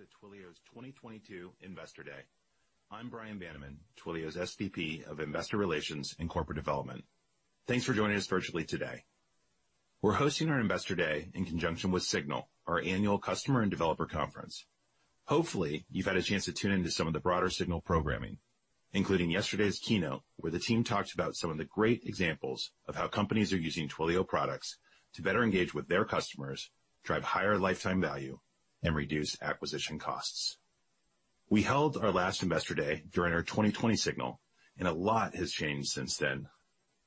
Welcome to Twilio's 2022 Investor Day. I'm Bryan Vaniman, Twilio's SVP of Investor Relations and Corporate Development. Thanks for joining us virtually today. We're hosting our Investor Day in conjunction with SIGNAL, our annual customer and developer conference. Hopefully, you've had a chance to tune into some of the broader SIGNAL programming, including yesterday's keynote, where the team talked about some of the great examples of how companies are using Twilio products to better engage with their customers, drive higher lifetime value, and reduce acquisition costs. We held our last Investor Day during our 2020 SIGNAL, and a lot has changed since then,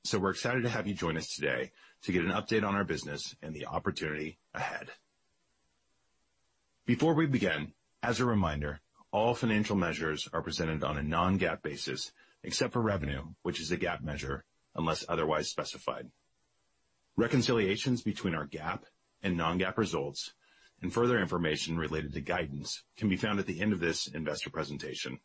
so we're excited to have you join us today to get an update on our business and the opportunity ahead. Before we begin, as a reminder, all financial measures are presented on a non-GAAP basis, except for revenue, which is a GAAP measure unless otherwise specified. Reconciliations between our GAAP and non-GAAP results and further information related to guidance can be found at the end of this investor presentation.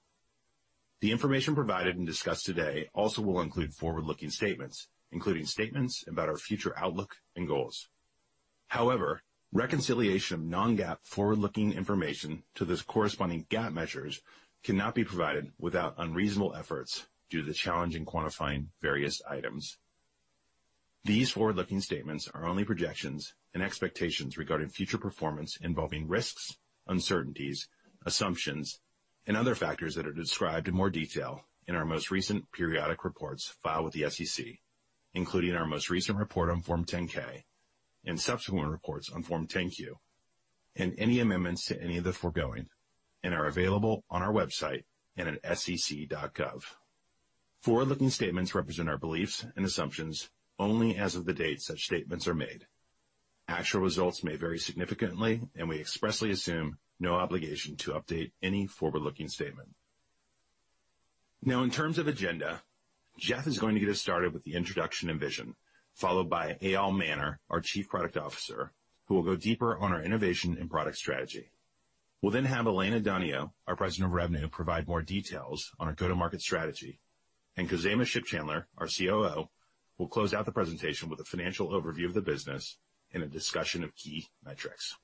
The information provided and discussed today also will include forward-looking statements, including statements about our future outlook and goals. However, reconciliation of non-GAAP forward-looking information to those corresponding GAAP measures cannot be provided without unreasonable efforts due to the challenge in quantifying various items. These forward-looking statements are only projections and expectations regarding future performance involving risks, uncertainties, assumptions, and other factors that are described in more detail in our most recent periodic reports filed with the SEC, including our most recent report on Form 10-K and subsequent reports on Form 10-Q, and any amendments to any of the foregoing, and are available on our website and at sec.gov. Forward-looking statements represent our beliefs and assumptions only as of the date such statements are made. Actual results may vary significantly, and we expressly assume no obligation to update any forward-looking statement. Now, in terms of agenda, Jeff is going to get us started with the introduction and vision, followed by Eyal Manor, our Chief Product Officer, who will go deeper on our innovation and product strategy. We'll then have Elena Donio, our President of Revenue, provide more details on our go-to-market strategy. Khozema Shipchandler, our COO, will close out the presentation with a financial overview of the business and a discussion of key metrics.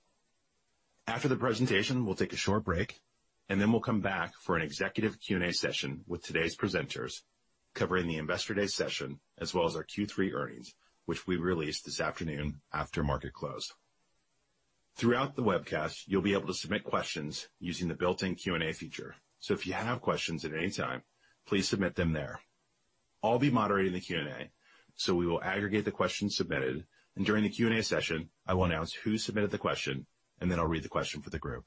After the presentation, we'll take a short break, and then we'll come back for an executive Q&A session with today's presenters, covering the Investor Day session, as well as our Q3 earnings, which we released this afternoon after market close. Throughout the webcast, you'll be able to submit questions using the built-in Q&A feature. So if you have questions at any time, please submit them there. I'll be moderating the Q&A, so we will aggregate the questions submitted, and during the Q&A session, I will announce who submitted the question, and then I'll read the question for the group.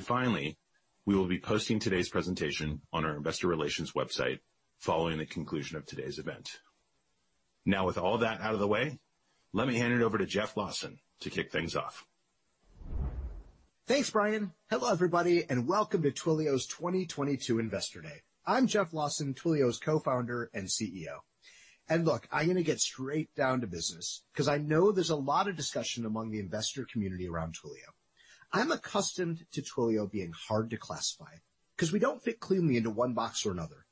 Finally, we will be posting today's presentation on our investor relations website following the conclusion of today's event. Now, with all that out of the way, let me hand it over to Jeff Lawson to kick things off. Thanks, Bryan. Hello, everybody, and welcome to Twilio's 2022 Investor Day. I'm Jeff Lawson, Twilio's Co-founder and CEO. Look, I'm gonna get straight down to business 'cause I know there's a lot of discussion among the investor community around Twilio. I'm accustomed to Twilio being hard to classify 'cause we don't fit cleanly into one box or another.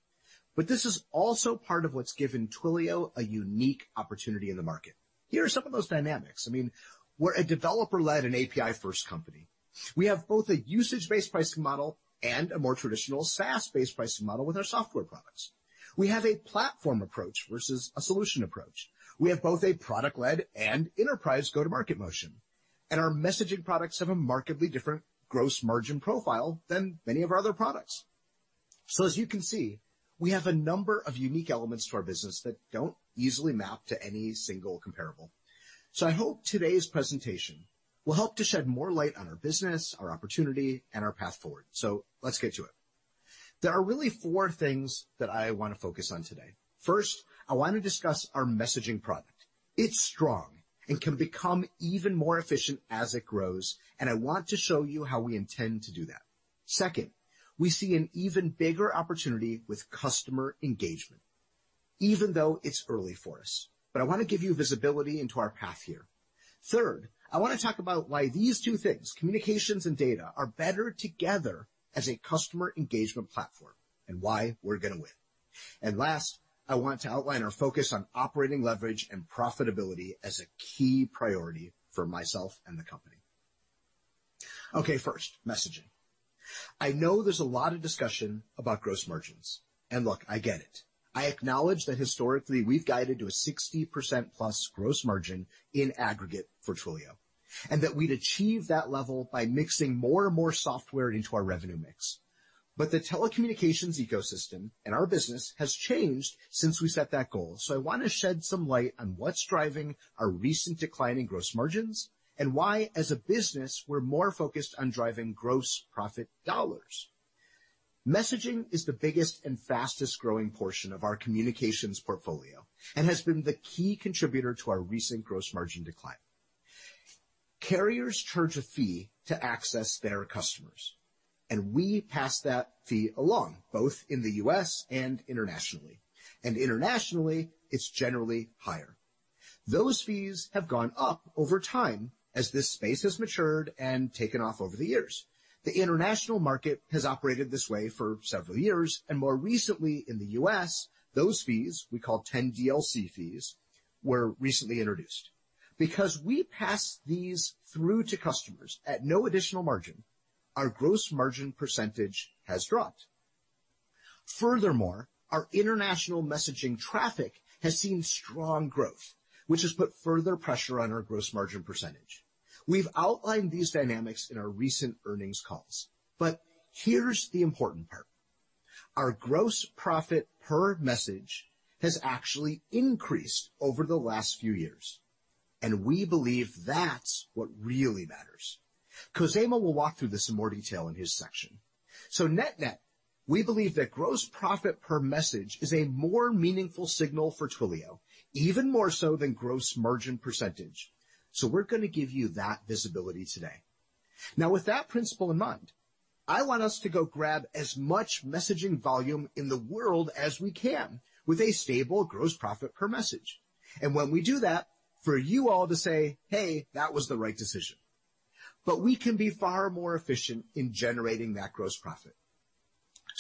But this is also part of what's given Twilio a unique opportunity in the market. Here are some of those dynamics. I mean, we're a developer-led and API-first company. We have both a usage-based pricing model and a more traditional SaaS-based pricing model with our software products. We have a platform approach versus a solution approach. We have both a product-led and enterprise go-to-market motion, and our messaging products have a markedly different gross margin profile than many of our other products. As you can see, we have a number of unique elements to our business that don't easily map to any single comparable. I hope today's presentation will help to shed more light on our business, our opportunity, and our path forward. Let's get to it. There are really four things that I wanna focus on today. First, I wanna discuss our messaging product. It's strong and can become even more efficient as it grows, and I want to show you how we intend to do that. Second, we see an even bigger opportunity with customer engagement, even though it's early for us, but I wanna give you visibility into our path here. Third, I wanna talk about why these two things, communications and data, are better together as a customer engagement platform and why we're gonna win. Last, I want to outline our focus on operating leverage and profitability as a key priority for myself and the company. Okay, first, messaging. I know there's a lot of discussion about gross margins. Look, I get it. I acknowledge that historically we've guided to a 60%+ gross margin in aggregate for Twilio, and that we'd achieve that level by mixing more and more software into our revenue mix. The telecommunications ecosystem and our business has changed since we set that goal. I wanna shed some light on what's driving our recent decline in gross margins and why, as a business, we're more focused on driving gross profit dollars. Messaging is the biggest and fastest-growing portion of our communications portfolio and has been the key contributor to our recent gross margin decline. Carriers charge a fee to access their customers, and we pass that fee along, both in the U.S. and internationally. Internationally, it's generally higher. Those fees have gone up over time as this space has matured and taken off over the years. The international market has operated this way for several years, and more recently in the U.S., those fees, we call 10DLC fees, were recently introduced. Because we pass these through to customers at no additional margin. Our gross margin percentage has dropped. Furthermore, our international messaging traffic has seen strong growth, which has put further pressure on our gross margin percentage. We've outlined these dynamics in our recent earnings calls, but here's the important part. Our gross profit per message has actually increased over the last few years, and we believe that's what really matters. Khozema will walk through this in more detail in his section. Net-net, we believe that gross profit per message is a more meaningful signal for Twilio, even more so than gross margin percentage. We're gonna give you that visibility today. Now, with that principle in mind, I want us to go grab as much messaging volume in the world as we can with a stable gross profit per message. When we do that, for you all to say, "Hey, that was the right decision." We can be far more efficient in generating that gross profit.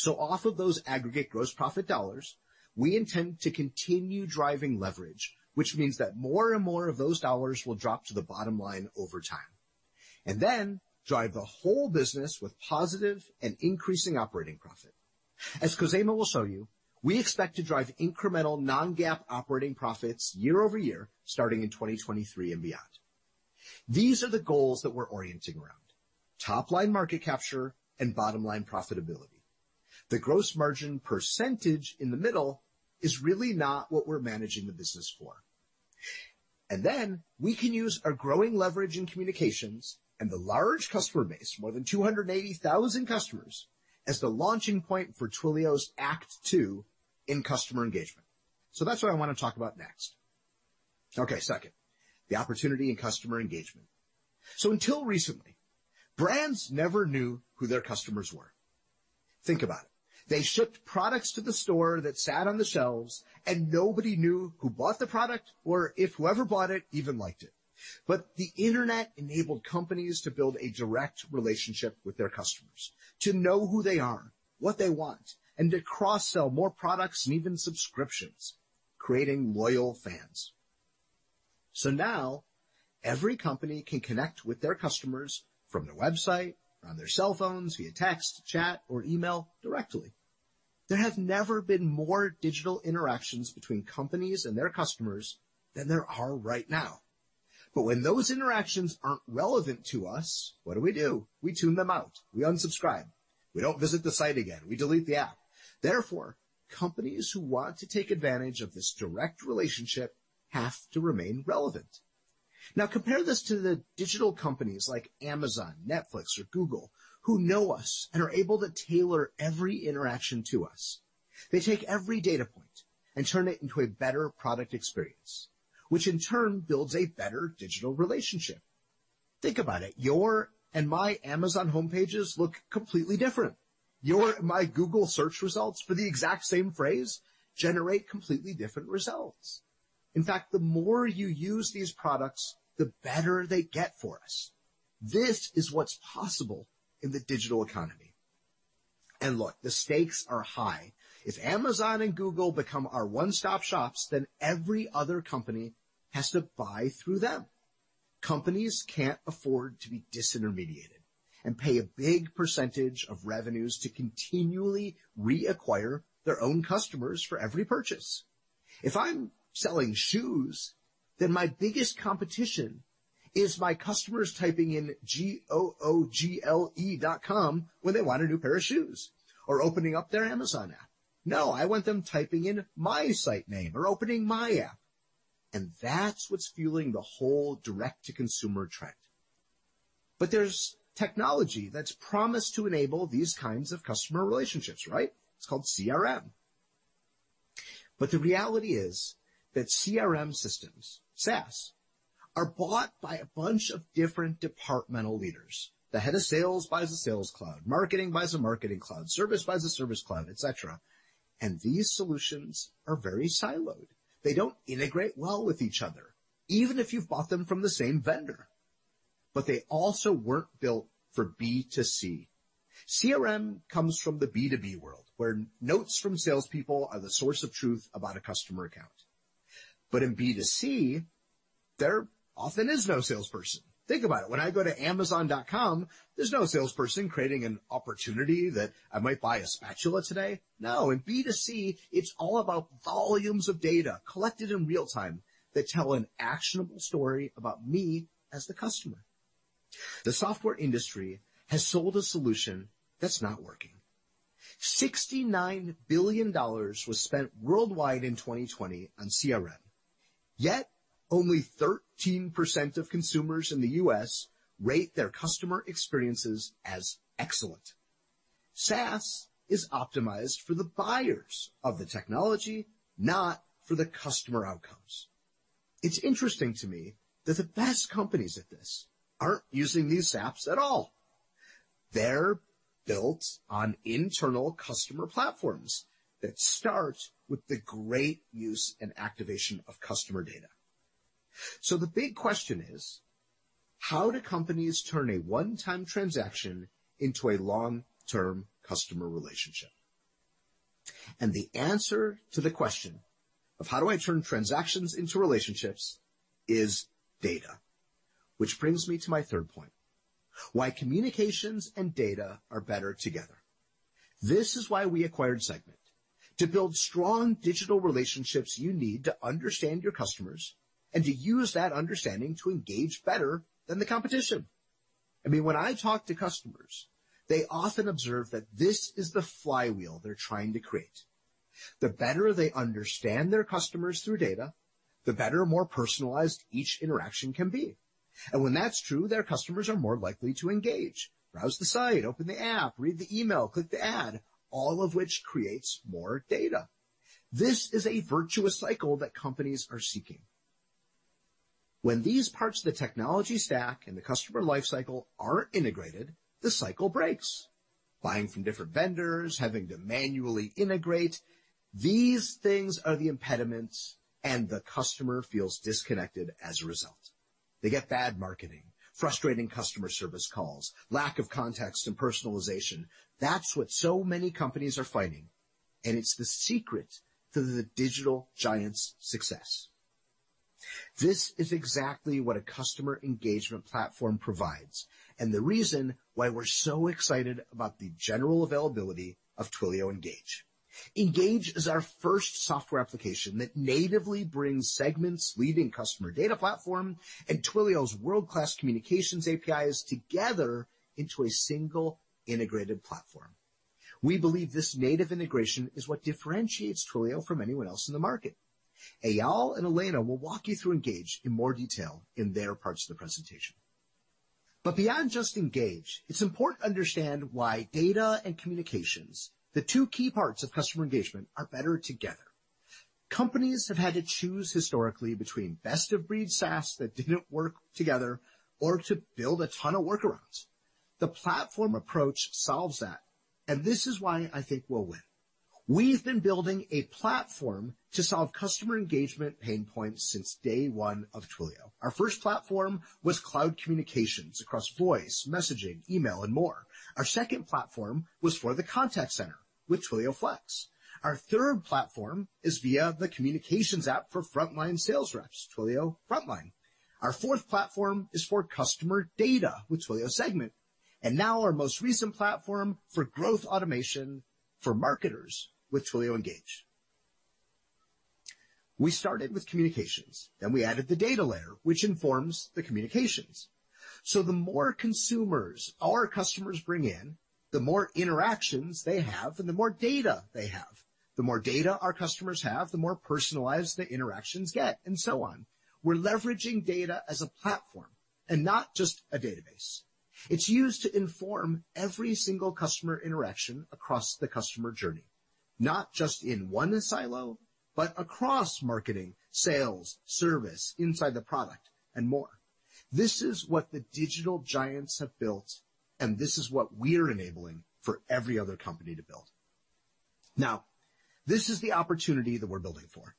Off of those aggregate gross profit dollars, we intend to continue driving leverage, which means that more and more of those dollars will drop to the bottom line over time, and then drive the whole business with positive and increasing operating profit. As Khozema will show you, we expect to drive incremental non-GAAP operating profits year-over-year, starting in 2023 and beyond. These are the goals that we're orienting around, top-line market capture and bottom-line profitability. The gross margin percentage in the middle is really not what we're managing the business for. We can use our growing leverage in communications and the large customer base, more than 280,000 customers, as the launching point for Twilio's Act Two in customer engagement. That's what I wanna talk about next. Okay, second, the opportunity in customer engagement. Until recently, brands never knew who their customers were. Think about it. They shipped products to the store that sat on the shelves, and nobody knew who bought the product or if whoever bought it even liked it. The internet enabled companies to build a direct relationship with their customers, to know who they are, what they want, and to cross-sell more products and even subscriptions, creating loyal fans. Now every company can connect with their customers from their website, on their cell phones via text, chat, or email directly. There have never been more digital interactions between companies and their customers than there are right now. When those interactions aren't relevant to us, what do we do? We tune them out. We unsubscribe. We don't visit the site again. We delete the app. Therefore, companies who want to take advantage of this direct relationship have to remain relevant. Now, compare this to the digital companies like Amazon, Netflix, or Google, who know us and are able to tailor every interaction to us. They take every data point and turn it into a better product experience, which in turn builds a better digital relationship. Think about it. Your and my Amazon home pages look completely different. Your and my Google Search results for the exact same phrase generate completely different results. In fact, the more you use these products, the better they get for us. This is what's possible in the digital economy. Look, the stakes are high. If Amazon and Google become our one-stop shops, then every other company has to buy through them. Companies can't afford to be disintermediated and pay a big percentage of revenues to continually reacquire their own customers for every purchase. If I'm selling shoes, then my biggest competition is my customers typing in G-O-O-G-L-E dot com when they want a new pair of shoes or opening up their Amazon app. No, I want them typing in my site name or opening my app, and that's what's fueling the whole direct-to-consumer trend. There's technology that's promised to enable these kinds of customer relationships, right? It's called CRM. The reality is that CRM systems, SaaS, are bought by a bunch of different departmental leaders. The head of sales buys a Sales Cloud, marketing buys a Marketing Cloud, service buys a Service Cloud, et cetera, and these solutions are very siloed. They don't integrate well with each other, even if you've bought them from the same vendor. They also weren't built for B2C. CRM comes from the B2B world, where notes from salespeople are the source of truth about a customer account. In B2C, there often is no salesperson. Think about it. When I go to Amazon.com, there's no salesperson creating an opportunity that I might buy a spatula today. No, in B2C, it's all about volumes of data collected in real time that tell an actionable story about me as the customer. The software industry has sold a solution that's not working. $69 billion was spent worldwide in 2020 on CRM, yet only 13% of consumers in the U.S. rate their customer experiences as excellent. SaaS is optimized for the buyers of the technology, not for the customer outcomes. It's interesting to me that the best companies at this aren't using these apps at all. They're built on internal customer platforms that start with the great use and activation of customer data. The big question is: how do companies turn a one-time transaction into a long-term customer relationship? The answer to the question of how do I turn transactions into relationships is data. Which brings me to my third point, why communications and data are better together. This is why we acquired Segment. To build strong digital relationships, you need to understand your customers and to use that understanding to engage better than the competition. I mean, when I talk to customers, they often observe that this is the flywheel they're trying to create. The better they understand their customers through data, the better, more personalized each interaction can be. When that's true, their customers are more likely to engage, browse the site, open the app, read the email, click the ad, all of which creates more data. This is a virtuous cycle that companies are seeking. When these parts of the technology stack and the customer life cycle aren't integrated, the cycle breaks. Buying from different vendors, having to manually integrate, these things are the impediments, and the customer feels disconnected as a result. They get bad marketing, frustrating customer service calls, lack of context, and personalization. That's what so many companies are fighting, and it's the secret to the digital giant's success. This is exactly what a customer engagement platform provides, and the reason why we're so excited about the general availability of Twilio Engage. Engage is our first software application that natively brings Segment's leading customer data platform and Twilio's world-class communications APIs together into a single integrated platform. We believe this native integration is what differentiates Twilio from anyone else in the market. Eyal and Elena will walk you through Engage in more detail in their parts of the presentation. Beyond just Engage, it's important to understand why data and communications, the two key parts of customer engagement, are better together. Companies have had to choose historically between best of breed SaaS that didn't work together or to build a ton of workarounds. The platform approach solves that, and this is why I think we'll win. We've been building a platform to solve customer engagement pain points since day one of Twilio. Our first platform was cloud communications across voice, messaging, email, and more. Our second platform was for the contact center with Twilio Flex. Our third platform is via the communications app for frontline sales reps, Twilio Frontline. Our fourth platform is for customer data with Twilio Segment, and now our most recent platform for growth automation for marketers with Twilio Engage. We started with communications, then we added the data layer, which informs the communications. The more consumers our customers bring in, the more interactions they have and the more data they have. The more data our customers have, the more personalized the interactions get, and so on. We're leveraging data as a platform and not just a database. It's used to inform every single customer interaction across the customer journey, not just in one silo, but across marketing, sales, service, inside the product, and more. This is what the digital giants have built, and this is what we're enabling for every other company to build. Now, this is the opportunity that we're building for.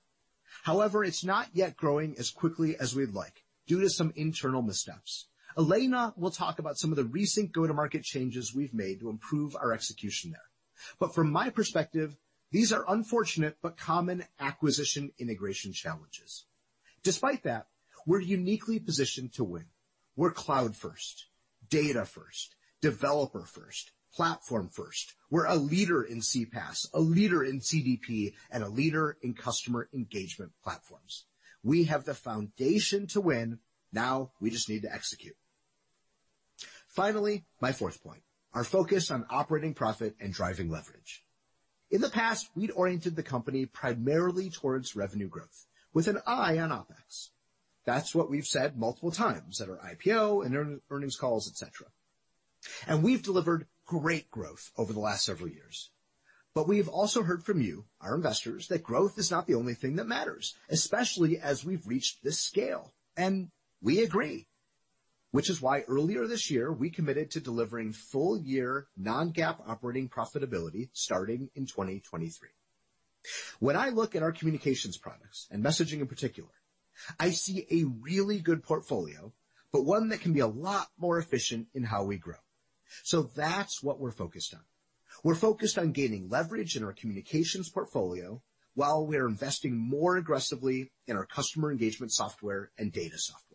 However, it's not yet growing as quickly as we'd like due to some internal missteps. Elena will talk about some of the recent go-to-market changes we've made to improve our execution there. From my perspective, these are unfortunate but common acquisition integration challenges. Despite that, we're uniquely positioned to win. We're cloud first, data first, developer first, platform first. We're a leader in CPaaS, a leader in CDP, and a leader in customer engagement platforms. We have the foundation to win. Now we just need to execute. Finally, my fourth point, our focus on operating profit and driving leverage. In the past, we'd oriented the company primarily towards revenue growth with an eye on OpEx. That's what we've said multiple times at our IPO and earnings calls, et cetera. We've delivered great growth over the last several years. We've also heard from you, our investors, that growth is not the only thing that matters, especially as we've reached this scale. We agree, which is why earlier this year, we committed to delivering full year non-GAAP operating profitability starting in 2023. When I look at our communications products, and messaging in particular, I see a really good portfolio, but one that can be a lot more efficient in how we grow. That's what we're focused on. We're focused on gaining leverage in our communications portfolio while we are investing more aggressively in our customer engagement software and data software.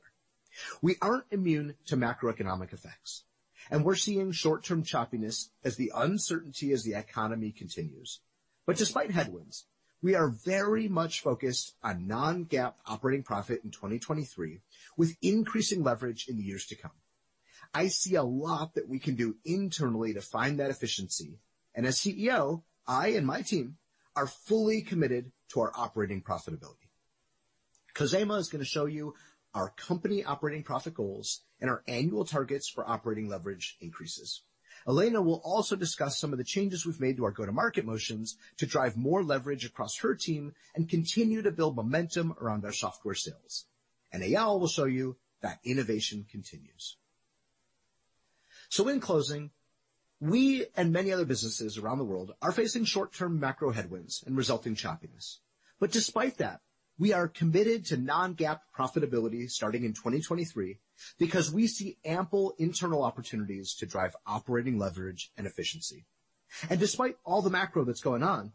We aren't immune to macroeconomic effects, and we're seeing short-term choppiness as the uncertainty, as the economy continues. Despite headwinds, we are very much focused on non-GAAP operating profit in 2023, with increasing leverage in the years to come. I see a lot that we can do internally to find that efficiency. As CEO, I and my team are fully committed to our operating profitability. Khozema is gonna show you our company operating profit goals and our annual targets for operating leverage increases. Elena will also discuss some of the changes we've made to our go-to-market motions to drive more leverage across her team and continue to build momentum around our software sales. Eyal will show you that innovation continues. In closing, we and many other businesses around the world are facing short-term macro headwinds and resulting choppiness. Despite that. We are committed to non-GAAP profitability starting in 2023, because we see ample internal opportunities to drive operating leverage and efficiency. Despite all the macro that's going on,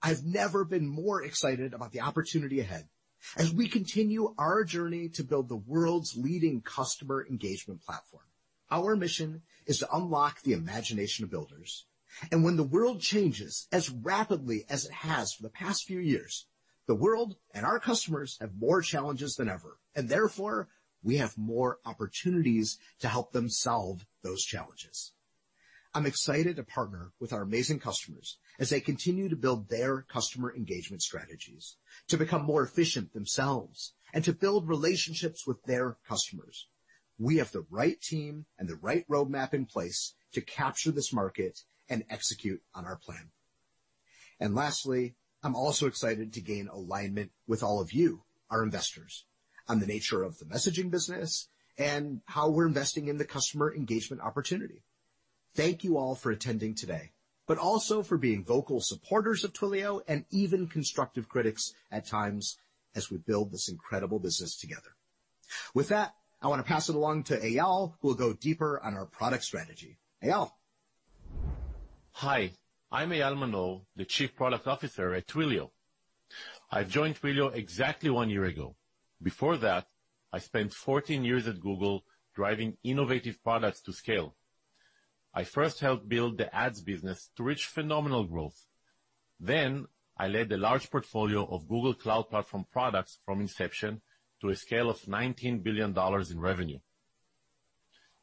I've never been more excited about the opportunity ahead as we continue our journey to build the world's leading customer engagement platform. Our mission is to unlock the imagination of builders. When the world changes as rapidly as it has for the past few years, the world and our customers have more challenges than ever, and therefore, we have more opportunities to help them solve those challenges. I'm excited to partner with our amazing customers as they continue to build their customer engagement strategies to become more efficient themselves and to build relationships with their customers. We have the right team and the right roadmap in place to capture this market and execute on our plan. Lastly, I'm also excited to gain alignment with all of you, our investors, on the nature of the messaging business and how we're investing in the customer engagement opportunity. Thank you all for attending today, but also for being vocal supporters of Twilio and even constructive critics at times as we build this incredible business together. With that, I wanna pass it along to Eyal, who will go deeper on our product strategy. Eyal? Hi, I'm Eyal Manor, the Chief Product Officer at Twilio. I joined Twilio exactly one year ago. Before that, I spent 14 years at Google driving innovative products to scale. I first helped build the ads business to reach phenomenal growth. Then I led a large portfolio of Google Cloud Platform products from inception to a scale of $19 billion in revenue.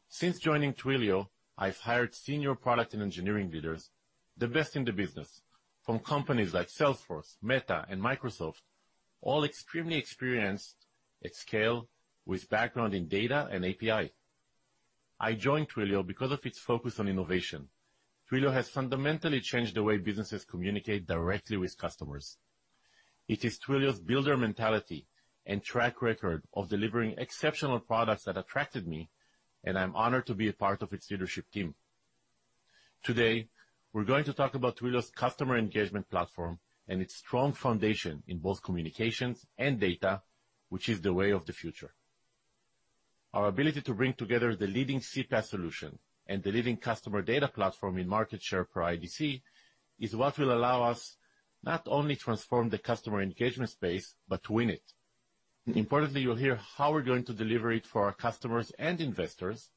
Since joining Twilio, I've hired senior product and engineering leaders, the best in the business, from companies like Salesforce, Meta, and Microsoft, all extremely experienced at scale with background in data and API. I joined Twilio because of its focus on innovation. Twilio has fundamentally changed the way businesses communicate directly with customers. It is Twilio's builder mentality and track record of delivering exceptional products that attracted me, and I'm honored to be a part of its leadership team. Today, we're going to talk about Twilio's customer engagement platform and its strong foundation in both communications and data, which is the way of the future. Our ability to bring together the leading CPaaS solution and the leading customer data platform in market share per IDC is what will allow us not only transform the customer engagement space, but to win it. Importantly, you'll hear how we're going to deliver it for our customers and investors,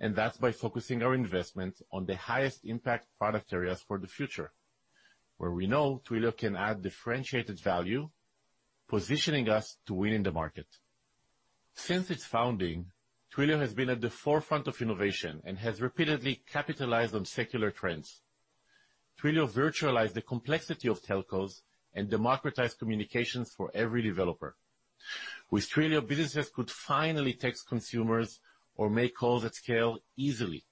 and that's by focusing our investment on the highest impact product areas for the future, where we know Twilio can add differentiated value, positioning us to win in the market. Since its founding, Twilio has been at the forefront of innovation and has repeatedly capitalized on secular trends. Twilio virtualized the complexity of telcos and democratized communications for every developer. With Twilio, businesses could finally text consumers or make calls at scale easily.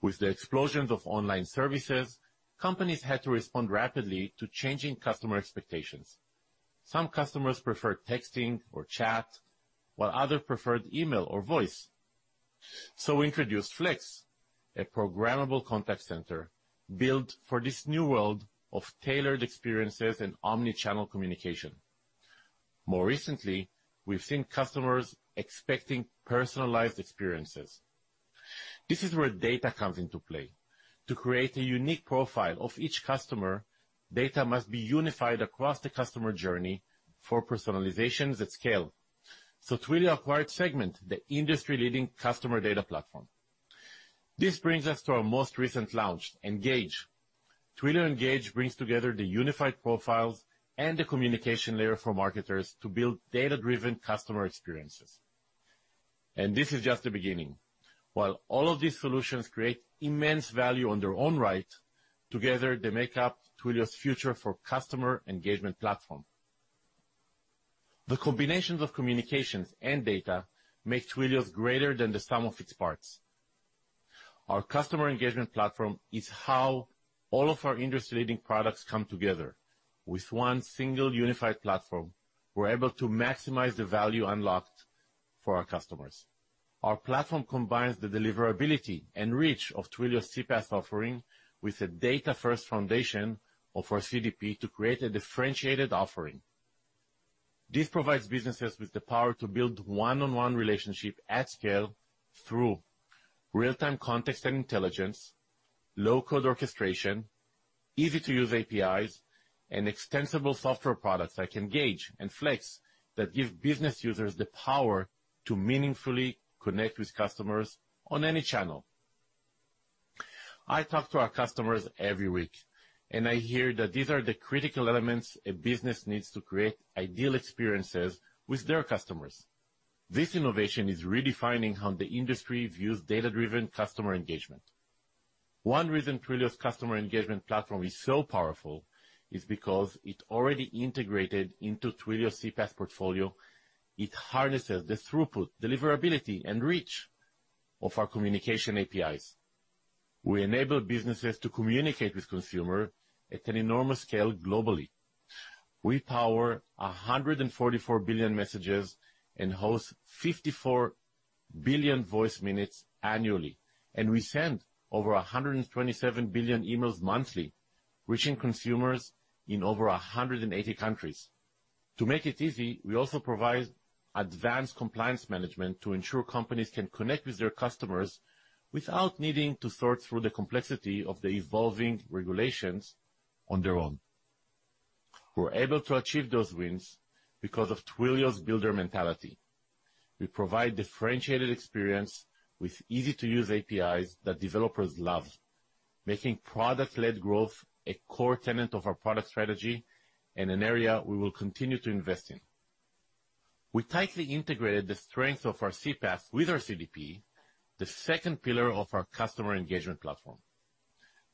With the explosions of online services, companies had to respond rapidly to changing customer expectations. Some customers preferred texting or chat, while others preferred email or voice. We introduced Flex, a programmable contact center built for this new world of tailored experiences and omnichannel communication. More recently, we've seen customers expecting personalized experiences. This is where data comes into play. To create a unique profile of each customer, data must be unified across the customer journey for personalizations at scale. Twilio acquired Segment, the industry-leading customer data platform. This brings us to our most recent launch, Engage. Twilio Engage brings together the unified profiles and the communication layer for marketers to build data-driven customer experiences. This is just the beginning. While all of these solutions create immense value in their own right, together, they make up Twilio's future for customer engagement platform. The combinations of communications and data make Twilio greater than the sum of its parts. Our customer engagement platform is how all of our industry-leading products come together. With one single unified platform, we're able to maximize the value unlocked for our customers. Our platform combines the deliverability and reach of Twilio's CPaaS offering with a data-first foundation of our CDP to create a differentiated offering. This provides businesses with the power to build one-on-one relationship at scale through real-time context and intelligence, low-code orchestration, easy-to-use APIs, and extensible software products like Engage and Flex that give business users the power to meaningfully connect with customers on any channel. I talk to our customers every week, and I hear that these are the critical elements a business needs to create ideal experiences with their customers. This innovation is redefining how the industry views data-driven customer engagement. One reason Twilio's customer engagement platform is so powerful is because it already integrated into Twilio's CPaaS portfolio. It harnesses the throughput, deliverability, and reach of our communication APIs. We enable businesses to communicate with consumers at an enormous scale globally. We power 144 billion messages and host 54 billion voice minutes annually, and we send over 127 billion emails monthly, reaching consumers in over 180 countries. To make it easy, we also provide advanced compliance management to ensure companies can connect with their customers without needing to sort through the complexity of the evolving regulations on their own. We're able to achieve those wins because of Twilio's builder mentality. We provide differentiated experience with easy-to-use APIs that developers love, making product-led growth a core tenet of our product strategy and an area we will continue to invest in. We tightly integrated the strength of our CPaaS with our CDP, the second pillar of our customer engagement platform.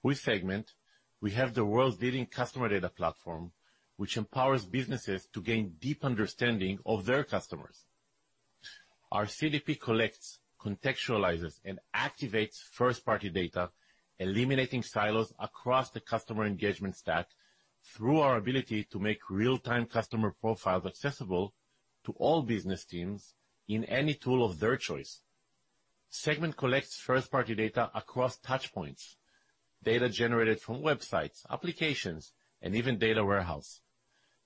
With Segment, we have the world's leading customer data platform, which empowers businesses to gain deep understanding of their customers. Our CDP collects, contextualizes, and activates first-party data, eliminating silos across the customer engagement stack through our ability to make real-time customer profiles accessible to all business teams in any tool of their choice. Segment collects first-party data across touch points, data generated from websites, applications, and even data warehouse.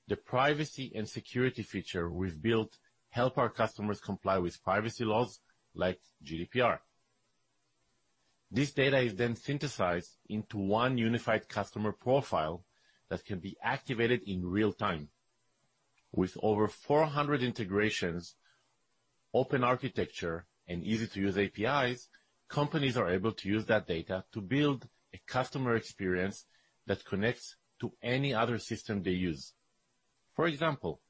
The privacy and security feature we've built help our customers comply with privacy laws like GDPR. This data is then synthesized into one unified customer profile that can be activated in real time. With over 400 integrations, open architecture, and easy-to-use APIs, companies are able to use that data to build a customer experience that connects to any other system they use. For example,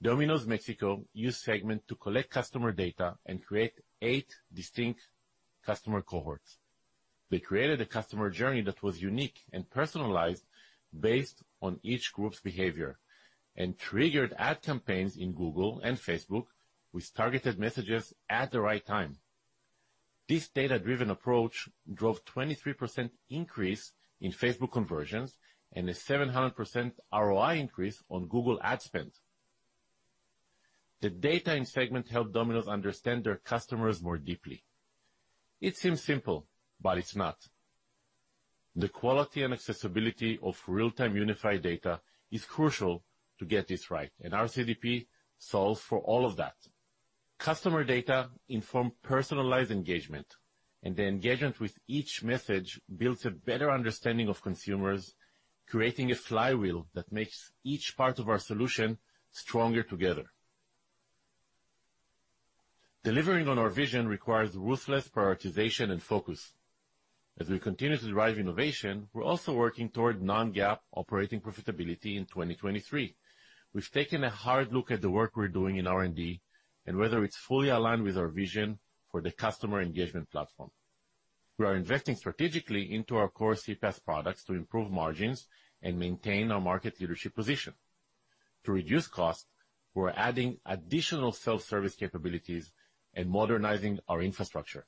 Domino's Mexico use Segment to collect customer data and create eight distinct customer cohorts. They created a customer journey that was unique and personalized based on each group's behavior and triggered ad campaigns in Google and Facebook with targeted messages at the right time. This data-driven approach drove 23% increase in Facebook conversions and a 700% ROI increase on Google Ad spend. The data in Segment helped Domino's understand their customers more deeply. It seems simple, but it's not. The quality and accessibility of real-time unified data is crucial to get this right, and our CDP solves for all of that. Customer data informs personalized engagement, and the engagement with each message builds a better understanding of consumers, creating a flywheel that makes each part of our solution stronger together. Delivering on our vision requires ruthless prioritization and focus. As we continue to drive innovation, we're also working toward non-GAAP operating profitability in 2023. We've taken a hard look at the work we're doing in R&D and whether it's fully aligned with our vision for the customer engagement platform. We are investing strategically into our core CPaaS products to improve margins and maintain our market leadership position. To reduce costs, we're adding additional self-service capabilities and modernizing our infrastructure.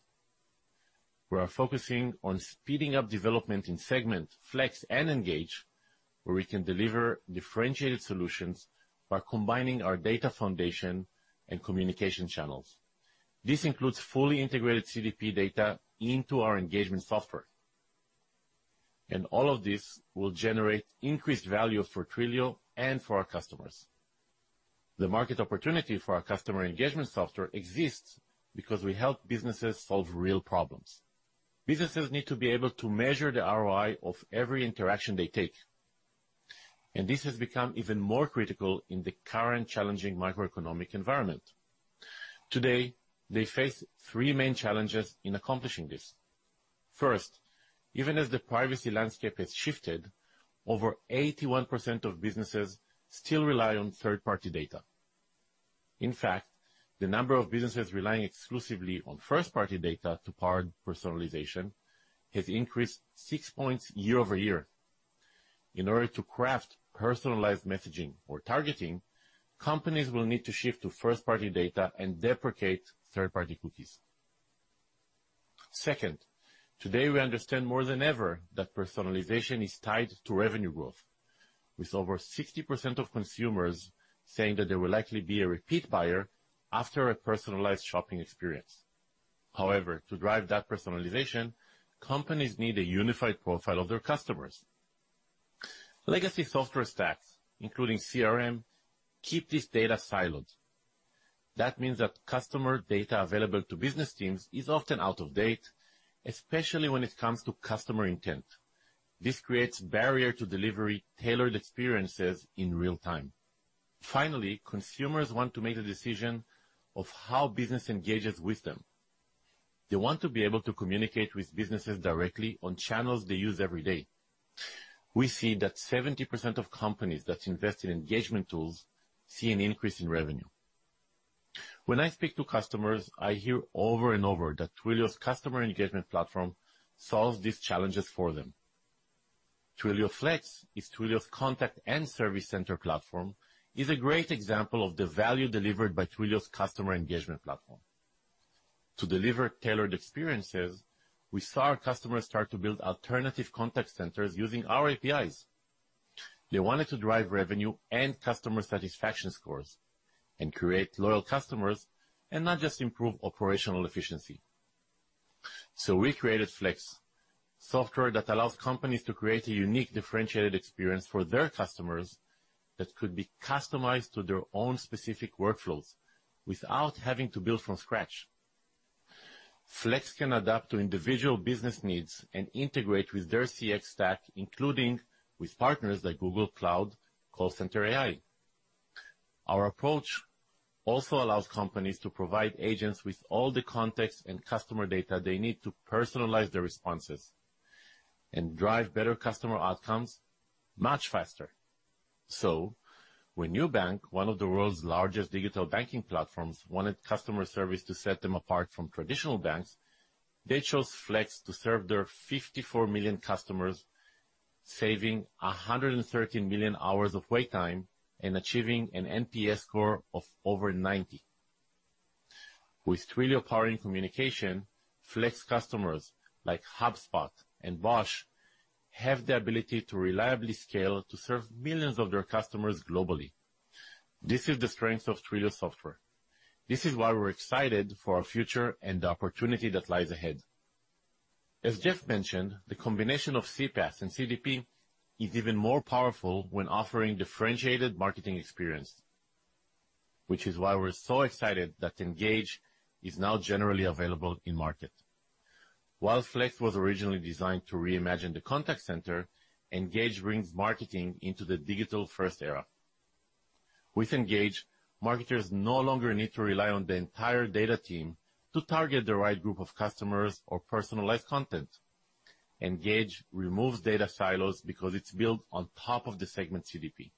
We are focusing on speeding up development in Segment, Flex, and Engage, where we can deliver differentiated solutions by combining our data foundation and communication channels. This includes fully integrated CDP data into our engagement software. All of this will generate increased value for Twilio and for our customers. The market opportunity for our customer engagement software exists, because we help businesses solve real problems. Businesses need to be able to measure the ROI of every interaction they take, and this has become even more critical in the current challenging macroeconomic environment. Today, they face three main challenges in accomplishing this. First, even as the privacy landscape has shifted, over 81% of businesses still rely on third-party data. In fact, the number of businesses relying exclusively on first-party data to power personalization has increased six points year-over-year. In order to craft personalized messaging or targeting, companies will need to shift to first-party data and deprecate third-party cookies. Second, today we understand more than ever that personalization is tied to revenue growth, with over 60% of consumers saying that they will likely be a repeat buyer after a personalized shopping experience. However, to drive that personalization, companies need a unified profile of their customers. Legacy software stacks, including CRM, keep this data siloed. That means that customer data available to business teams is often out of date, especially when it comes to customer intent. This creates a barrier to delivering tailored experiences in real time. Finally, consumers want to make the decision of how business engages with them. They want to be able to communicate with businesses directly on channels they use every day. We see that 70% of companies that invest in engagement tools see an increase in revenue. When I speak to customers, I hear over and over that Twilio's customer engagement platform solves these challenges for them. Twilio Flex, Twilio's contact and service center platform, is a great example of the value delivered by Twilio's customer engagement platform. To deliver tailored experiences, we saw our customers start to build alternative contact centers using our APIs. They wanted to drive revenue and customer satisfaction scores and create loyal customers and not just improve operational efficiency. We created Flex, software that allows companies to create a unique, differentiated experience for their customers that could be customized to their own specific workflows without having to build from scratch. Flex can adapt to individual business needs and integrate with their CX stack, including with partners like Google Cloud Call Center AI. Our approach also allows companies to provide agents with all the context and customer data they need to personalize their responses and drive better customer outcomes much faster. When Nubank, one of the world's largest digital banking platforms, wanted customer service to set them apart from traditional banks, they chose Flex to serve their 54 million customers, saving 113 million hours of wait time and achieving an NPS score of over 90. With Twilio powering communication, Flex customers like HubSpot and Bosch have the ability to reliably scale to serve millions of their customers globally. This is the strength of Twilio software. This is why we're excited for our future and the opportunity that lies ahead. As Jeff mentioned, the combination of CPaaS and CDP is even more powerful when offering differentiated marketing experience, which is why we're so excited that Engage is now generally available in market. While Flex was originally designed to reimagine the contact center, Engage brings marketing into the digital-first era. With Engage, marketers no longer need to rely on the entire data team to target the right group of customers or personalize content. Engage removes data silos because it's built on top of the Segment CDP.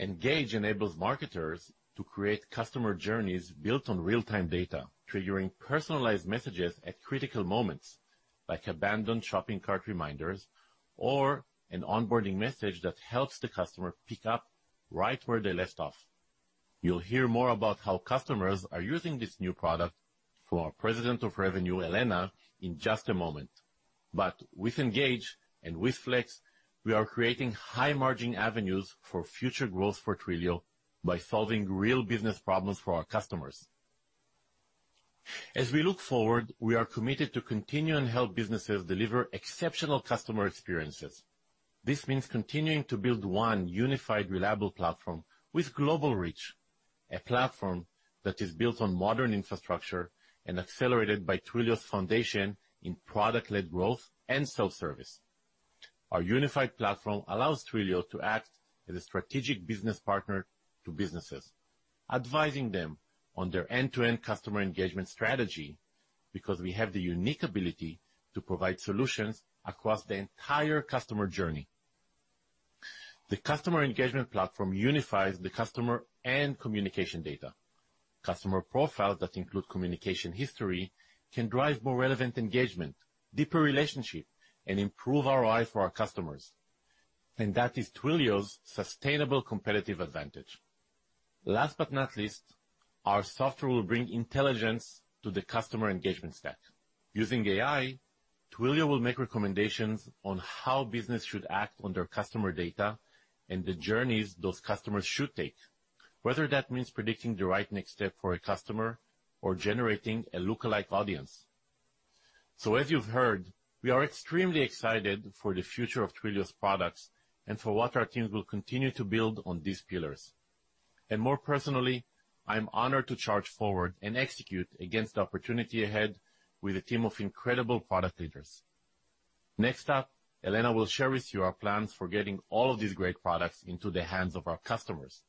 Engage enables marketers to create customer journeys built on real-time data, triggering personalized messages at critical moments, like abandoned shopping cart reminders or an onboarding message that helps the customer pick up right where they left off. You'll hear more about how customers are using this new product from our President of Revenue, Elena Donio, in just a moment. With Engage and with Flex, we are creating high-margin avenues for future growth for Twilio by solving real business problems for our customers. As we look forward, we are committed to continue and help businesses deliver exceptional customer experiences. This means continuing to build one unified, reliable platform with global reach, a platform that is built on modern infrastructure and accelerated by Twilio's foundation in product-led growth and self-service. Our unified platform allows Twilio to act as a strategic business partner to businesses, advising them on their end-to-end customer engagement strategy, because we have the unique ability to provide solutions across the entire customer journey. The customer engagement platform unifies the customer and communication data. Customer profiles that include communication history can drive more relevant engagement, deeper relationship, and improve ROI for our customers. that is Twilio's sustainable competitive advantage. Last but not least, our software will bring intelligence to the customer engagement stack. Using AI, Twilio will make recommendations on how business should act on their customer data and the journeys those customers should take, whether that means predicting the right next step for a customer or generating a lookalike audience. As you've heard, we are extremely excited for the future of Twilio's products and for what our teams will continue to build on these pillars. More personally, I'm honored to charge forward and execute against the opportunity ahead with a team of incredible product leaders. Next up, Elena will share with you our plans for getting all of these great products into the hands of our customers.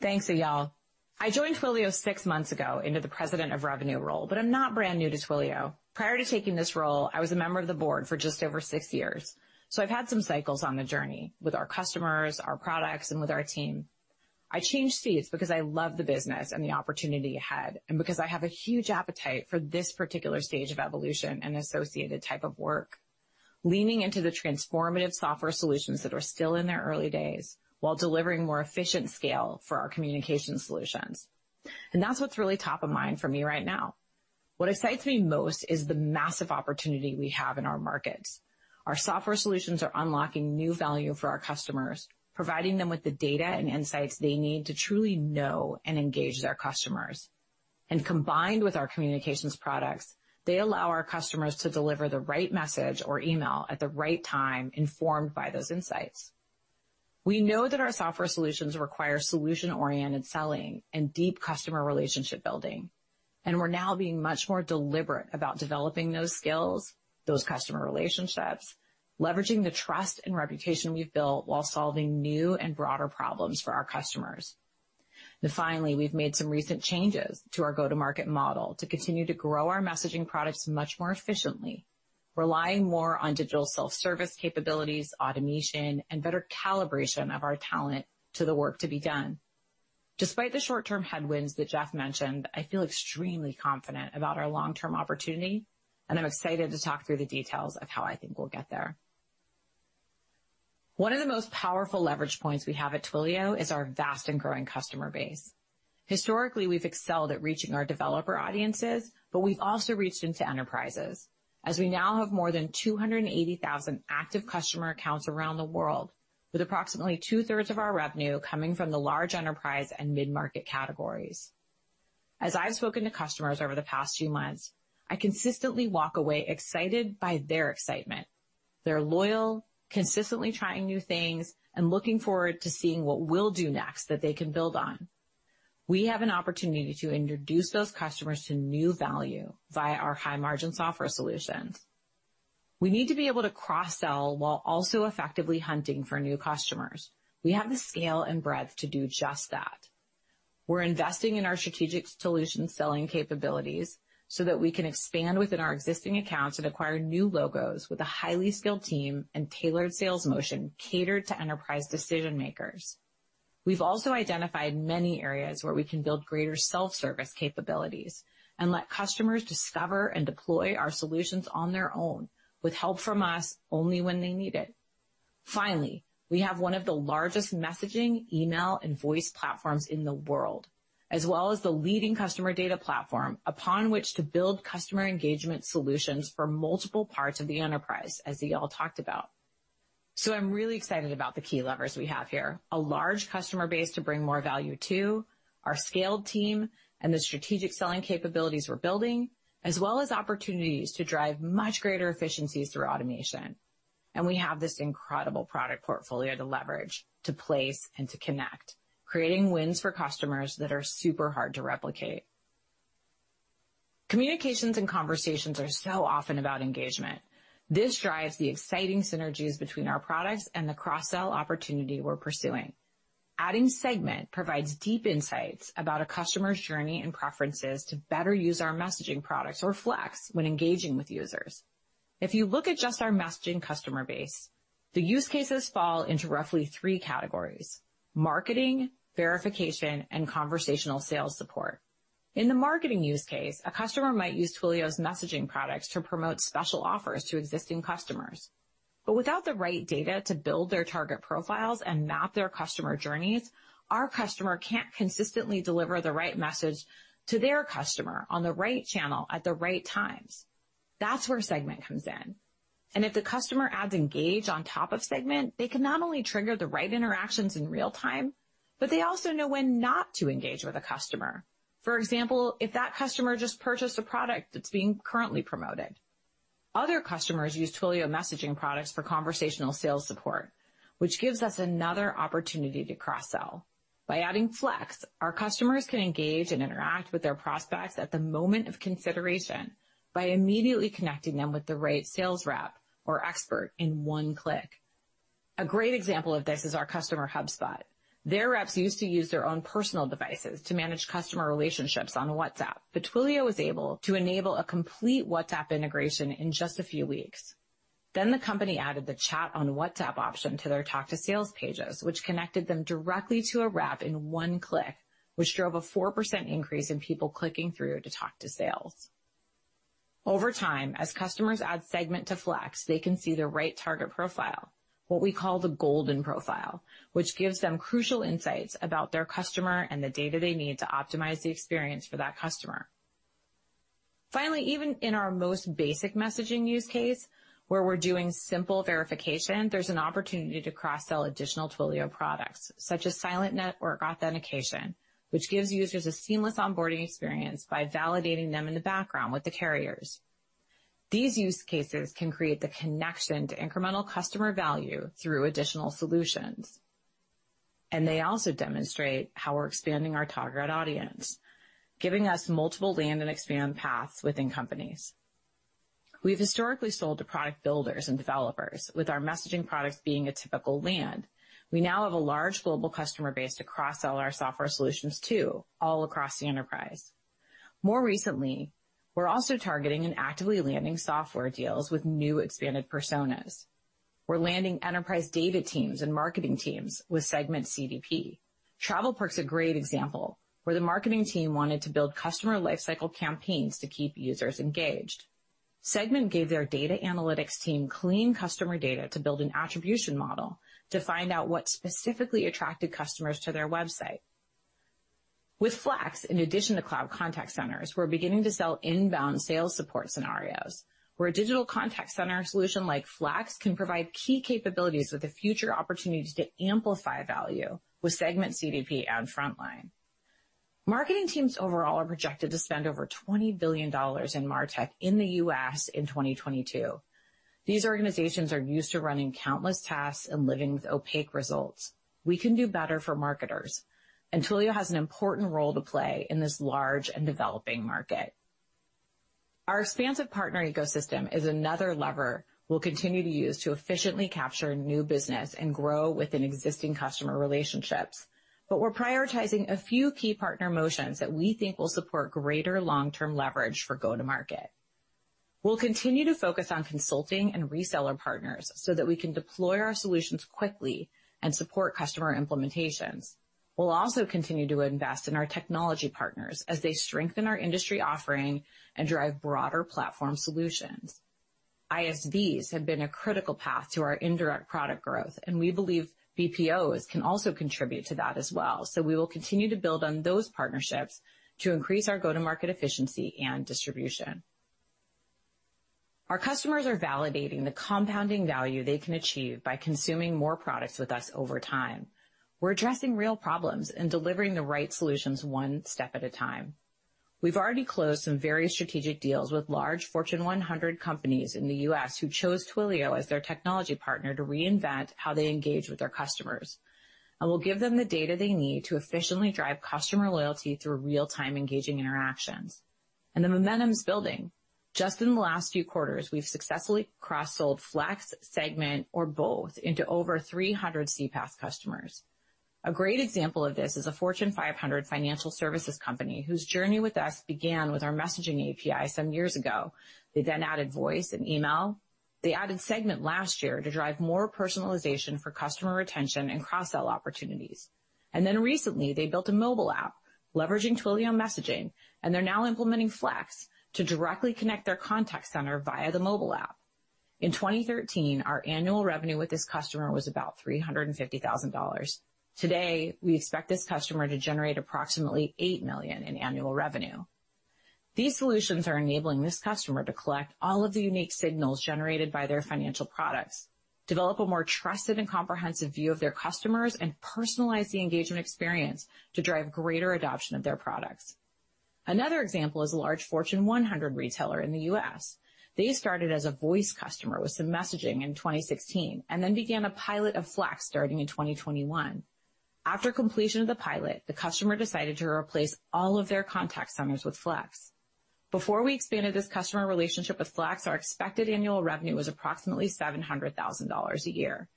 Thanks, Eyal. I joined Twilio six months ago into the President of Revenue role, but I'm not brand new to Twilio. Prior to taking this role, I was a Member of the Board for just over six years, so I've had some cycles on the journey with our customers, our products, and with our team. I changed seats because I love the business and the opportunity it had, and because I have a huge appetite for this particular stage of evolution and associated type of work, leaning into the transformative software solutions that are still in their early days while delivering more efficient scale for our communication solutions. That's what's really top of mind for me right now. What excites me most is the massive opportunity we have in our markets. Our software solutions are unlocking new value for our customers, providing them with the data and insights they need to truly know and engage their customers. Combined with our communications products, they allow our customers to deliver the right message or email at the right time, informed by those insights. We know that our software solutions require solution-oriented selling and deep customer relationship building, and we're now being much more deliberate about developing those skills, those customer relationships, leveraging the trust and reputation we've built while solving new and broader problems for our customers. Finally, we've made some recent changes to our go-to-market model to continue to grow our messaging products much more efficiently, relying more on digital self-service capabilities, automation, and better calibration of our talent to the work to be done. Despite the short-term headwinds that Jeff mentioned, I feel extremely confident about our long-term opportunity, and I'm excited to talk through the details of how I think we'll get there. One of the most powerful leverage points we have at Twilio is our vast and growing customer base. Historically, we've excelled at reaching our developer audiences, but we've also reached into enterprises as we now have more than 280,000 active customer accounts around the world, with approximately 2/3 of our revenue coming from the large enterprise and mid-market categories. As I've spoken to customers over the past few months, I consistently walk away excited by their excitement. They're loyal, consistently trying new things, and looking forward to seeing what we'll do next that they can build on. We have an opportunity to introduce those customers to new value via our high-margin software solutions. We need to be able to cross-sell while also effectively hunting for new customers. We have the scale and breadth to do just that. We're investing in our strategic solution selling capabilities so that we can expand within our existing accounts and acquire new logos with a highly skilled team and tailored sales motion catered to enterprise decision-makers. We've also identified many areas where we can build greater self-service capabilities and let customers discover and deploy our solutions on their own with help from us only when they need it. Finally, we have one of the largest messaging, email, and voice platforms in the world, as well as the leading customer data platform upon which to build customer engagement solutions for multiple parts of the enterprise, as Eyal talked about. I'm really excited about the key levers we have here, a large customer base to bring more value to, our scaled team, and the strategic selling capabilities we're building, as well as opportunities to drive much greater efficiencies through automation. We have this incredible product portfolio to leverage, to place, and to connect, creating wins for customers that are super hard to replicate. Communications and conversations are so often about engagement. This drives the exciting synergies between our products and the cross-sell opportunity we're pursuing. Adding Segment provides deep insights about a customer's journey and preferences to better use our messaging products or Flex when engaging with users. If you look at just our messaging customer base, the use cases fall into roughly three categories. Marketing, verification, and conversational sales support. In the marketing use case, a customer might use Twilio's messaging products to promote special offers to existing customers. Without the right data to build their target profiles and map their customer journeys, our customer can't consistently deliver the right message to their customer on the right channel at the right times. That's where Segment comes in. If the customer adds Engage on top of Segment, they can not only trigger the right interactions in real time, but they also know when not to engage with a customer. For example, if that customer just purchased a product that's being currently promoted. Other customers use Twilio messaging products for conversational sales support, which gives us another opportunity to cross-sell. By adding Flex, our customers can engage and interact with their prospects at the moment of consideration by immediately connecting them with the right sales rep or expert in one click. A great example of this is our customer, HubSpot. Their reps used to use their own personal devices to manage customer relationships on WhatsApp, but Twilio was able to enable a complete WhatsApp integration in just a few weeks. The company added the chat on WhatsApp option to their talk to sales pages, which connected them directly to a rep in one click, which drove a 4% increase in people clicking through to talk to sales. Over time, as customers add Segment to Flex, they can see the right target profile, what we call the golden profile, which gives them crucial insights about their customer and the data they need to optimize the experience for that customer. Finally, even in our most basic messaging use case, where we're doing simple verification, there's an opportunity to cross-sell additional Twilio products, such as Silent Network Authentication, which gives users a seamless onboarding experience by validating them in the background with the carriers. These use cases can create the connection to incremental customer value through additional solutions. They also demonstrate how we're expanding our target audience, giving us multiple land and expand paths within companies. We've historically sold to product builders and developers, with our messaging products being a typical land. We now have a large global customer base to cross-sell our software solutions to, all across the enterprise. More recently, we're also targeting and actively landing software deals with new expanded personas. We're landing enterprise data teams and marketing teams with Segment CDP. TravelPerk's a great example, where the marketing team wanted to build customer lifecycle campaigns to keep users engaged. Segment gave their data analytics team clean customer data to build an attribution model to find out what specifically attracted customers to their website. With Flex, in addition to cloud contact centers, we're beginning to sell inbound sales support scenarios, where a digital contact center solution like Flex can provide key capabilities with the future opportunities to amplify value with Segment CDP and Frontline. Marketing teams overall are projected to spend over $20 billion in MarTech in the U.S. in 2022. These organizations are used to running countless tasks and living with opaque results. We can do better for marketers, and Twilio has an important role to play in this large and developing market. Our expansive partner ecosystem is another lever we'll continue to use to efficiently capture new business and grow within existing customer relationships. We're prioritizing a few key partner motions that we think will support greater long-term leverage for go-to-market. We'll continue to focus on consulting and reseller partners so that we can deploy our solutions quickly and support customer implementations. We'll also continue to invest in our technology partners as they strengthen our industry offering and drive broader platform solutions. ISVs have been a critical path to our indirect product growth, and we believe BPOs can also contribute to that as well. We will continue to build on those partnerships to increase our go-to-market efficiency and distribution. Our customers are validating the compounding value they can achieve by consuming more products with us over time. We're addressing real problems and delivering the right solutions one step at a time. We've already closed some very strategic deals with large Fortune 100 companies in the U.S. who chose Twilio as their technology partner to reinvent how they engage with their customers, and we'll give them the data they need to efficiently drive customer loyalty through real-time engaging interactions. The momentum's building. Just in the last few quarters, we've successfully cross-sold Flex, Segment or both into over 300 CPaaS customers. A great example of this is a Fortune 500 financial services company whose journey with us began with our messaging API some years ago. They then added voice and email. They added Segment last year to drive more personalization for customer retention and cross-sell opportunities. Then recently, they built a mobile app leveraging Twilio messaging, and they're now implementing Flex to directly connect their contact center via the mobile app. In 2013, our annual revenue with this customer was about $350,000. Today, we expect this customer to generate approximately $8 million in annual revenue. These solutions are enabling this customer to collect all of the unique signals generated by their financial products, develop a more trusted and comprehensive view of their customers, and personalize the engagement experience to drive greater adoption of their products. Another example is a large Fortune 100 retailer in the U.S. They started as a voice customer with some messaging in 2016 and then began a pilot of Twilio Flex starting in 2021. After completion of the pilot, the customer decided to replace all of their contact centers with Twilio Flex. Before we expanded this customer relationship with Twilio Flex, our expected annual revenue was approximately $700,000 a year.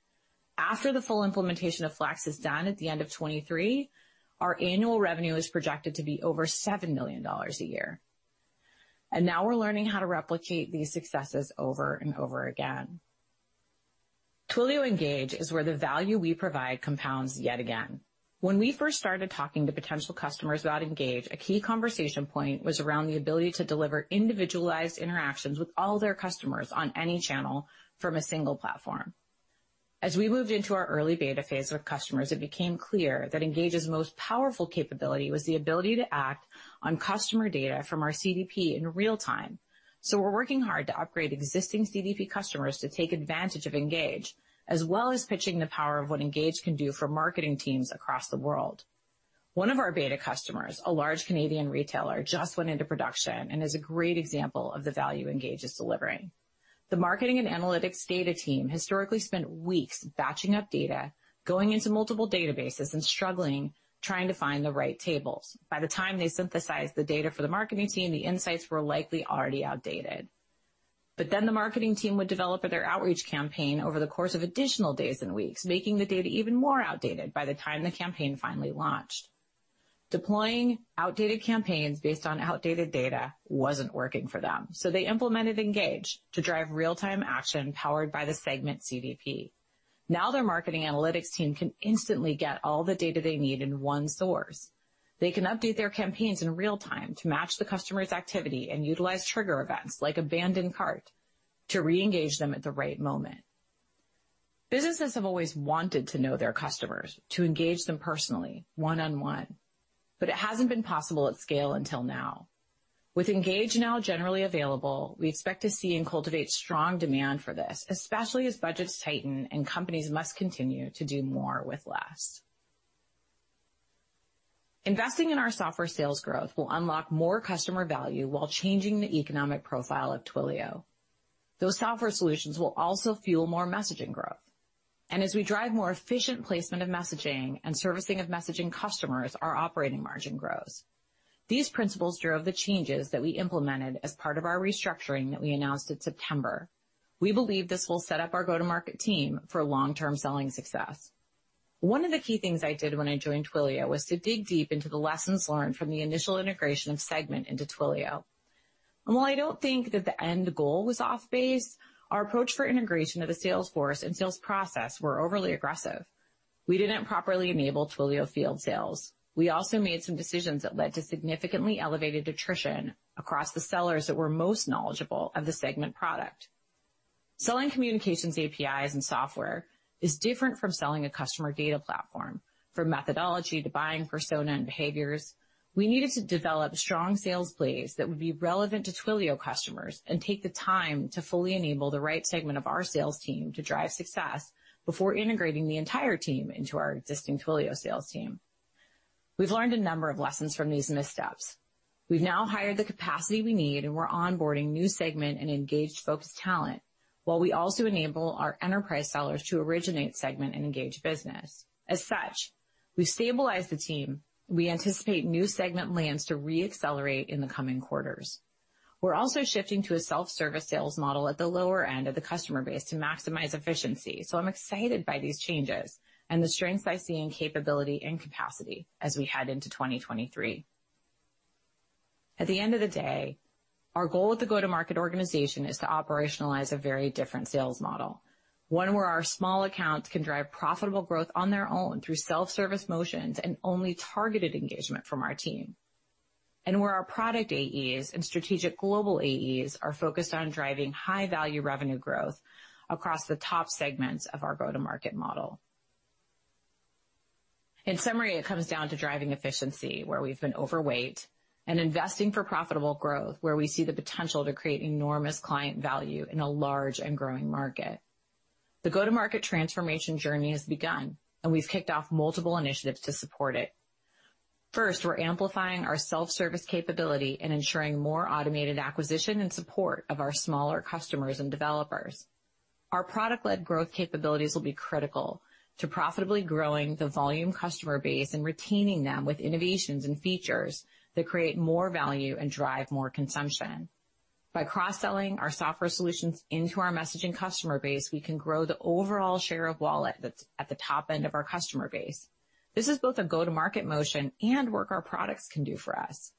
After the full implementation of Flex is done at the end of 2023, our annual revenue is projected to be over $7 million a year. Now we're learning how to replicate these successes over and over again. Twilio Engage is where the value we provide compounds yet again. When we first started talking to potential customers about Engage, a key conversation point was around the ability to deliver individualized interactions with all their customers on any channel from a single platform. As we moved into our early beta phase with customers, it became clear that Engage's most powerful capability was the ability to act on customer data from our CDP in real-time. We're working hard to upgrade existing CDP customers to take advantage of Engage, as well as pitching the power of what Engage can do for marketing teams across the world. One of our beta customers, a large Canadian retailer, just went into production and is a great example of the value Engage is delivering. The marketing and analytics data team historically spent weeks batching up data, going into multiple databases, and struggling trying to find the right tables. By the time they synthesized the data for the marketing team, the insights were likely already outdated. The marketing team would develop their outreach campaign over the course of additional days and weeks, making the data even more outdated by the time the campaign finally launched. Deploying outdated campaigns based on outdated data wasn't working for them, so they implemented Engage to drive real-time action powered by the Segment CDP. Now their marketing analytics team can instantly get all the data they need in one source. They can update their campaigns in real time to match the customer's activity and utilize trigger events like abandoned cart to re-engage them at the right moment. Businesses have always wanted to know their customers, to engage them personally one on one, but it hasn't been possible at scale until now. With Engage now generally available, we expect to see and cultivate strong demand for this, especially as budgets tighten and companies must continue to do more with less. Investing in our software sales growth will unlock more customer value while changing the economic profile of Twilio. Those software solutions will also fuel more messaging growth. As we drive more efficient placement of messaging and servicing of messaging customers, our operating margin grows. These principles drove the changes that we implemented as part of our restructuring that we announced in September. We believe this will set up our go-to-market team for long-term selling success. One of the key things I did when I joined Twilio was to dig deep into the lessons learned from the initial integration of Segment into Twilio. While I don't think that the end goal was off base, our approach for integration of the sales force and sales process were overly aggressive. We didn't properly enable Twilio field sales. We also made some decisions that led to significantly elevated attrition across the sellers that were most knowledgeable of the Segment product. Selling communications APIs and software is different from selling a customer data platform. From methodology to buying persona and behaviors, we needed to develop strong sales plays that would be relevant to Twilio customers and take the time to fully enable the right Segment of our sales team to drive success before integrating the entire team into our existing Twilio sales team. We've learned a number of lessons from these missteps. We've now hired the capacity we need, and we're onboarding new Segment and Engage focused talent, while we also enable our enterprise sellers to originate Segment and Engage business. As such, we've stabilized the team. We anticipate new Segment lands to re-accelerate in the coming quarters. We're also shifting to a self-service sales model at the lower end of the customer base to maximize efficiency. I'm excited by these changes and the strengths I see in capability and capacity as we head into 2023. At the end of the day, our goal with the go-to-market organization is to operationalize a very different sales model, one where our small accounts can drive profitable growth on their own through self-service motions and only targeted engagement from our team. Where our product AEs and strategic global AEs are focused on driving high-value revenue growth across the top segments of our go-to-market model. In summary, it comes down to driving efficiency where we've been overweight and investing for profitable growth where we see the potential to create enormous client value in a large and growing market. The go-to-market transformation journey has begun, and we've kicked off multiple initiatives to support it. First, we're amplifying our self-service capability and ensuring more automated acquisition and support of our smaller customers and developers. Our product-led growth capabilities will be critical to profitably growing the volume customer base and retaining them with innovations and features that create more value and drive more consumption. By cross-selling our software solutions into our messaging customer base, we can grow the overall share of wallet that's at the top end of our customer base. This is both a go-to-market motion and work our products can do for us.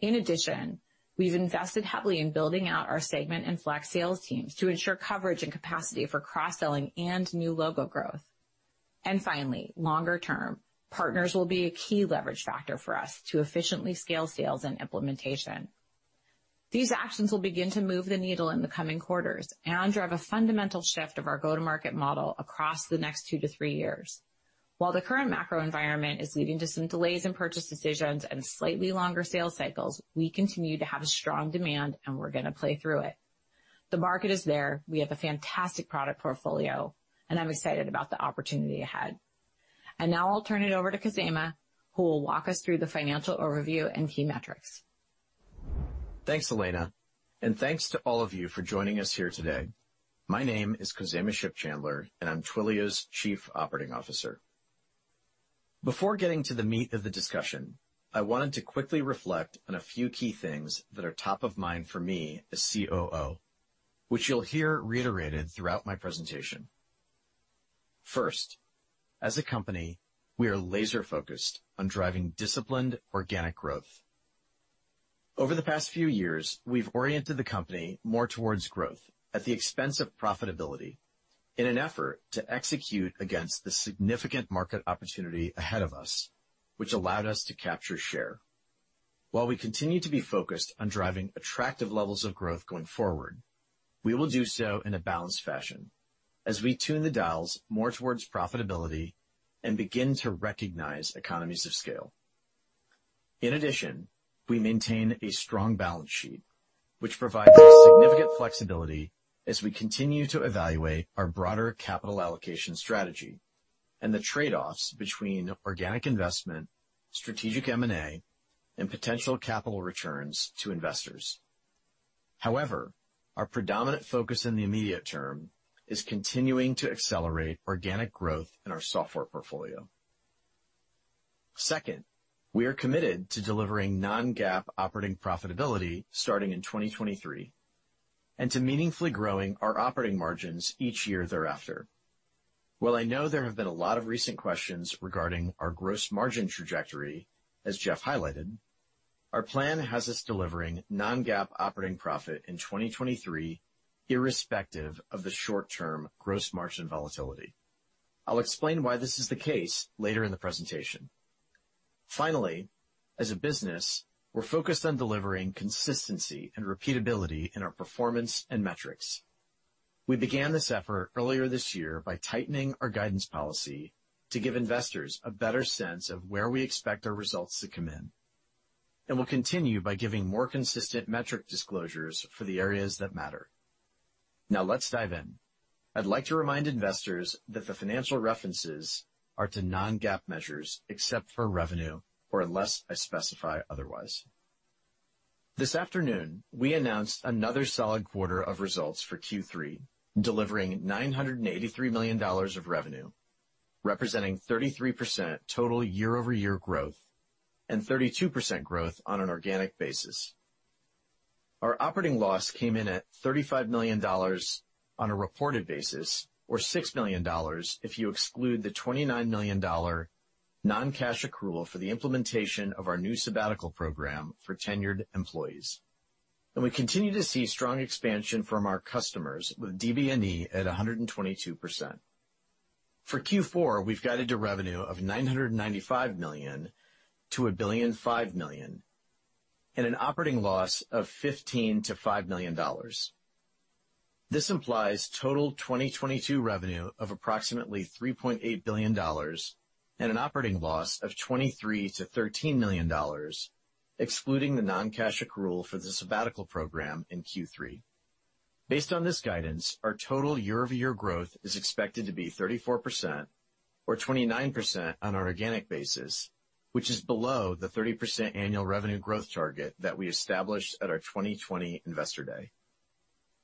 In addition, we've invested heavily in building out our Segment and Flex sales teams to ensure coverage and capacity for cross-selling and new logo growth. Finally, longer term, partners will be a key leverage factor for us to efficiently scale sales and implementation. These actions will begin to move the needle in the coming quarters and drive a fundamental shift of our go-to-market model across the next two to three years. While the current macro environment is leading to some delays in purchase decisions and slightly longer sales cycles, we continue to have a strong demand, and we're gonna play through it. The market is there. We have a fantastic product portfolio, and I'm excited about the opportunity ahead. Now I'll turn it over to Khozema, who will walk us through the financial overview and key metrics. Thanks, Elena, and thanks to all of you for joining us here today. My name is Khozema Shipchandler, and I'm Twilio's Chief Operating Officer. Before getting to the meat of the discussion, I wanted to quickly reflect on a few key things that are top of mind for me as COO, which you'll hear reiterated throughout my presentation. First, as a company, we are laser-focused on driving disciplined organic growth. Over the past few years, we've oriented the company more towards growth at the expense of profitability in an effort to execute against the significant market opportunity ahead of us, which allowed us to capture share. While we continue to be focused on driving attractive levels of growth going forward, we will do so in a balanced fashion as we tune the dials more towards profitability and begin to recognize economies of scale. In addition, we maintain a strong balance sheet, which provides us significant flexibility as we continue to evaluate our broader capital allocation strategy and the trade-offs between organic investment, strategic M&A, and potential capital returns to investors. However, our predominant focus in the immediate term is continuing to accelerate organic growth in our software portfolio. Second, we are committed to delivering non-GAAP operating profitability starting in 2023 and to meaningfully growing our operating margins each year thereafter. While I know there have been a lot of recent questions regarding our gross margin trajectory, as Jeff highlighted, our plan has us delivering non-GAAP operating profit in 2023, irrespective of the short term gross margin volatility. I'll explain why this is the case later in the presentation. Finally, as a business, we're focused on delivering consistency and repeatability in our performance and metrics. We began this effort earlier this year by tightening our guidance policy to give investors a better sense of where we expect our results to come in. We'll continue by giving more consistent metric disclosures for the areas that matter. Now let's dive in. I'd like to remind investors that the financial references are to non-GAAP measures, except for revenue, or unless I specify otherwise. This afternoon, we announced another solid quarter of results for Q3, delivering $983 million of revenue, representing 33% total year-over-year growth and 32% growth on an organic basis. Our operating loss came in at $35 million on a reported basis, or $6 million if you exclude the $29 million non-cash accrual for the implementation of our new sabbatical program for tenured employees. We continue to see strong expansion from our customers with DBNE at 122%. For Q4, we've guided to revenue of $995 million-$1.005 billion and an operating loss of $15 million-$5 million. This implies total 2022 revenue of approximately $3.8 billion and an operating loss of $23 million-$13 million, excluding the non-cash accrual for the sabbatical program in Q3. Based on this guidance, our total year-over-year growth is expected to be 34% or 29% on our organic basis, which is below the 30% annual revenue growth target that we established at our 2020 Investor Day.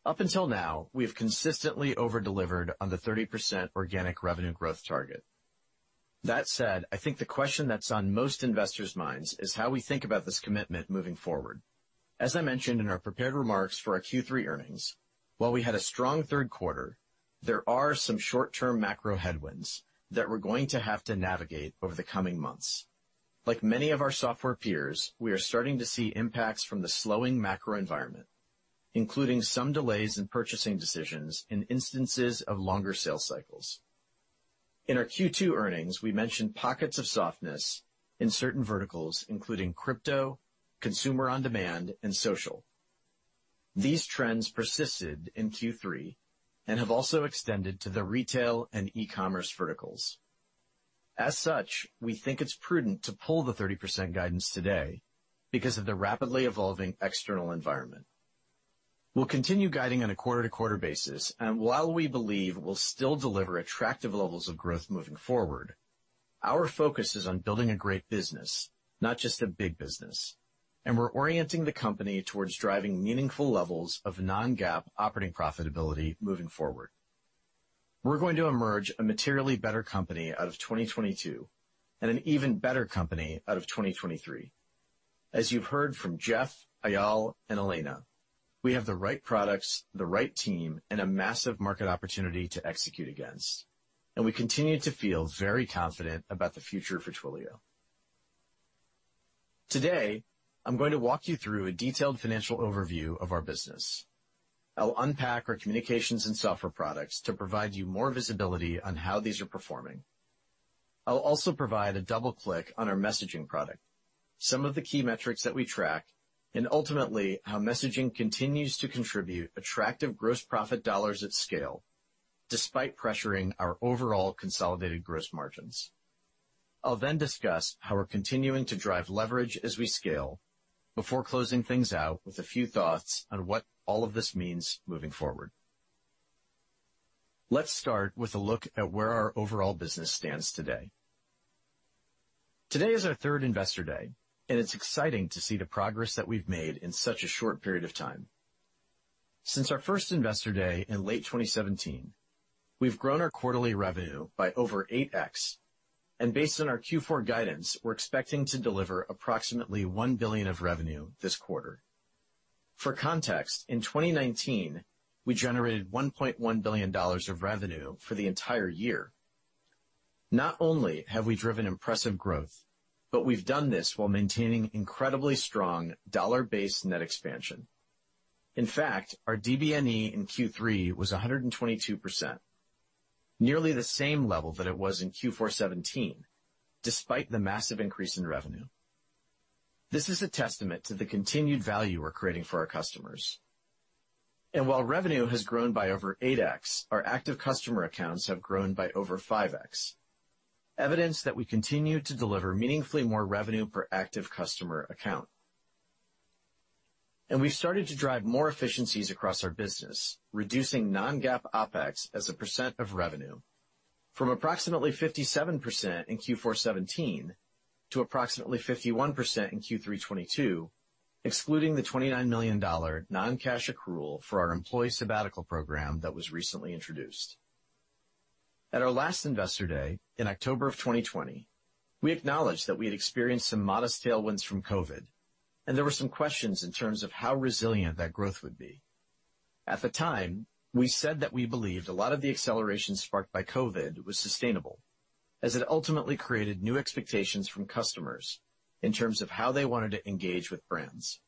Up until now, we have consistently over-delivered on the 30% organic revenue growth target. That said, I think the question that's on most investors' minds is how we think about this commitment moving forward. As I mentioned in our prepared remarks for our Q3 earnings, while we had a strong third quarter, there are some short-term macro headwinds that we're going to have to navigate over the coming months. Like many of our software peers, we are starting to see impacts from the slowing macro environment, including some delays in purchasing decisions and instances of longer sales cycles. In our Q2 earnings, we mentioned pockets of softness in certain verticals, including crypto, consumer on-demand, and social. These trends persisted in Q3 and have also extended to the retail and e-commerce verticals. As such, we think it's prudent to pull the 30% guidance today because of the rapidly evolving external environment. We'll continue guiding on a quarter to quarter basis, and while we believe we'll still deliver attractive levels of growth moving forward, our focus is on building a great business, not just a big business, and we're orienting the company towards driving meaningful levels of non-GAAP operating profitability moving forward. We're going to emerge a materially better company out of 2022 and an even better company out of 2023. As you've heard from Jeff, Eyal, and Elena, we have the right products, the right team, and a massive market opportunity to execute against, and we continue to feel very confident about the future of Twilio. Today, I'm going to walk you through a detailed financial overview of our business. I'll unpack our communications and software products to provide you more visibility on how these are performing. I'll also provide a double-click on our messaging product, some of the key metrics that we track, and ultimately, how messaging continues to contribute attractive gross profit dollars at scale, despite pressuring our overall consolidated gross margins. I'll then discuss how we're continuing to drive leverage as we scale before closing things out with a few thoughts on what all of this means moving forward. Let's start with a look at where our overall business stands today. Today is our third Investor Day, and it's exciting to see the progress that we've made in such a short period of time. Since our first Investor Day in late 2017, we've grown our quarterly revenue by over 8x, and based on our Q4 guidance, we're expecting to deliver approximately $1 billion of revenue this quarter. For context, in 2019, we generated $1.1 billion of revenue for the entire year. Not only have we driven impressive growth, but we've done this while maintaining incredibly strong dollar-based net expansion. In fact, our DBNE in Q3 was 122%, nearly the same level that it was in Q4 2017, despite the massive increase in revenue. This is a testament to the continued value we're creating for our customers. While revenue has grown by over 8x, our active customer accounts have grown by over 5x. Evidence that we continue to deliver meaningfully more revenue per active customer account. We started to drive more efficiencies across our business, reducing non-GAAP OpEx as a percent of revenue from approximately 57% in Q4 2017 to approximately 51% in Q3 2022, excluding the $29 million non-cash accrual for our employee sabbatical program that was recently introduced. At our last Investor Day in October 2020, we acknowledged that we had experienced some modest tailwinds from COVID, and there were some questions in terms of how resilient that growth would be. At the time, we said that we believed a lot of the acceleration sparked by COVID was sustainable, as it ultimately created new expectations from customers in terms of how they wanted to engage with brands.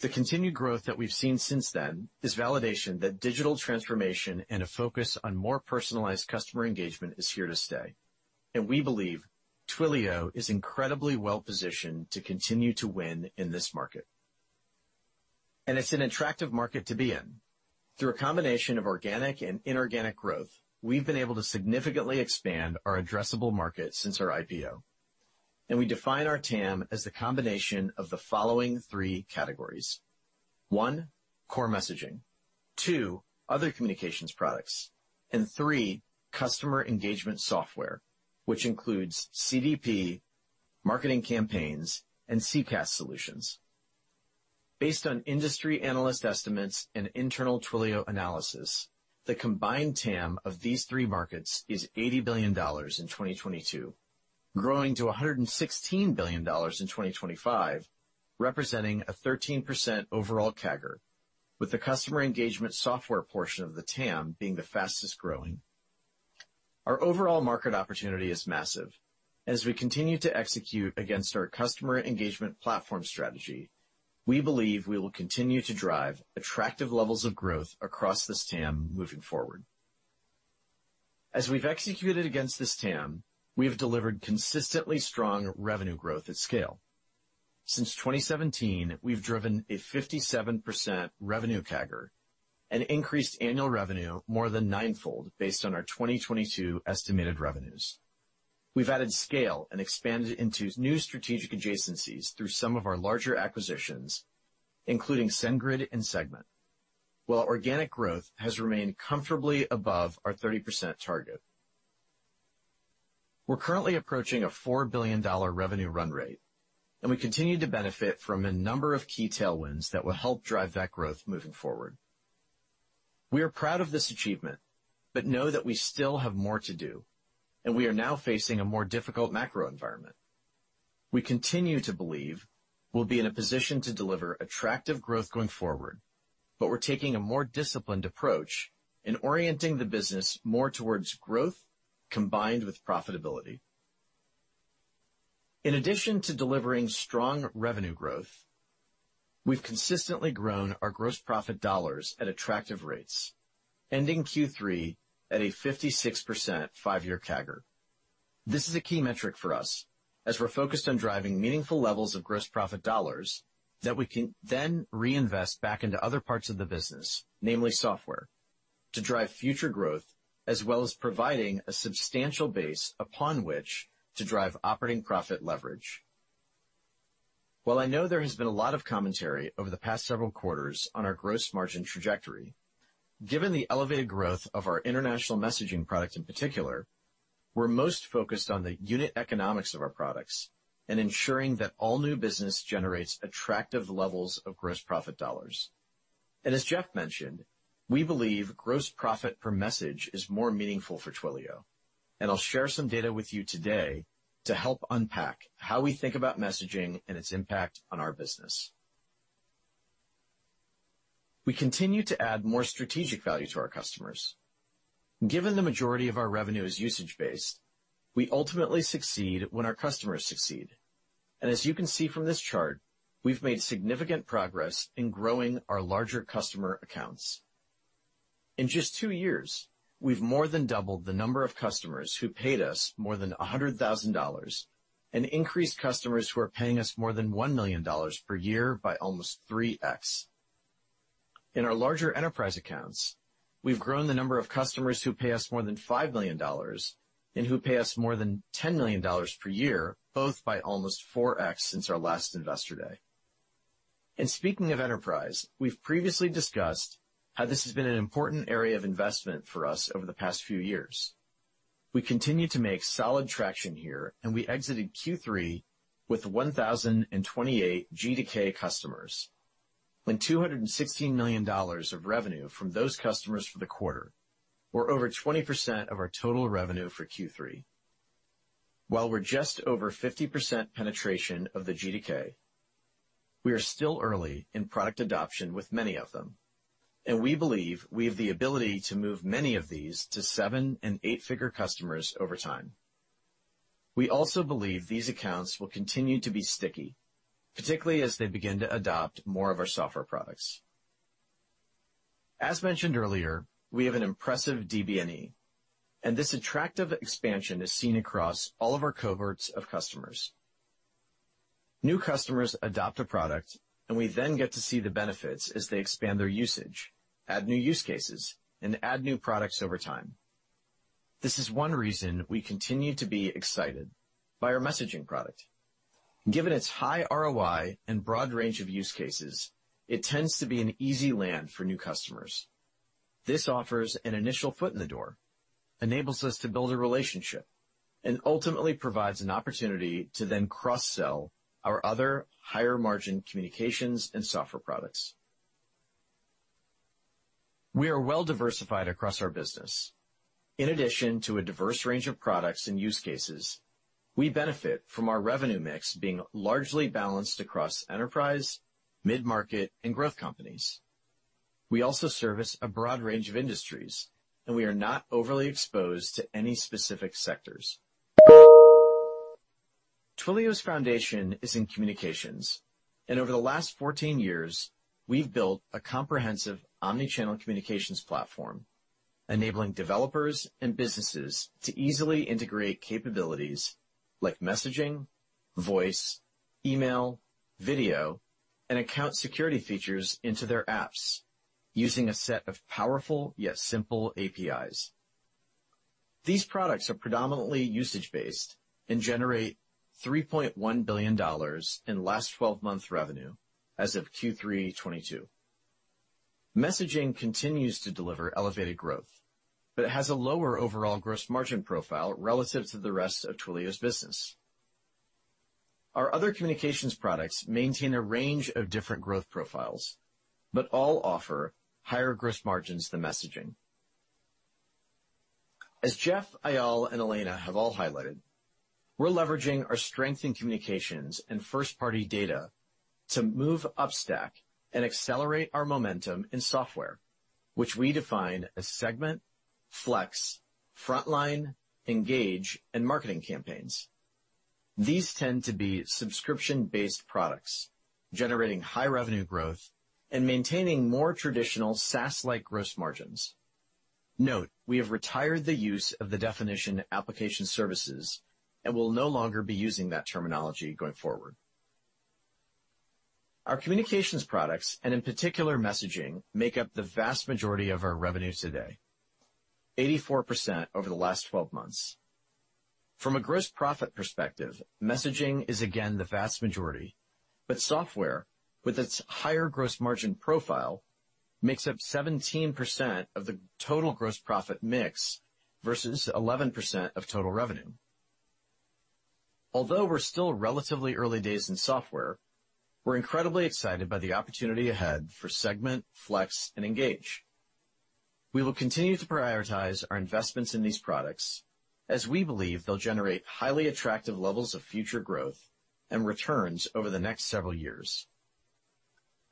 The continued growth that we've seen since then is validation that digital transformation and a focus on more personalized customer engagement is here to stay, and we believe Twilio is incredibly well-positioned to continue to win in this market. It's an attractive market to be in. Through a combination of organic and inorganic growth, we've been able to significantly expand our addressable market since our IPO, and we define our TAM as the combination of the following three categories. One, core messaging, two, other communications products, and three, customer engagement software, which includes CDP, Marketing Campaigns, and CPaaS solutions. Based on industry analyst estimates and internal Twilio analysis, the combined TAM of these three markets is $80 billion in 2022, growing to $116 billion in 2025, representing a 13% overall CAGR, with the customer engagement software portion of the TAM being the fastest growing. Our overall market opportunity is massive. As we continue to execute against our customer engagement platform strategy, we believe we will continue to drive attractive levels of growth across this TAM moving forward. As we've executed against this TAM, we have delivered consistently strong revenue growth at scale. Since 2017, we've driven a 57% revenue CAGR and increased annual revenue more than nine-fold based on our 2022 estimated revenues. We've added scale and expanded into new strategic adjacencies through some of our larger acquisitions, including SendGrid and Segment, while organic growth has remained comfortably above our 30% target. We're currently approaching a $4 billion revenue run rate, and we continue to benefit from a number of key tailwinds that will help drive that growth moving forward. We are proud of this achievement, but know that we still have more to do, and we are now facing a more difficult macro environment. We continue to believe we'll be in a position to deliver attractive growth going forward, but we're taking a more disciplined approach in orienting the business more towards growth combined with profitability. In addition to delivering strong revenue growth, we've consistently grown our gross profit dollars at attractive rates, ending Q3 at a 56% five-year CAGR. This is a key metric for us, as we're focused on driving meaningful levels of gross profit dollars that we can then reinvest back into other parts of the business, namely software, to drive future growth, as well as providing a substantial base upon which to drive operating profit leverage. While I know there has been a lot of commentary over the past several quarters on our gross margin trajectory, given the elevated growth of our international messaging product in particular, we're most focused on the unit economics of our products and ensuring that all new business generates attractive levels of gross profit dollars. As Jeff mentioned, we believe gross profit per message is more meaningful for Twilio, and I'll share some data with you today to help unpack how we think about messaging and its impact on our business. We continue to add more strategic value to our customers. Given the majority of our revenue is usage-based, we ultimately succeed when our customers succeed. As you can see from this chart, we've made significant progress in growing our larger customer accounts. In just two years, we've more than doubled the number of customers who paid us more than $100,000 and increased customers who are paying us more than $1 million per year by almost 3x. In our larger enterprise accounts, we've grown the number of customers who pay us more than $5 million and who pay us more than $10 million per year, both by almost 4x since our last Investor Day. Speaking of enterprise, we've previously discussed how this has been an important area of investment for us over the past few years. We continue to make solid traction here, and we exited Q3 with 1,028 G2K customers, and $216 million of revenue from those customers for the quarter, or over 20% of our total revenue for Q3. While we're just over 50% penetration of the G2K, we are still early in product adoption with many of them, and we believe we have the ability to move many of these to seven and eight-figure customers over time. We also believe these accounts will continue to be sticky, particularly as they begin to adopt more of our software products. As mentioned earlier, we have an impressive DBNE, and this attractive expansion is seen across all of our cohorts of customers. New customers adopt a product, and we then get to see the benefits as they expand their usage, add new use cases, and add new products over time. This is one reason we continue to be excited by our messaging product. Given its high ROI and broad range of use cases, it tends to be an easy land for new customers. This offers an initial foot in the door, enables us to build a relationship, and ultimately provides an opportunity to then cross-sell our other higher-margin communications and software products. We are well-diversified across our business. In addition to a diverse range of products and use cases, we benefit from our revenue mix being largely balanced across enterprise, mid-market, and growth companies. We also service a broad range of industries, and we are not overly exposed to any specific sectors. Twilio's foundation is in communications, and over the last 14 years, we've built a comprehensive omnichannel communications platform, enabling developers and businesses to easily integrate capabilities like messaging, voice, email, video, and account security features into their apps using a set of powerful yet simple APIs. These products are predominantly usage-based and generate $3.1 billion in last 12-month revenue as of Q3 2022. Messaging continues to deliver elevated growth, but it has a lower overall gross margin profile relative to the rest of Twilio's business. Our other communications products maintain a range of different growth profiles, but all offer higher gross margins than messaging. As Jeff, Eyal, and Elena have all highlighted, we're leveraging our strength in communications and first-party data to move upstack and accelerate our momentum in software, which we define as Segment, Flex, Frontline, Engage, and Marketing Campaigns. These tend to be subscription-based products, generating high revenue growth and maintaining more traditional SaaS-like gross margins. Note, we have retired the use of the definition application services and will no longer be using that terminology going forward. Our communications products, and in particular messaging, make up the vast majority of our revenue today, 84% over the last 12 months. From a gross profit perspective, messaging is again the vast majority, but software, with its higher gross margin profile, makes up 17% of the total gross profit mix versus 11% of total revenue. Although we're still relatively early days in software, we're incredibly excited by the opportunity ahead for Segment, Flex, and Engage. We will continue to prioritize our investments in these products as we believe they'll generate highly attractive levels of future growth and returns over the next several years.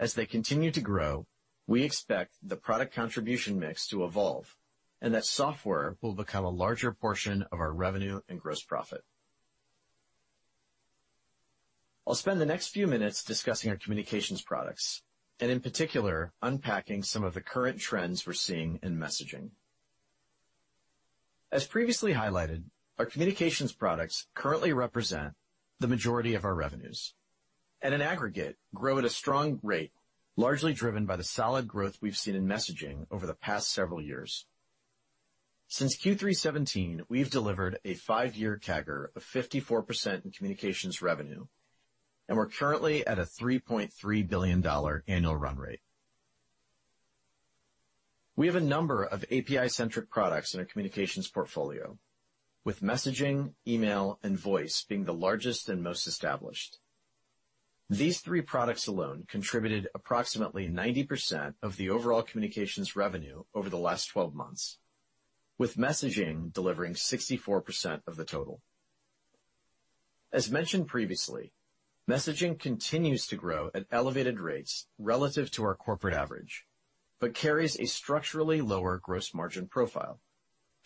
As they continue to grow, we expect the product contribution mix to evolve, and that software will become a larger portion of our revenue and gross profit. I'll spend the next few minutes discussing our communications products, and in particular, unpacking some of the current trends we're seeing in messaging. As previously highlighted, our communications products currently represent the majority of our revenues, at an aggregate, grow at a strong rate, largely driven by the solid growth we've seen in messaging over the past several years. Since Q3 2017, we've delivered a five-year CAGR of 54% in communications revenue, and we're currently at a $3.3 billion annual run rate. We have a number of API-centric products in our communications portfolio, with messaging, email, and voice being the largest and most established. These three products alone contributed approximately 90% of the overall communications revenue over the last 12 months, with messaging delivering 64% of the total. As mentioned previously, messaging continues to grow at elevated rates relative to our corporate average, but carries a structurally lower gross margin profile,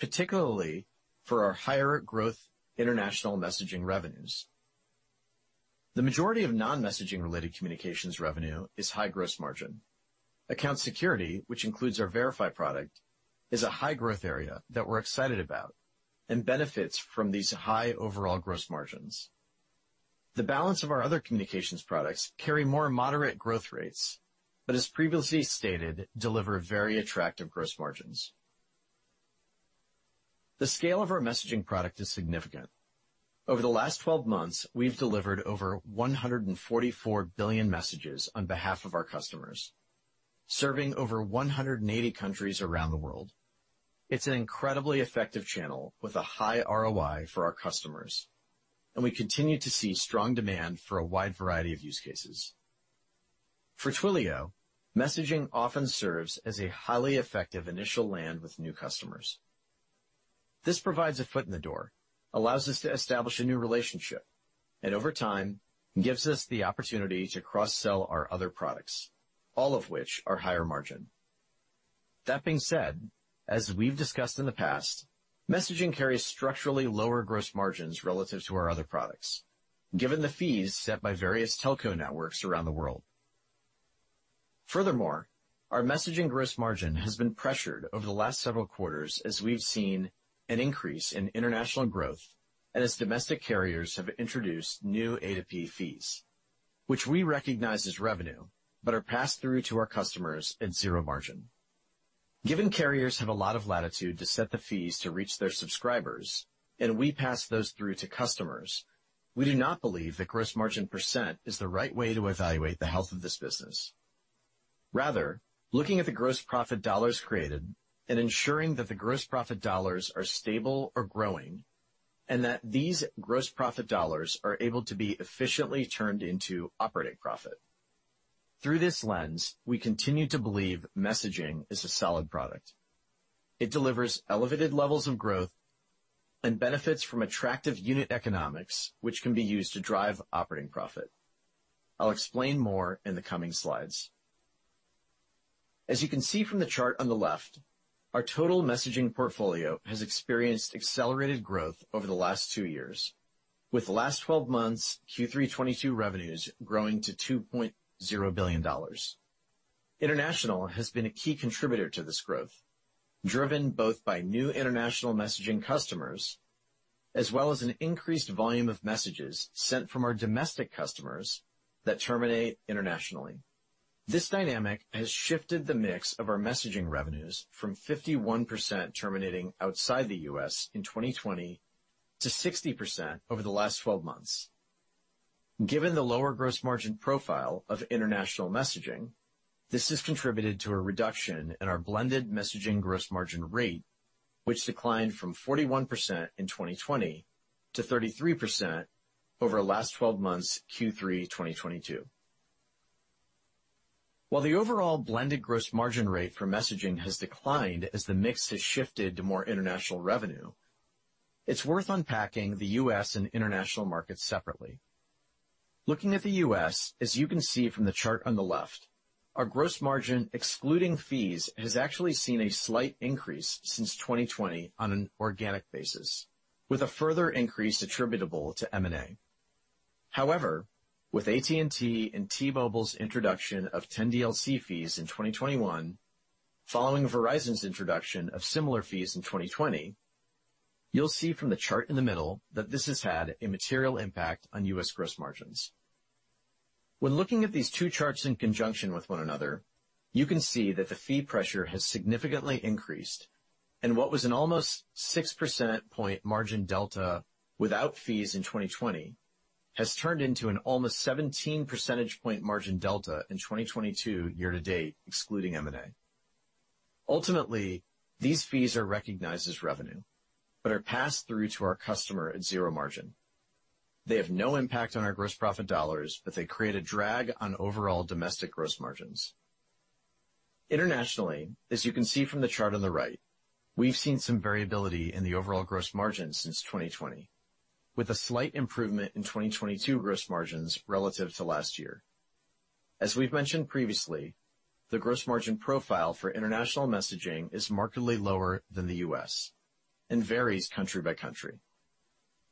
particularly for our higher growth international messaging revenues. The majority of non-messaging related communications revenue is high gross margin. Account security, which includes our Verify product, is a high-growth area that we're excited about and benefits from these high overall gross margins. The balance of our other communications products carry more moderate growth rates, but as previously stated, deliver very attractive gross margins. The scale of our messaging product is significant. Over the last 12 months, we've delivered over 144 billion messages on behalf of our customers, serving over 180 countries around the world. It's an incredibly effective channel with a high ROI for our customers, and we continue to see strong demand for a wide variety of use cases. For Twilio, messaging often serves as a highly effective initial land with new customers. This provides a foot in the door, allows us to establish a new relationship, and over time, gives us the opportunity to cross-sell our other products, all of which are higher margin. That being said, as we've discussed in the past, messaging carries structurally lower gross margins relative to our other products, given the fees set by various telco networks around the world. Furthermore, our messaging gross margin has been pressured over the last several quarters as we've seen an increase in international growth and as domestic carriers have introduced new A2P fees, which we recognize as revenue, but are passed through to our customers at zero margin. Given carriers have a lot of latitude to set the fees to reach their subscribers, and we pass those through to customers, we do not believe the gross margin percent is the right way to evaluate the health of this business. Rather, looking at the gross profit dollars created and ensuring that the gross profit dollars are stable or growing, and that these gross profit dollars are able to be efficiently turned into operating profit. Through this lens, we continue to believe messaging is a solid product. It delivers elevated levels of growth and benefits from attractive unit economics, which can be used to drive operating profit. I'll explain more in the coming slides. As you can see from the chart on the left, our total messaging portfolio has experienced accelerated growth over the last two years, with the last 12 months' Q3 2022 revenues growing to $2.0 billion. International has been a key contributor to this growth, driven both by new international messaging customers, as well as an increased volume of messages sent from our domestic customers that terminate internationally. This dynamic has shifted the mix of our messaging revenues from 51% terminating outside the U.S. in 2020 to 60% over the last 12 months. Given the lower gross margin profile of international messaging, this has contributed to a reduction in our blended messaging gross margin rate, which declined from 41% in 2020 to 33% over last 12 months, Q3 2022. While the overall blended gross margin rate for messaging has declined as the mix has shifted to more international revenue, it's worth unpacking the U.S. and international markets separately. Looking at the U.S., as you can see from the chart on the left, our gross margin, excluding fees, has actually seen a slight increase since 2020 on an organic basis, with a further increase attributable to M&A. However, with AT&T and T-Mobile's introduction of 10DLC fees in 2021, following Verizon's introduction of similar fees in 2020, you'll see from the chart in the middle that this has had a material impact on U.S. gross margins. When looking at these two charts in conjunction with one another, you can see that the fee pressure has significantly increased, and what was an almost 6 percentage point margin delta without fees in 2020 has turned into an almost 17 percentage point margin delta in 2022 year-to-date, excluding M&A. Ultimately, these fees are recognized as revenue, but are passed through to our customer at zero margin. They have no impact on our gross profit dollars, but they create a drag on overall domestic gross margins. Internationally, as you can see from the chart on the right, we've seen some variability in the overall gross margin since 2020, with a slight improvement in 2022 gross margins relative to last year. As we've mentioned previously, the gross margin profile for international messaging is markedly lower than the U.S. and varies country by country.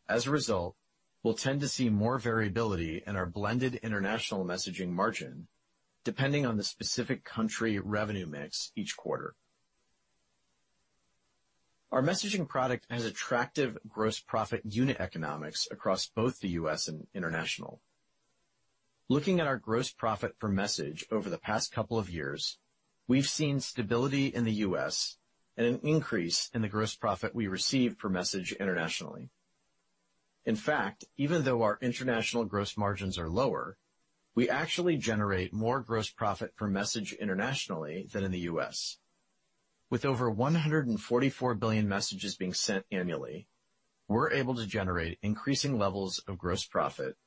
As a result, we'll tend to see more variability in our blended international messaging margin depending on the specific country revenue mix each quarter. Our messaging product has attractive gross profit unit economics across both the U.S. and international. Looking at our gross profit per message over the past couple of years, we've seen stability in the U.S. and an increase in the gross profit we receive per message internationally. In fact, even though our international gross margins are lower, we actually generate more gross profit per message internationally than in the U.S. With over 144 billion messages being sent annually, we're able to generate increasing levels of gross profit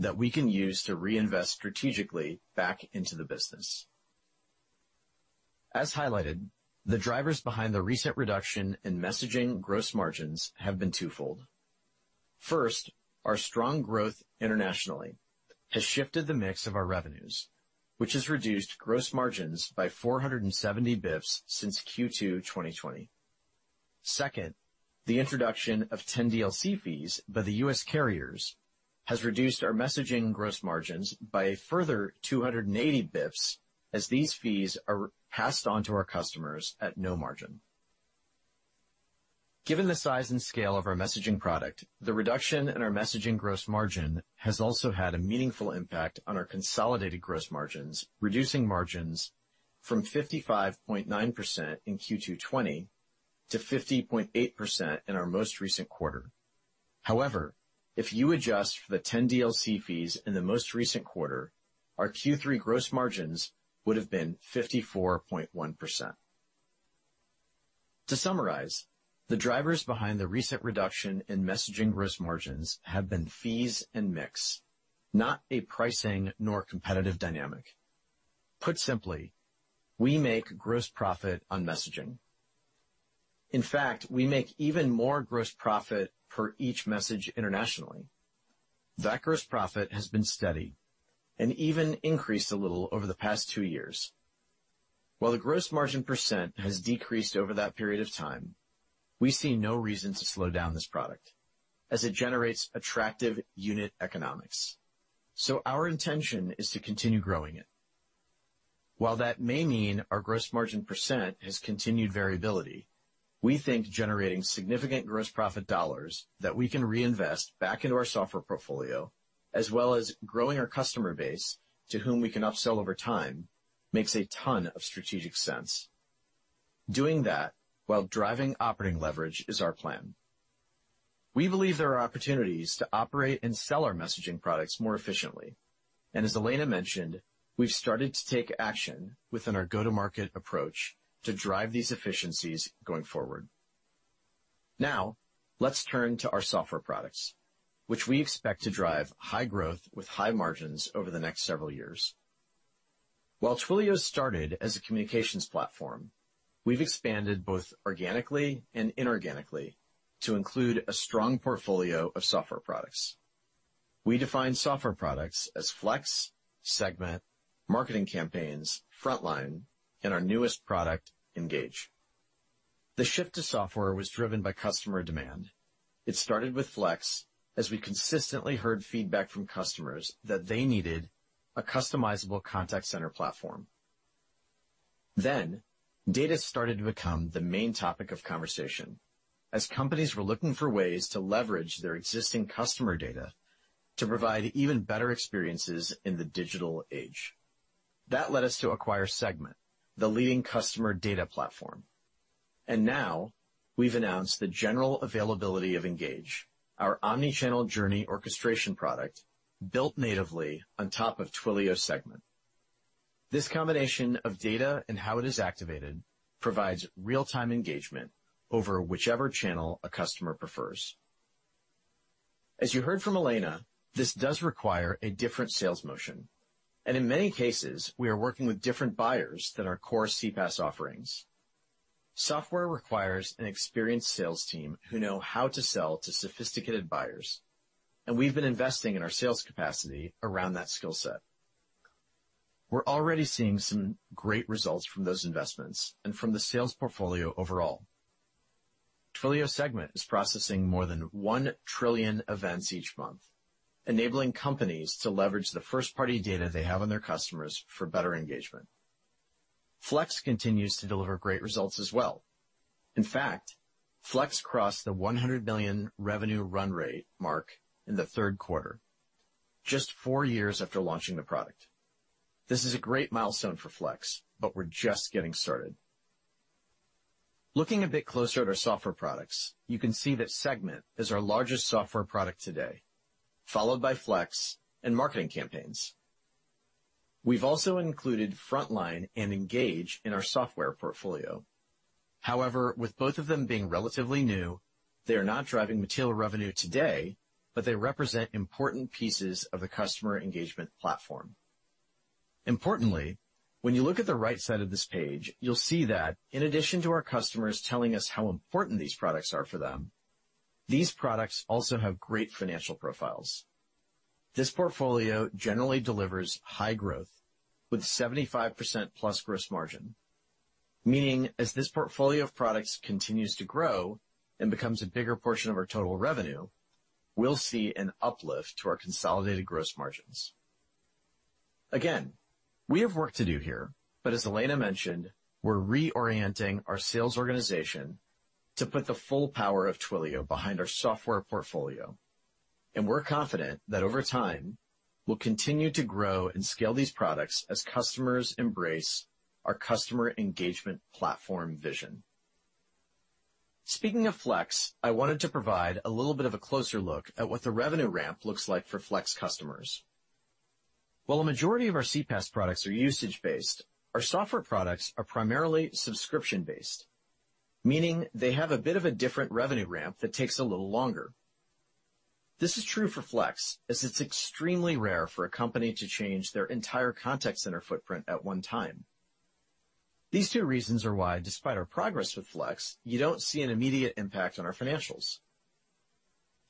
that we can use to reinvest strategically back into the business. As highlighted, the drivers behind the recent reduction in messaging gross margins have been twofold. First, our strong growth internationally has shifted the mix of our revenues, which has reduced gross margins by 470 basis points since Q2 2020. Second, the introduction of 10DLC fees by the U.S. carriers has reduced our messaging gross margins by a further 280 basis points as these fees are passed on to our customers at no margin. Given the size and scale of our messaging product, the reduction in our messaging gross margin has also had a meaningful impact on our consolidated gross margins, reducing margins from 55.9% in Q2 2020 to 50.8% in our most recent quarter. However, if you adjust for the 10DLC fees in the most recent quarter, our Q3 gross margins would have been 54.1%. To summarize, the drivers behind the recent reduction in messaging gross margins have been fees and mix, not a pricing nor competitive dynamic. Put simply, we make gross profit on messaging. In fact, we make even more gross profit per each message internationally. That gross profit has been steady and even increased a little over the past two years. While the gross margin percent has decreased over that period of time, we see no reason to slow down this product as it generates attractive unit economics, so our intention is to continue growing it. While that may mean our gross margin percent has continued variability, we think generating significant gross profit dollars that we can reinvest back into our software portfolio, as well as growing our customer base to whom we can upsell over time, makes a ton of strategic sense. Doing that while driving operating leverage is our plan. We believe there are opportunities to operate and sell our messaging products more efficiently, and as Elena mentioned, we've started to take action within our go-to-market approach to drive these efficiencies going forward. Now, let's turn to our software products, which we expect to drive high growth with high margins over the next several years. While Twilio started as a communications platform, we've expanded both organically and inorganically to include a strong portfolio of software products. We define software products as Flex, Segment, Marketing Campaigns, Frontline, and our newest product, Engage. The shift to software was driven by customer demand. It started with Flex, as we consistently heard feedback from customers that they needed a customizable contact center platform. Data started to become the main topic of conversation as companies were looking for ways to leverage their existing customer data to provide even better experiences in the digital age. That led us to acquire Segment, the leading customer data platform. Now we've announced the general availability of Engage, our omnichannel journey orchestration product built natively on top of Twilio Segment. This combination of data and how it is activated provides real-time engagement over whichever channel a customer prefers. As you heard from Elena, this does require a different sales motion, and in many cases, we are working with different buyers than our core CPaaS offerings. Software requires an experienced sales team who know how to sell to sophisticated buyers, and we've been investing in our sales capacity around that skill set. We're already seeing some great results from those investments and from the sales portfolio overall. Twilio Segment is processing more than 1 trillion events each month, enabling companies to leverage the first-party data they have on their customers for better engagement. Flex continues to deliver great results as well. In fact, Flex crossed the $100 million revenue run rate mark in the third quarter, just four years after launching the product. This is a great milestone for Flex, but we're just getting started. Looking a bit closer at our software products, you can see that Segment is our largest software product today, followed by Flex and Marketing Campaigns. We've also included Frontline and Engage in our software portfolio. However, with both of them being relatively new, they are not driving material revenue today, but they represent important pieces of the customer engagement platform. Importantly, when you look at the right side of this page, you'll see that in addition to our customers telling us how important these products are for them, these products also have great financial profiles. This portfolio generally delivers high growth with 75%+ gross margin, meaning as this portfolio of products continues to grow and becomes a bigger portion of our total revenue, we'll see an uplift to our consolidated gross margins. Again, we have work to do here, but as Elena mentioned, we're re-orienting our sales organization to put the full power of Twilio behind our software portfolio, and we're confident that over time, we'll continue to grow and scale these products as customers embrace our customer engagement platform vision. Speaking of Flex, I wanted to provide a little bit of a closer look at what the revenue ramp looks like for Flex customers. While a majority of our CPaaS products are usage-based, our software products are primarily subscription-based, meaning they have a bit of a different revenue ramp that takes a little longer. This is true for Flex, as it's extremely rare for a company to change their entire contact center footprint at one time. These two reasons are why, despite our progress with Flex, you don't see an immediate impact on our financials.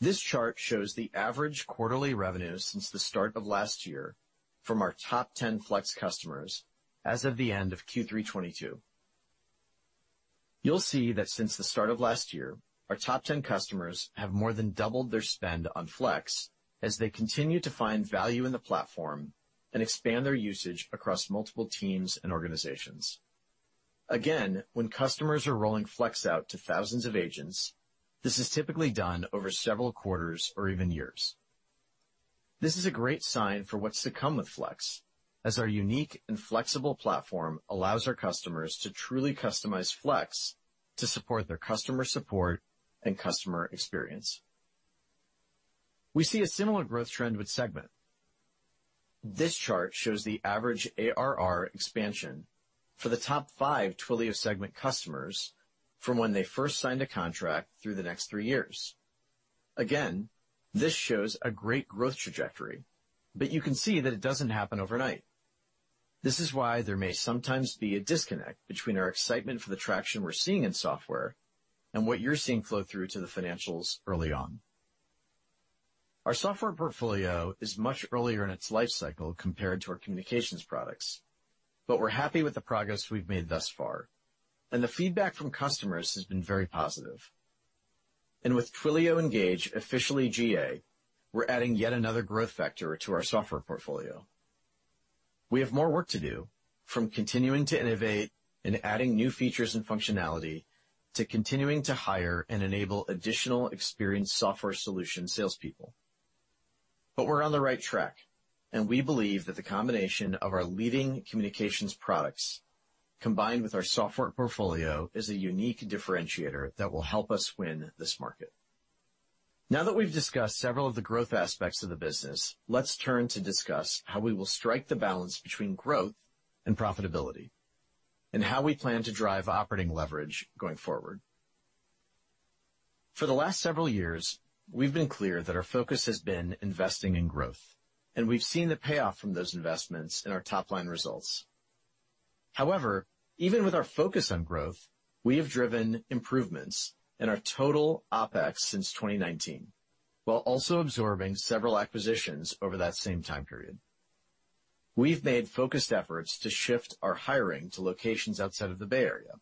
This chart shows the average quarterly revenue since the start of last year from our top 10 Flex customers as of the end of Q3 2022. You'll see that since the start of last year, our top 10 customers have more than doubled their spend on Flex as they continue to find value in the platform and expand their usage across multiple teams and organizations. Again, when customers are rolling Flex out to thousands of agents, this is typically done over several quarters or even years. This is a great sign for what's to come with Flex, as our unique and flexible platform allows our customers to truly customize Flex to support their customer support and customer experience. We see a similar growth trend with Segment. This chart shows the average ARR expansion for the top five Twilio Segment customers from when they first signed a contract through the next three years. Again, this shows a great growth trajectory, but you can see that it doesn't happen overnight. This is why there may sometimes be a disconnect between our excitement for the traction we're seeing in software and what you're seeing flow through to the financials early on. Our software portfolio is much earlier in its life cycle compared to our communications products, but we're happy with the progress we've made thus far, and the feedback from customers has been very positive. With Twilio Engage officially GA, we're adding yet another growth factor to our software portfolio. We have more work to do, from continuing to innovate and adding new features and functionality to continuing to hire and enable additional experienced software solution salespeople. We're on the right track, and we believe that the combination of our leading communications products combined with our software portfolio is a unique differentiator that will help us win this market. Now that we've discussed several of the growth aspects of the business, let's turn to discuss how we will strike the balance between growth and profitability and how we plan to drive operating leverage going forward. For the last several years, we've been clear that our focus has been investing in growth, and we've seen the payoff from those investments in our top-line results. However, even with our focus on growth, we have driven improvements in our total OpEx since 2019, while also absorbing several acquisitions over that same time period. We've made focused efforts to shift our hiring to locations outside of the Bay Area,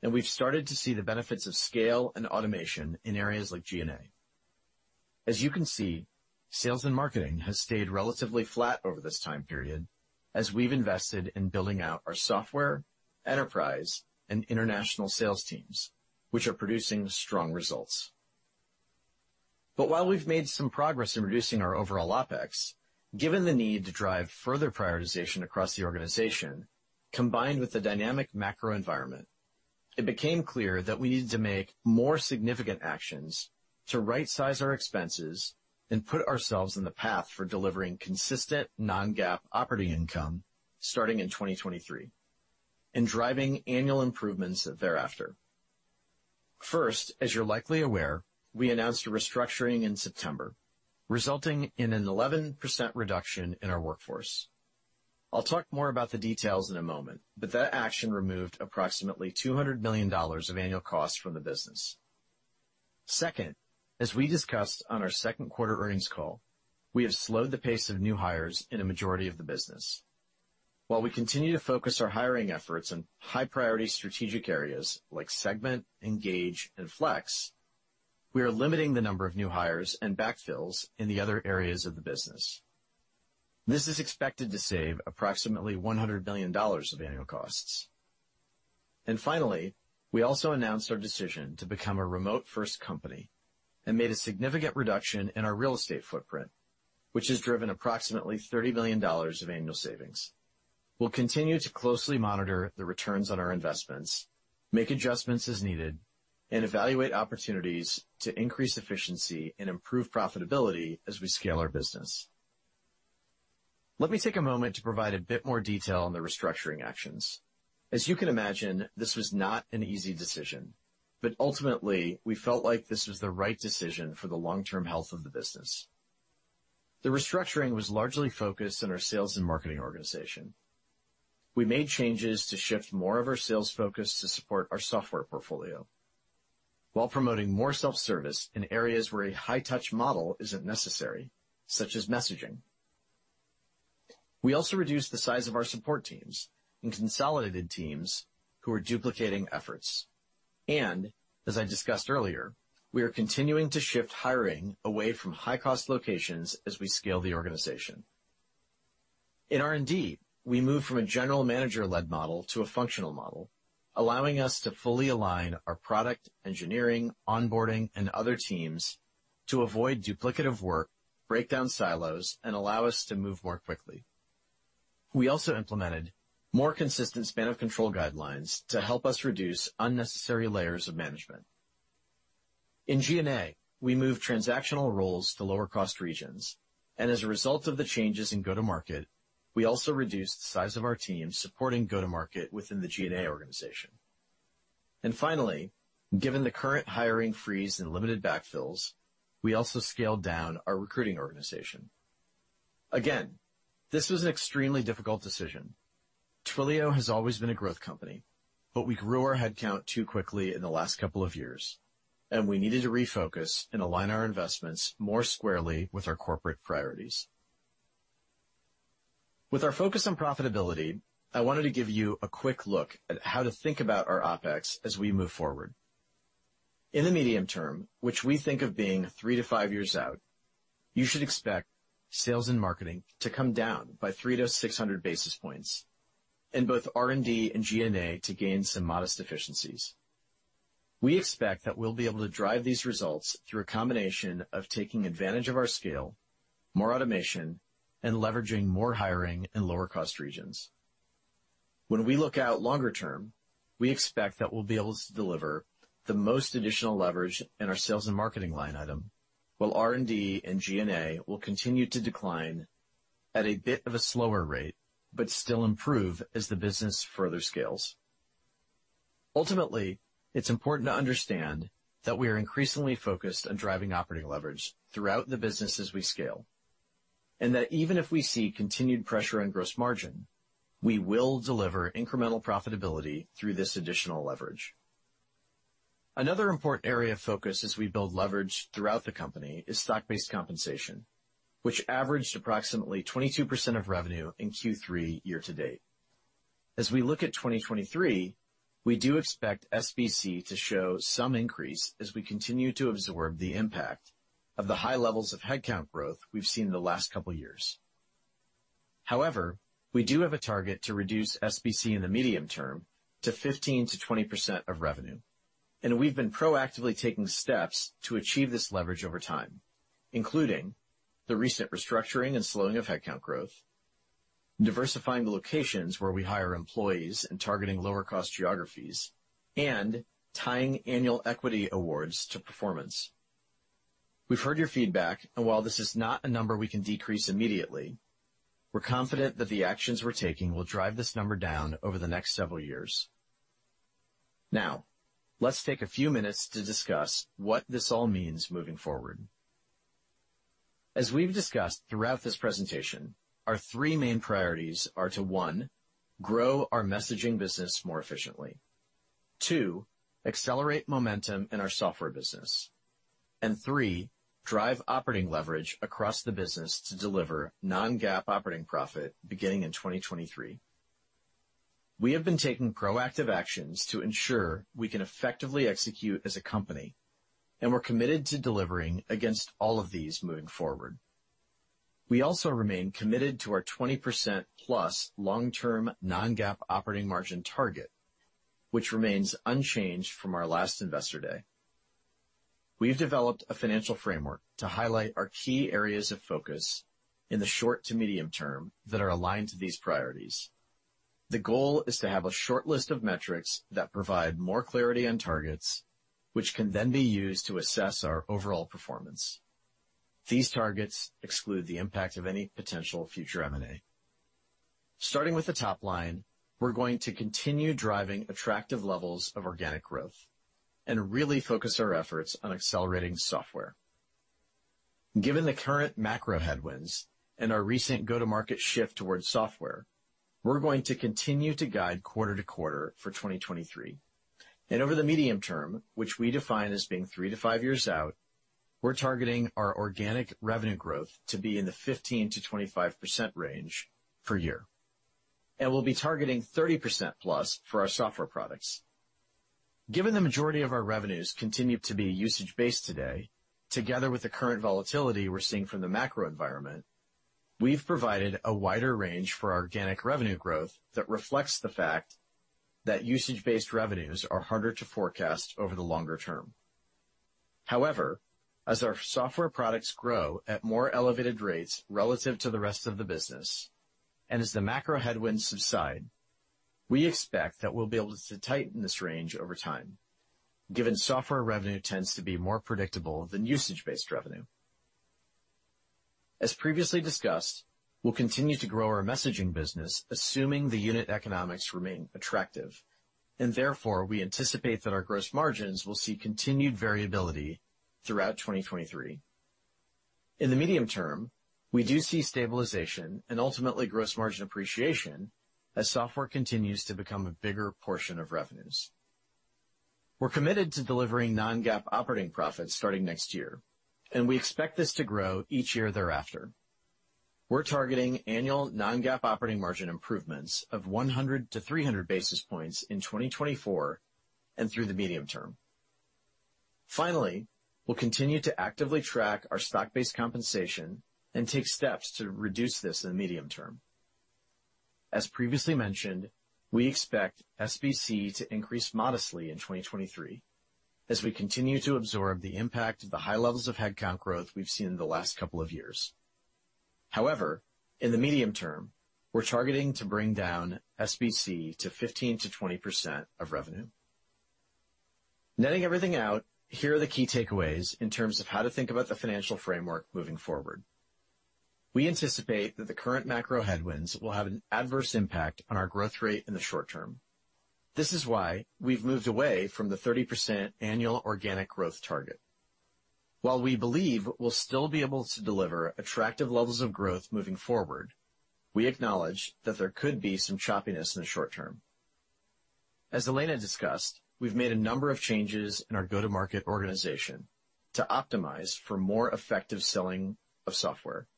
and we've started to see the benefits of scale and automation in areas like G&A. As you can see, sales and marketing has stayed relatively flat over this time period as we've invested in building out our software, enterprise, and international sales teams, which are producing strong results. While we've made some progress in reducing our overall OpEx, given the need to drive further prioritization across the organization, combined with the dynamic macro environment, it became clear that we needed to make more significant actions to rightsize our expenses and put ourselves in the path for delivering consistent non-GAAP operating income starting in 2023 and driving annual improvements thereafter. First, as you're likely aware, we announced a restructuring in September, resulting in an 11% reduction in our workforce. I'll talk more about the details in a moment, but that action removed approximately $200 million of annual costs from the business. Second, as we discussed on our second quarter earnings call, we have slowed the pace of new hires in a majority of the business. While we continue to focus our hiring efforts on high priority strategic areas like Segment, Engage, and Flex, we are limiting the number of new hires and backfills in the other areas of the business. This is expected to save approximately $100 million of annual costs. Finally, we also announced our decision to become a remote-first company and made a significant reduction in our real estate footprint, which has driven approximately $30 million of annual savings. We'll continue to closely monitor the returns on our investments, make adjustments as needed, and evaluate opportunities to increase efficiency and improve profitability as we scale our business. Let me take a moment to provide a bit more detail on the restructuring actions. As you can imagine, this was not an easy decision, but ultimately, we felt like this was the right decision for the long-term health of the business. The restructuring was largely focused on our sales and marketing organization. We made changes to shift more of our sales focus to support our software portfolio while promoting more self-service in areas where a high-touch model isn't necessary, such as messaging. We also reduced the size of our support teams and consolidated teams who are duplicating efforts. As I discussed earlier, we are continuing to shift hiring away from high-cost locations as we scale the organization. In R&D, we moved from a general manager-led model to a functional model, allowing us to fully align our product, engineering, onboarding, and other teams to avoid duplicative work, break down silos, and allow us to move more quickly. We also implemented more consistent span of control guidelines to help us reduce unnecessary layers of management. In G&A, we moved transactional roles to lower-cost regions. As a result of the changes in go-to-market, we also reduced the size of our team supporting go-to-market within the G&A organization. Finally, given the current hiring freeze and limited backfills, we also scaled down our recruiting organization. Again, this was an extremely difficult decision. Twilio has always been a growth company, but we grew our headcount too quickly in the last couple of years, and we needed to refocus and align our investments more squarely with our corporate priorities. With our focus on profitability, I wanted to give you a quick look at how to think about our OpEx as we move forward. In the medium term, which we think of being three to five years out, you should expect sales and marketing to come down by 300 basis points-600 basis points in both R&D and G&A to gain some modest efficiencies. We expect that we'll be able to drive these results through a combination of taking advantage of our scale, more automation, and leveraging more hiring in lower-cost regions. When we look out longer term, we expect that we'll be able to deliver the most additional leverage in our sales and marketing line item, while R&D and G&A will continue to decline at a bit of a slower rate but still improve as the business further scales. Ultimately, it's important to understand that we are increasingly focused on driving operating leverage throughout the business as we scale, and that even if we see continued pressure on gross margin, we will deliver incremental profitability through this additional leverage. Another important area of focus as we build leverage throughout the company is stock-based compensation, which averaged approximately 22% of revenue in Q3 year-to-date. As we look at 2023, we do expect SBC to show some increase as we continue to absorb the impact of the high levels of headcount growth we've seen in the last couple years. However, we do have a target to reduce SBC in the medium term to 15%-20% of revenue, and we've been proactively taking steps to achieve this leverage over time, including the recent restructuring and slowing of headcount growth, diversifying the locations where we hire employees and targeting lower-cost geographies, and tying annual equity awards to performance. We've heard your feedback, and while this is not a number we can decrease immediately, we're confident that the actions we're taking will drive this number down over the next several years. Now, let's take a few minutes to discuss what this all means moving forward. As we've discussed throughout this presentation, our three main priorities are to, one, grow our messaging business more efficiently, two, accelerate momentum in our software business, and three, drive operating leverage across the business to deliver non-GAAP operating profit beginning in 2023. We have been taking proactive actions to ensure we can effectively execute as a company, and we're committed to delivering against all of these moving forward. We also remain committed to our 20%+ long-term non-GAAP operating margin target, which remains unchanged from our last Investor Day. We've developed a financial framework to highlight our key areas of focus in the short to medium term that are aligned to these priorities. The goal is to have a short list of metrics that provide more clarity on targets, which can then be used to assess our overall performance. These targets exclude the impact of any potential future M&A. Starting with the top line, we're going to continue driving attractive levels of organic growth and really focus our efforts on accelerating software. Given the current macro headwinds and our recent go-to-market shift towards software, we're going to continue to guide quarter to quarter for 2023. Over the medium term, which we define as being three to five years out, we're targeting our organic revenue growth to be in the 15%-25% range per year, and we'll be targeting 30%+ for our software products. Given the majority of our revenues continue to be usage-based today, together with the current volatility we're seeing from the macro environment, we've provided a wider range for organic revenue growth that reflects the fact that usage-based revenues are harder to forecast over the longer term. However, as our software products grow at more elevated rates relative to the rest of the business, and as the macro headwinds subside. We expect that we'll be able to tighten this range over time, given software revenue tends to be more predictable than usage-based revenue. As previously discussed, we'll continue to grow our messaging business, assuming the unit economics remain attractive, and therefore, we anticipate that our gross margins will see continued variability throughout 2023. In the medium term, we do see stabilization and ultimately gross margin appreciation as software continues to become a bigger portion of revenues. We're committed to delivering non-GAAP operating profits starting next year, and we expect this to grow each year thereafter. We're targeting annual non-GAAP operating margin improvements of 100 basis points-300 basis points in 2024 and through the medium term. Finally, we'll continue to actively track our stock-based compensation and take steps to reduce this in the medium term. As previously mentioned, we expect SBC to increase modestly in 2023 as we continue to absorb the impact of the high levels of headcount growth we've seen in the last couple of years. However, in the medium term, we're targeting to bring down SBC to 15%-20% of revenue. Netting everything out, here are the key takeaways in terms of how to think about the financial framework moving forward. We anticipate that the current macro headwinds will have an adverse impact on our growth rate in the short term. This is why we've moved away from the 30% annual organic growth target. While we believe we'll still be able to deliver attractive levels of growth moving forward, we acknowledge that there could be some choppiness in the short term. As Elena discussed, we've made a number of changes in our go-to-market organization to optimize for more effective selling of software.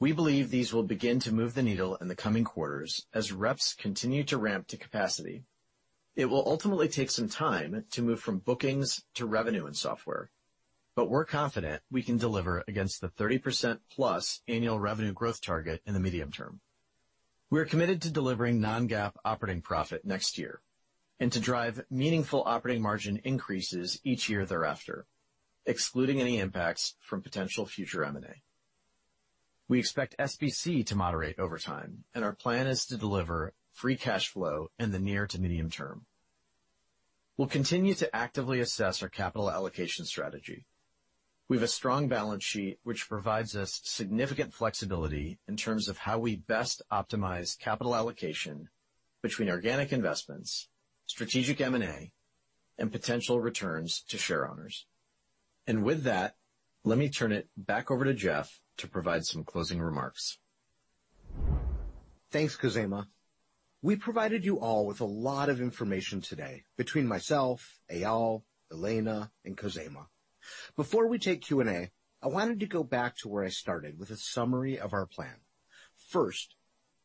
We believe these will begin to move the needle in the coming quarters as reps continue to ramp to capacity. It will ultimately take some time to move from bookings to revenue and software, but we're confident we can deliver against the 30%+ annual revenue growth target in the medium term. We are committed to delivering non-GAAP operating profit next year and to drive meaningful operating margin increases each year thereafter, excluding any impacts from potential future M&A. We expect SBC to moderate over time, and our plan is to deliver free cash flow in the near to medium term. We'll continue to actively assess our capital allocation strategy. We have a strong balance sheet which provides us significant flexibility in terms of how we best optimize capital allocation between organic investments, strategic M&A, and potential returns to shareowners. With that, let me turn it back over to Jeff to provide some closing remarks. Thanks, Khozema. We provided you all with a lot of information today between myself, Eyal, Elena, and Khozema. Before we take Q&A, I wanted to go back to where I started with a summary of our plan. First,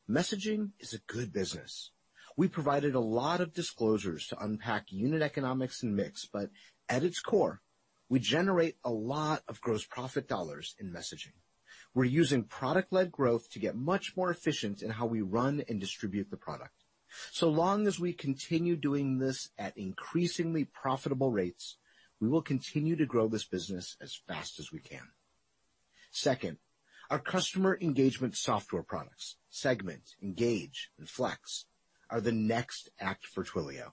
messaging is a good business. We provided a lot of disclosures to unpack unit economics and mix, but at its core, we generate a lot of gross profit dollars in messaging. We're using product-led growth to get much more efficient in how we run and distribute the product. So long as we continue doing this at increasingly profitable rates, we will continue to grow this business as fast as we can. Second, our customer engagement software products, Segment, Engage, and Flex, are the next act for Twilio.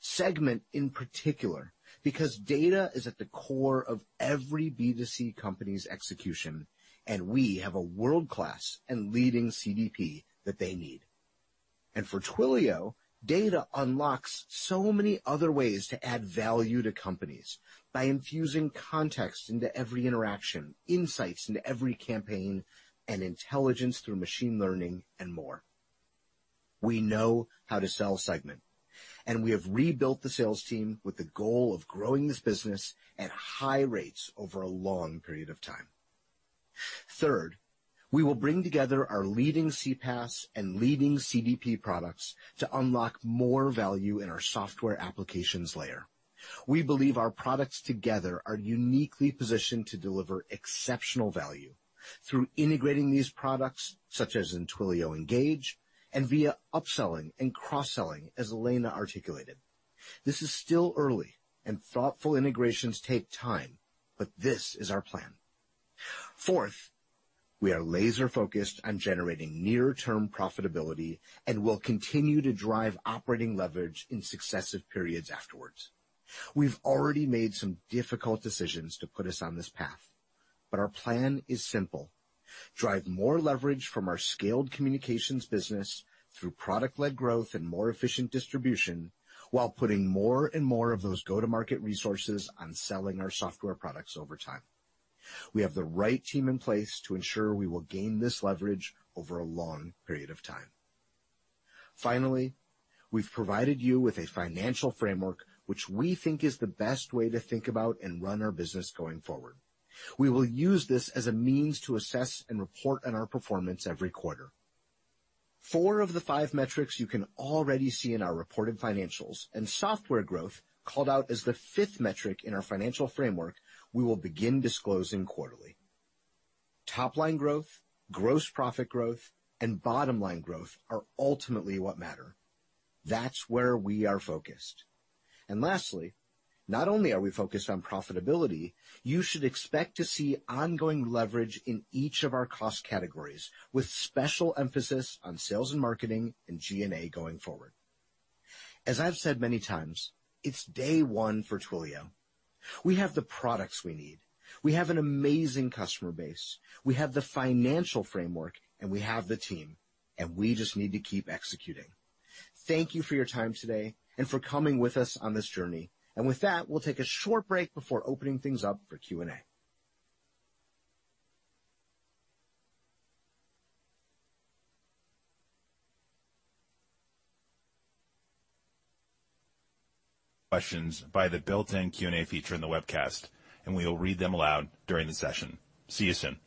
Segment in particular, because data is at the core of every B2C company's execution, and we have a world-class and leading CDP that they need. For Twilio, data unlocks so many other ways to add value to companies by infusing context into every interaction, insights into every campaign, and intelligence through machine learning and more. We know how to sell Segment, and we have rebuilt the sales team with the goal of growing this business at high rates over a long period of time. Third, we will bring together our leading CPaaS and leading CDP products to unlock more value in our software applications layer. We believe our products together are uniquely positioned to deliver exceptional value through integrating these products, such as in Twilio Engage and via upselling and cross-selling, as Elena articulated. This is still early and thoughtful integrations take time, but this is our plan. Fourth, we are laser-focused on generating near-term profitability and will continue to drive operating leverage in successive periods afterwards. We've already made some difficult decisions to put us on this path, but our plan is simple. Drive more leverage from our scaled communications business through product-led growth and more efficient distribution while putting more and more of those go-to-market resources on selling our software products over time. We have the right team in place to ensure we will gain this leverage over a long period of time. Finally, we've provided you with a financial framework which we think is the best way to think about and run our business going forward. We will use this as a means to assess and report on our performance every quarter. Four of the five metrics you can already see in our reported financials, and software growth, called out as the fifth metric in our financial framework, we will begin disclosing quarterly. Top-line growth, gross profit growth, and bottom-line growth are ultimately what matter. That's where we are focused. Lastly, not only are we focused on profitability, you should expect to see ongoing leverage in each of our cost categories, with special emphasis on sales and marketing and G&A going forward. As I've said many times, it's day one for Twilio. We have the products we need. We have an amazing customer base. We have the financial framework, and we have the team, and we just need to keep executing. Thank you for your time today and for coming with us on this journey. With that, we'll take a short break before opening things up for Q&A. Questions by the built-in Q&A feature in the webcast, and we will read them aloud during the session. See you soon.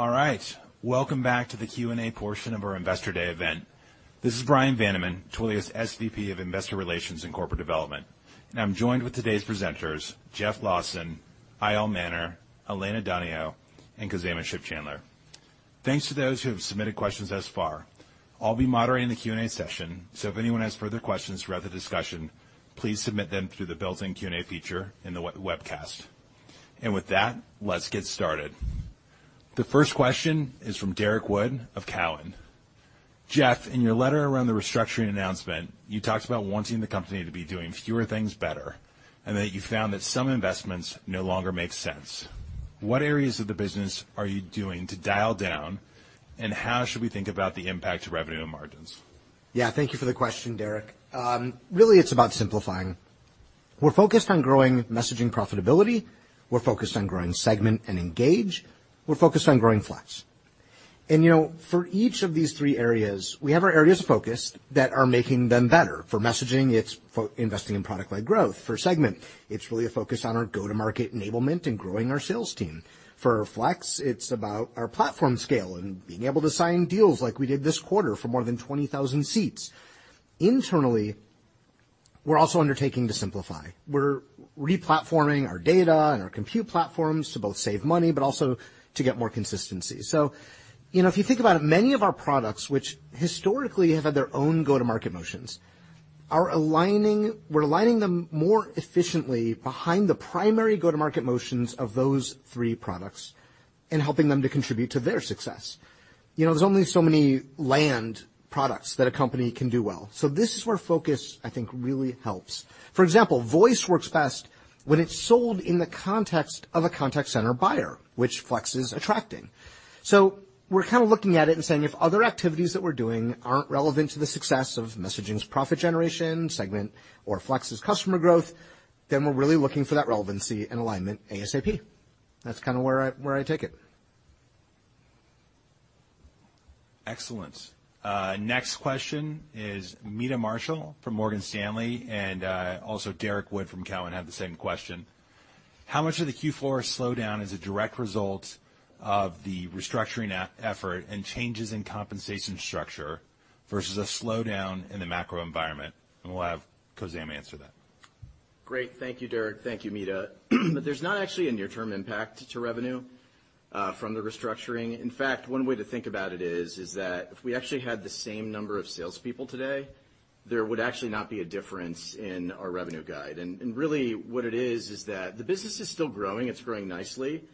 All right. Welcome back to the Q&A portion of our Investor Day event. This is Bryan Vaniman, Twilio's SVP of Investor Relations and Corporate Development. I'm joined with today's presenters, Jeff Lawson, Eyal Manor, Elena Donio, and Khozema Shipchandler. Thanks to those who have submitted questions thus far. I'll be moderating the Q&A session, so if anyone has further questions throughout the discussion, please submit them through the built-in Q&A feature in the webcast. With that, let's get started. The first question is from Derrick Wood of Cowen. Jeff, in your letter around the restructuring announcement, you talked about wanting the company to be doing fewer things better, and that you found that some investments no longer make sense. What areas of the business are you doing to dial down, and how should we think about the impact to revenue and margins? Yeah, thank you for the question, Derrick. Really, it's about simplifying. We're focused on growing messaging profitability. We're focused on growing Segment and Engage. We're focused on growing Flex. You know, for each of these three areas, we have our areas of focus that are making them better. For messaging, it's investing in product-led growth. For Segment, it's really a focus on our go-to-market enablement and growing our sales team. For Flex, it's about our platform scale and being able to sign deals like we did this quarter for more than 20,000 seats. Internally, we're also undertaking to simplify. We're re-platforming our data and our compute platforms to both save money but also to get more consistency. You know, if you think about it, many of our products, which historically have had their own go-to-market motions, are aligning, we're aligning them more efficiently behind the primary go-to-market motions of those three products and helping them to contribute to their success. You know, there's only so many land products that a company can do well. This is where focus, I think, really helps. For example, Voice works best when it's sold in the context of a contact center buyer, which Flex is attracting. We're kind of looking at it and saying, if other activities that we're doing aren't relevant to the success of Messaging's profit generation, Segment or Flex's customer growth, then we're really looking for that relevancy and alignment ASAP. That's kinda where I take it. Excellent. Next question is Meta Marshall from Morgan Stanley, and also Derrick Wood from Cowen have the same question: How much of the Q4 slowdown is a direct result of the restructuring effort and changes in compensation structure versus a slowdown in the macro environment? We'll have Khozema answer that. Great. Thank you, Derrick. Thank you, Meta. There's not actually a near-term impact to revenue from the restructuring. In fact, one way to think about it is that if we actually had the same number of salespeople today, there would actually not be a difference in our revenue guide. Really what it is is that the business is still growing. It's growing nicely,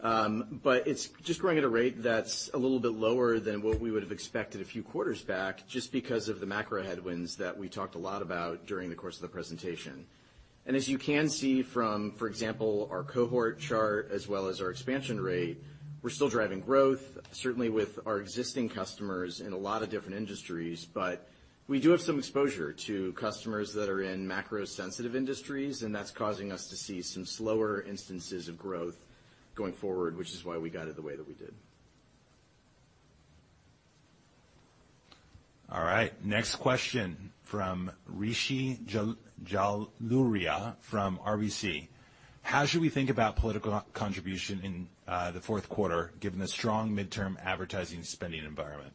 but it's just growing at a rate that's a little bit lower than what we would have expected a few quarters back just because of the macro headwinds that we talked a lot about during the course of the presentation. As you can see from, for example, our cohort chart as well as our expansion rate, we're still driving growth, certainly with our existing customers in a lot of different industries. We do have some exposure to customers that are in macro-sensitive industries, and that's causing us to see some slower instances of growth going forward, which is why we guided the way that we did. All right. Next question from Rishi Jaluria from RBC: How should we think about political contribution in the fourth quarter, given the strong midterm advertising spending environment?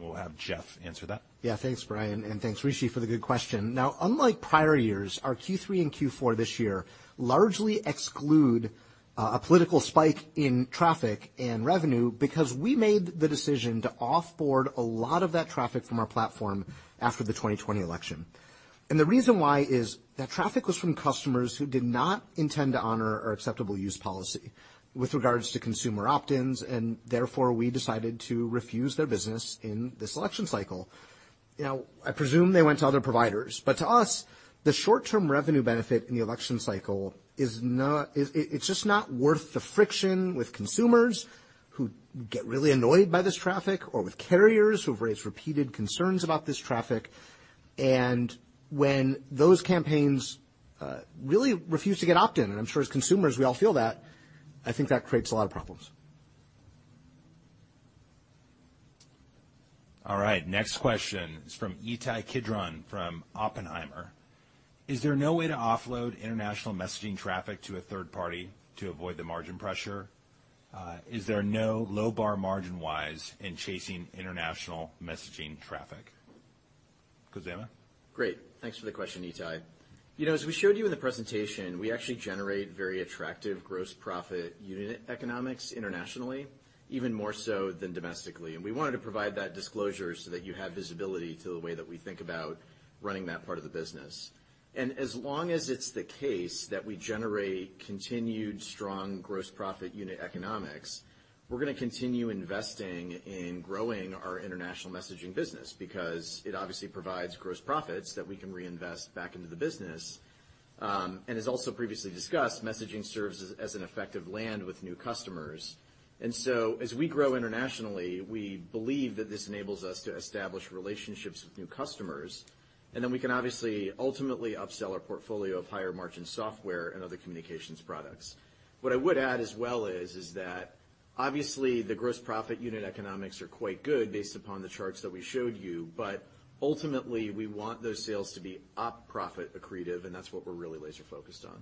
We'll have Jeff answer that. Yeah. Thanks, Bryan, and thanks, Rishi, for the good question. Now, unlike prior years, our Q3 and Q4 this year largely exclude a political spike in traffic and revenue because we made the decision to off-board a lot of that traffic from our platform after the 2020 election. The reason why is that traffic was from customers who did not intend to honor our acceptable use policy with regards to consumer opt-ins, and therefore, we decided to refuse their business in this election cycle. You know, I presume they went to other providers, but to us, the short-term revenue benefit in the election cycle is not worth the friction with consumers who get really annoyed by this traffic or with carriers who've raised repeated concerns about this traffic. When those campaigns really refuse to get opt-in, and I'm sure as consumers, we all feel that, I think that creates a lot of problems. All right. Next question is from Ittai Kidron from Oppenheimer: Is there no way to offload international messaging traffic to a third party to avoid the margin pressure? Is there no low bar margin-wise in chasing international messaging traffic? Khozema. Great. Thanks for the question, Ittai. You know, as we showed you in the presentation, we actually generate very attractive gross profit unit economics internationally, even more so than domestically. We wanted to provide that disclosure so that you have visibility to the way that we think about running that part of the business. As long as it's the case that we generate continued strong gross profit unit economics, we're gonna continue investing in growing our international messaging business because it obviously provides gross profits that we can reinvest back into the business. As also previously discussed, messaging serves as an effective land with new customers. As we grow internationally, we believe that this enables us to establish relationships with new customers, and then we can obviously ultimately upsell our portfolio of higher margin software and other communications products. What I would add as well is that obviously the gross profit unit economics are quite good based upon the charts that we showed you, but ultimately, we want those sales to be operating profit accretive, and that's what we're really laser-focused on.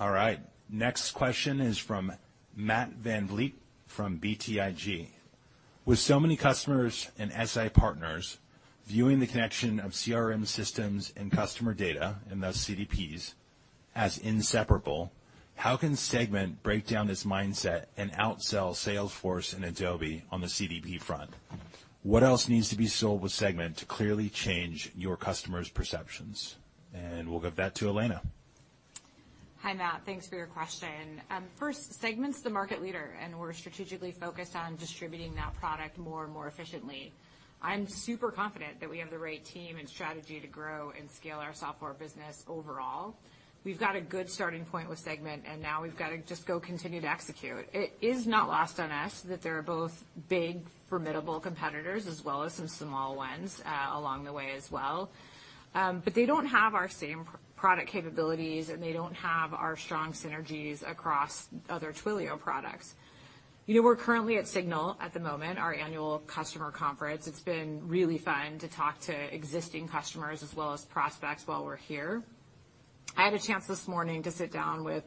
All right. Next question is from Matt VanVliet from BTIG. With so many customers and SI partners viewing the connection of CRM systems and customer data and thus CDPs as inseparable, how can Segment break down this mindset and outsell Salesforce and Adobe on the CDP front? What else needs to be sold with Segment to clearly change your customers' perceptions? We'll give that to Elena Donio. Hi, Matt. Thanks for your question. First, Segment's the market leader, and we're strategically focused on distributing that product more and more efficiently. I'm super confident that we have the right team and strategy to grow and scale our software business overall. We've got a good starting point with Segment, and now we've got to just go continue to execute. It is not lost on us that they are both big, formidable competitors as well as some small ones along the way as well. But they don't have our same product capabilities, and they don't have our strong synergies across other Twilio products. You know, we're currently at SIGNAL at the moment, our annual customer conference. It's been really fun to talk to existing customers as well as prospects while we're here. I had a chance this morning to sit down with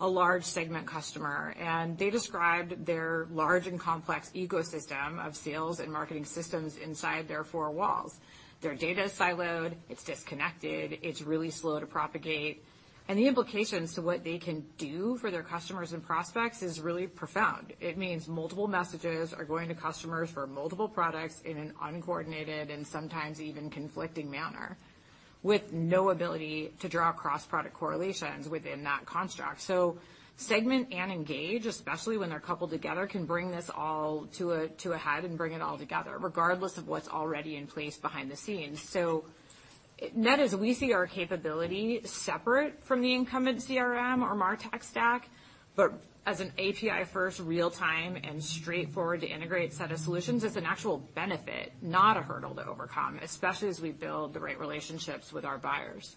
a large Segment customer, and they described their large and complex ecosystem of sales and marketing systems inside their four walls. Their data is siloed, it's disconnected, it's really slow to propagate, and the implications to what they can do for their customers and prospects is really profound. It means multiple messages are going to customers for multiple products in an uncoordinated and sometimes even conflicting manner, with no ability to draw cross-product correlations within that construct. Segment and Engage, especially when they're coupled together, can bring this all to a head and bring it all together, regardless of what's already in place behind the scenes. Net is we see our capability separate from the incumbent CRM or MarTech stack, but as an API-first, real-time, and straightforward to integrate set of solutions as an actual benefit, not a hurdle to overcome, especially as we build the right relationships with our buyers.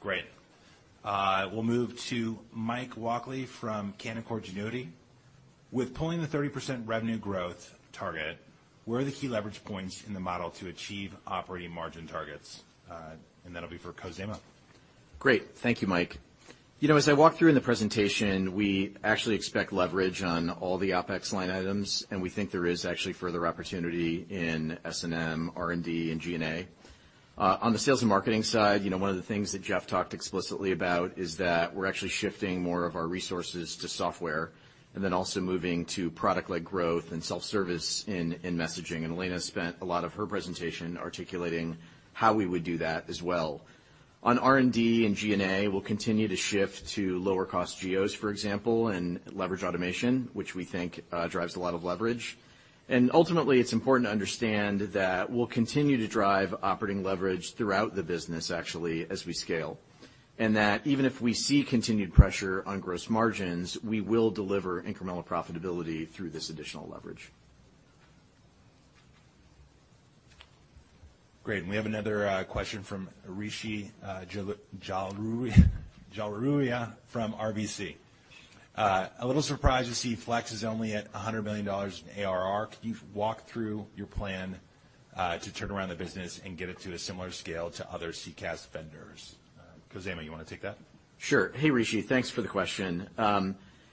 Great. We'll move to Mike Walkley from Canaccord Genuity. With pulling the 30% revenue growth target, where are the key leverage points in the model to achieve operating margin targets? That'll be for Khozema. Great. Thank you, Mike. You know, as I walked through in the presentation, we actually expect leverage on all the OpEx line items, and we think there is actually further opportunity in S&M, R&D, and G&A. On the sales and marketing side, you know, one of the things that Jeff talked explicitly about is that we're actually shifting more of our resources to software and then also moving to product-led growth and self-service in messaging. Elena spent a lot of her presentation articulating how we would do that as well. On R&D and G&A, we'll continue to shift to lower cost geos, for example, and leverage automation, which we think drives a lot of leverage. Ultimately, it's important to understand that we'll continue to drive operating leverage throughout the business actually as we scale, and that even if we see continued pressure on gross margins, we will deliver incremental profitability through this additional leverage. Great. We have another question from Rishi Jaluria from RBC. A little surprised to see Flex is only at $100 million in ARR. Could you walk through your plan to turn around the business and get it to a similar scale to other CCaaS vendors? Khozema, you wanna take that? Sure. Hey, Rishi. Thanks for the question.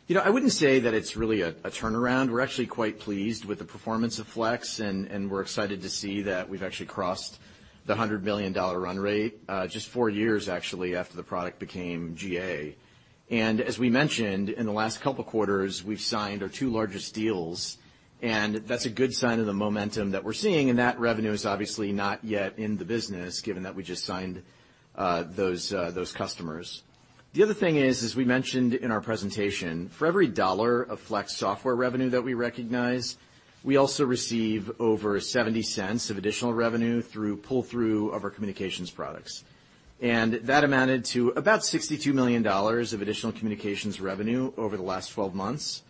You know, I wouldn't say that it's really a turnaround. We're actually quite pleased with the performance of Flex, and we're excited to see that we've actually crossed the $100 million run rate, just four years actually after the product became GA. As we mentioned, in the last couple quarters, we've signed our two largest deals, and that's a good sign of the momentum that we're seeing, and that revenue is obviously not yet in the business given that we just signed those customers. The other thing is, as we mentioned in our presentation, for every dollar of Flex software revenue that we recognize, we also receive over $0.70 of additional revenue through pull-through of our communications products. That amounted to about $62 million of additional communications revenue over the last 12 months.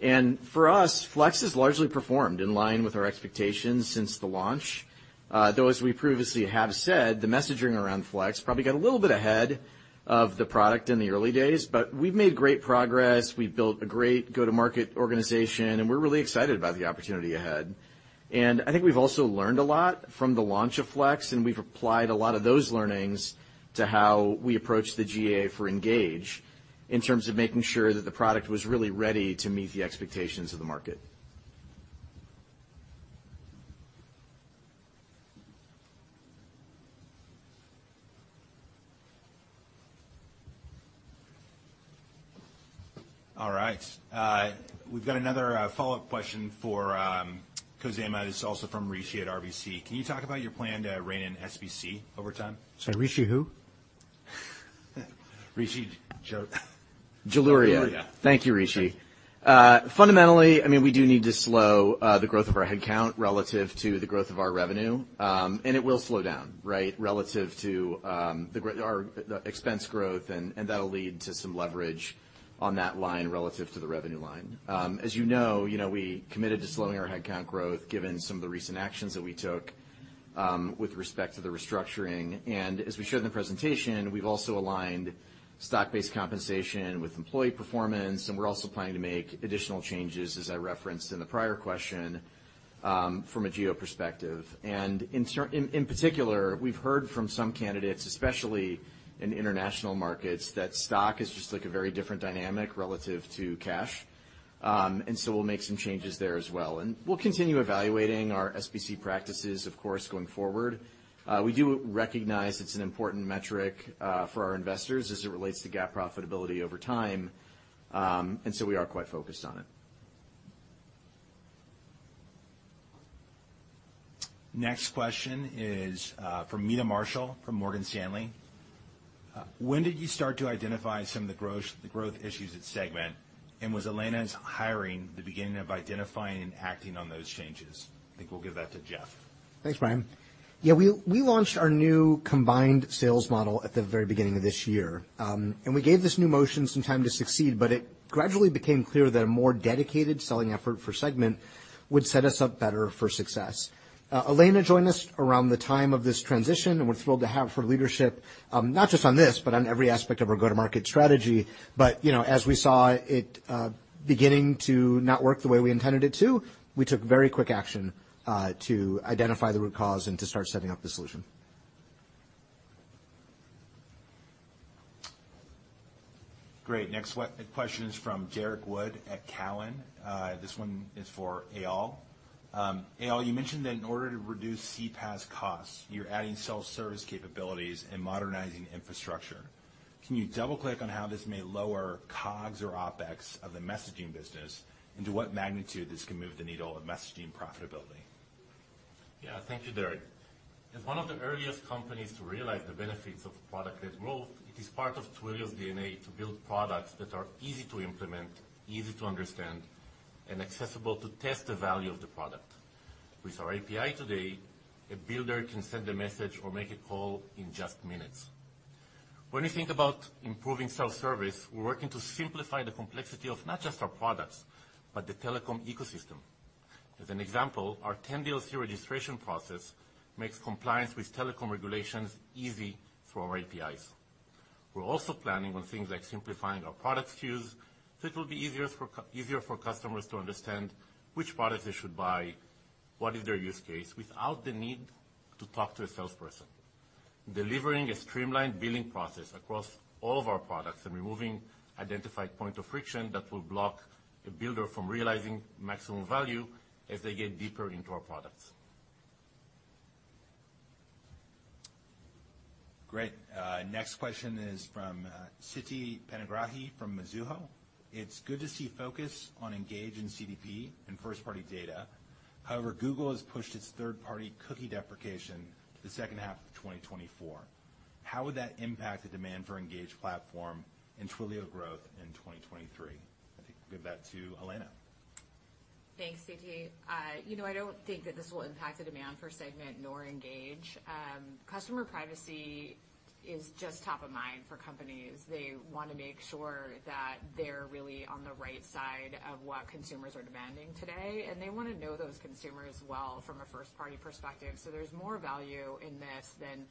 For us, Flex has largely performed in line with our expectations since the launch. Though as we previously have said, the messaging around Flex probably got a little bit ahead of the product in the early days, but we've made great progress. We've built a great go-to-market organization, and we're really excited about the opportunity ahead. I think we've also learned a lot from the launch of Flex, and we've applied a lot of those learnings to how we approach the GA for Engage in terms of making sure that the product was really ready to meet the expectations of the market. All right. We've got another follow-up question for Khozema. This is also from Rishi at RBC. Can you talk about your plan to rein in SBC over time? Sorry, Rishi who? Rishi Jaluria Jaluria Jaluria. Thank you, Rishi. Fundamentally, I mean, we do need to slow the growth of our head count relative to the growth of our revenue. It will slow down, right, relative to the expense growth, and that'll lead to some leverage on that line relative to the revenue line. As you know, you know, we committed to slowing our head count growth given some of the recent actions that we took with respect to the restructuring. As we showed in the presentation, we've also aligned stock-based compensation with employee performance, and we're also planning to make additional changes, as I referenced in the prior question, from a geo perspective. In particular, we've heard from some candidates, especially in international markets, that stock is just, like, a very different dynamic relative to cash. We'll make some changes there as well. We'll continue evaluating our SBC practices of course going forward. We do recognize it's an important metric for our investors as it relates to GAAP profitability over time. We are quite focused on it. Next question is from Meta Marshall from Morgan Stanley. When did you start to identify some of the growth issues at Segment? Was Elena's hiring the beginning of identifying and acting on those changes? I think we'll give that to Jeff. Thanks, Bryan. Yeah, we launched our new combined sales model at the very beginning of this year. We gave this new motion some time to succeed, but it gradually became clear that a more dedicated selling effort for Segment would set us up better for success. Elena joined us around the time of this transition, and we're thrilled to have her leadership, not just on this, but on every aspect of our go-to-market strategy. You know, as we saw it beginning to not work the way we intended it to, we took very quick action to identify the root cause and to start setting up the solution. Great. Next question is from Derrick Wood at Cowen. This one is for Eyal. Eyal, you mentioned that in order to reduce CPaaS costs, you're adding self-service capabilities and modernizing infrastructure. Can you double-click on how this may lower COGS or OpEx of the messaging business, and to what magnitude this can move the needle of messaging profitability? Yeah. Thank you, Derrick. As one of the earliest companies to realize the benefits of product-led growth, it is part of Twilio's DNA to build products that are easy to implement, easy to understand, and accessible to test the value of the product. With our API today, a builder can send a message or make a call in just minutes. When we think about improving self-service, we're working to simplify the complexity of not just our products, but the telecom ecosystem. As an example, our 10DLC registration process makes compliance with telecom regulations easy for our APIs. We're also planning on things like simplifying our product SKUs, so it will be easier for customers to understand which products they should buy, what is their use case, without the need to talk to a salesperson. Delivering a streamlined billing process across all of our products and removing identified point of friction that will block a builder from realizing maximum value as they get deeper into our products. Great. Next question is from Siti Panigrahi from Mizuho. It's good to see focus on Engage and CDP and first-party data. However, Google has pushed its third-party cookie deprecation to the second half of 2024. How would that impact the demand for Engage platform and Twilio growth in 2023? I think we'll give that to Elena Donio. Thanks, Siti. You know, I don't think that this will impact the demand for Segment nor Engage. Customer privacy is just top of mind for companies. They wanna make sure that they're really on the right side of what consumers are demanding today, and they wanna know those consumers well from a first-party perspective. So there's more value in this than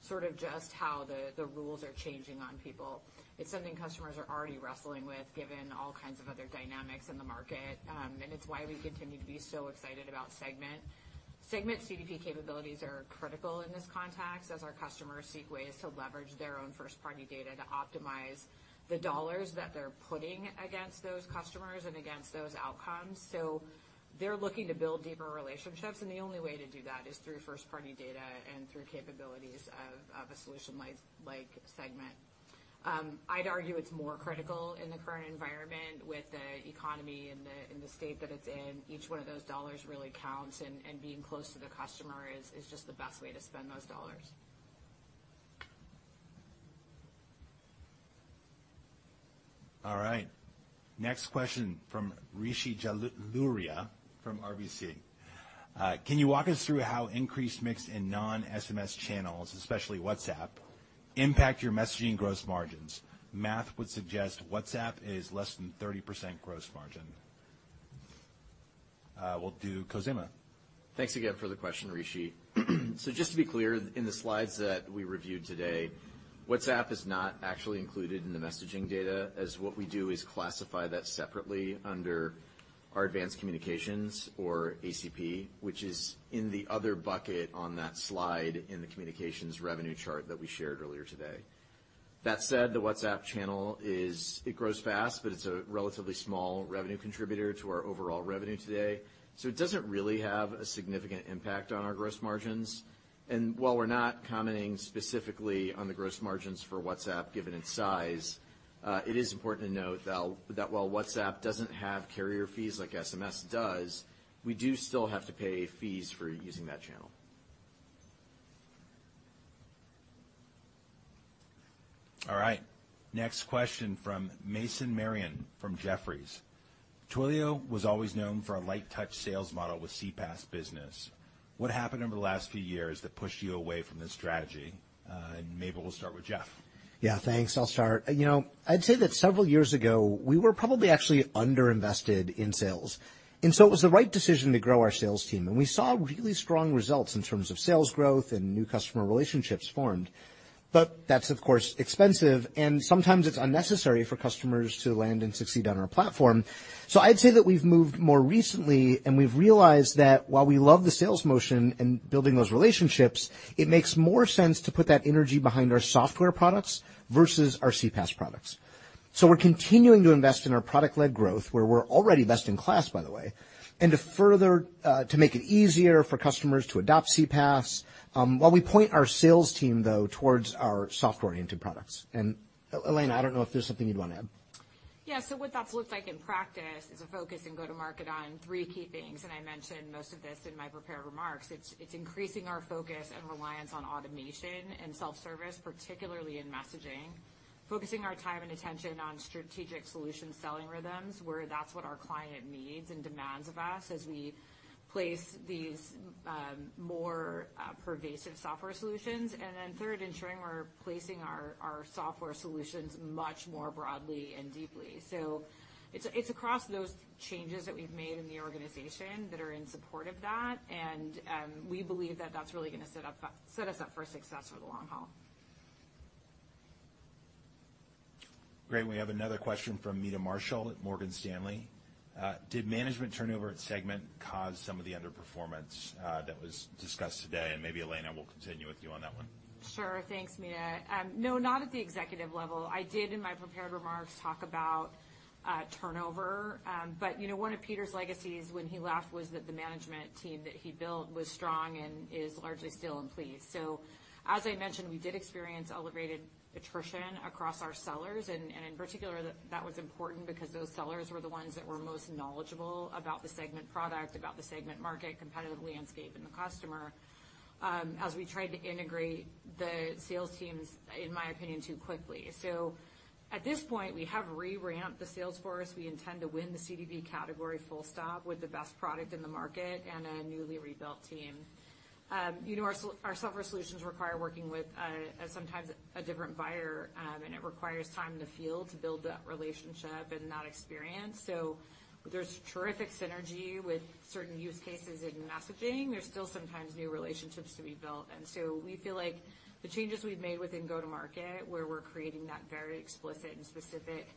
sort of just how the rules are changing on people. It's something customers are already wrestling with, given all kinds of other dynamics in the market. It's why we continue to be so excited about Segment. Segment CDP capabilities are critical in this context as our customers seek ways to leverage their own first-party data to optimize the dollars that they're putting against those customers and against those outcomes. They're looking to build deeper relationships, and the only way to do that is through first-party data and through capabilities of a solution like Segment. I'd argue it's more critical in the current environment with the economy in the state that it's in. Each one of those dollars really counts, and being close to the customer is just the best way to spend those dollars. All right. Next question from Rishi Jaluria from RBC. Can you walk us through how increased mix in non-SMS channels, especially WhatsApp, impact your messaging gross margins? Math would suggest WhatsApp is less than 30% gross margin. We'll do Khozema. Thanks again for the question, Rishi. Just to be clear, in the slides that we reviewed today, WhatsApp is not actually included in the messaging data, as what we do is classify that separately under our advanced communications or ACP, which is in the other bucket on that slide in the communications revenue chart that we shared earlier today. That said, the WhatsApp channel is. It grows fast, but it's a relatively small revenue contributor to our overall revenue today. It doesn't really have a significant impact on our gross margins. While we're not commenting specifically on the gross margins for WhatsApp given its size, it is important to note that while WhatsApp doesn't have carrier fees like SMS does, we do still have to pay fees for using that channel. All right. Next question from Mason Marion from Jefferies. Twilio was always known for a light touch sales model with CPaaS business. What happened over the last few years that pushed you away from this strategy? Maybe we'll start with Jeff. Yeah, thanks. I'll start. You know, I'd say that several years ago, we were probably actually under-invested in sales, and so it was the right decision to grow our sales team. We saw really strong results in terms of sales growth and new customer relationships formed. That's, of course, expensive, and sometimes it's unnecessary for customers to land and succeed on our platform. I'd say that we've moved more recently, and we've realized that while we love the sales motion and building those relationships, it makes more sense to put that energy behind our software products versus our CPaaS products. We're continuing to invest in our product-led growth, where we're already best in class, by the way, and to further to make it easier for customers to adopt CPaaS while we point our sales team, though, towards our software products. Elena, I don't know if there's something you'd wanna add. Yeah. What that's looked like in practice is a focus in go-to-market on three key things, and I mentioned most of this in my prepared remarks. It's increasing our focus and reliance on automation and self-service, particularly in messaging, focusing our time and attention on strategic solution selling rhythms, where that's what our client needs and demands of us as we place these more pervasive software solutions. Then third, ensuring we're placing our software solutions much more broadly and deeply. It's across those changes that we've made in the organization that are in support of that. We believe that that's really gonna set us up for success for the long haul. Great. We have another question from Meta Marshall at Morgan Stanley. Did management turnover at Segment cause some of the underperformance that was discussed today? Maybe, Elena, we'll continue with you on that one. Sure. Thanks, Meta. No, not at the executive level. I did, in my prepared remarks, talk about turnover. You know, one of Peter's legacies when he left was that the management team that he built was strong and is largely still in place. As I mentioned, we did experience elevated attrition across our sellers, and in particular, that was important because those sellers were the ones that were most knowledgeable about the Segment product, about the Segment market, competitive landscape, and the customer, as we tried to integrate the sales teams, in my opinion, too quickly. At this point, we have re-ramped the sales force. We intend to win the CDP category full stop with the best product in the market and a newly rebuilt team. You know, our software solutions require working with sometimes a different buyer, and it requires time in the field to build that relationship and that experience. There's terrific synergy with certain use cases in messaging. There's still sometimes new relationships to be built. We feel like the changes we've made within go-to-market, where we're creating that very explicit and specific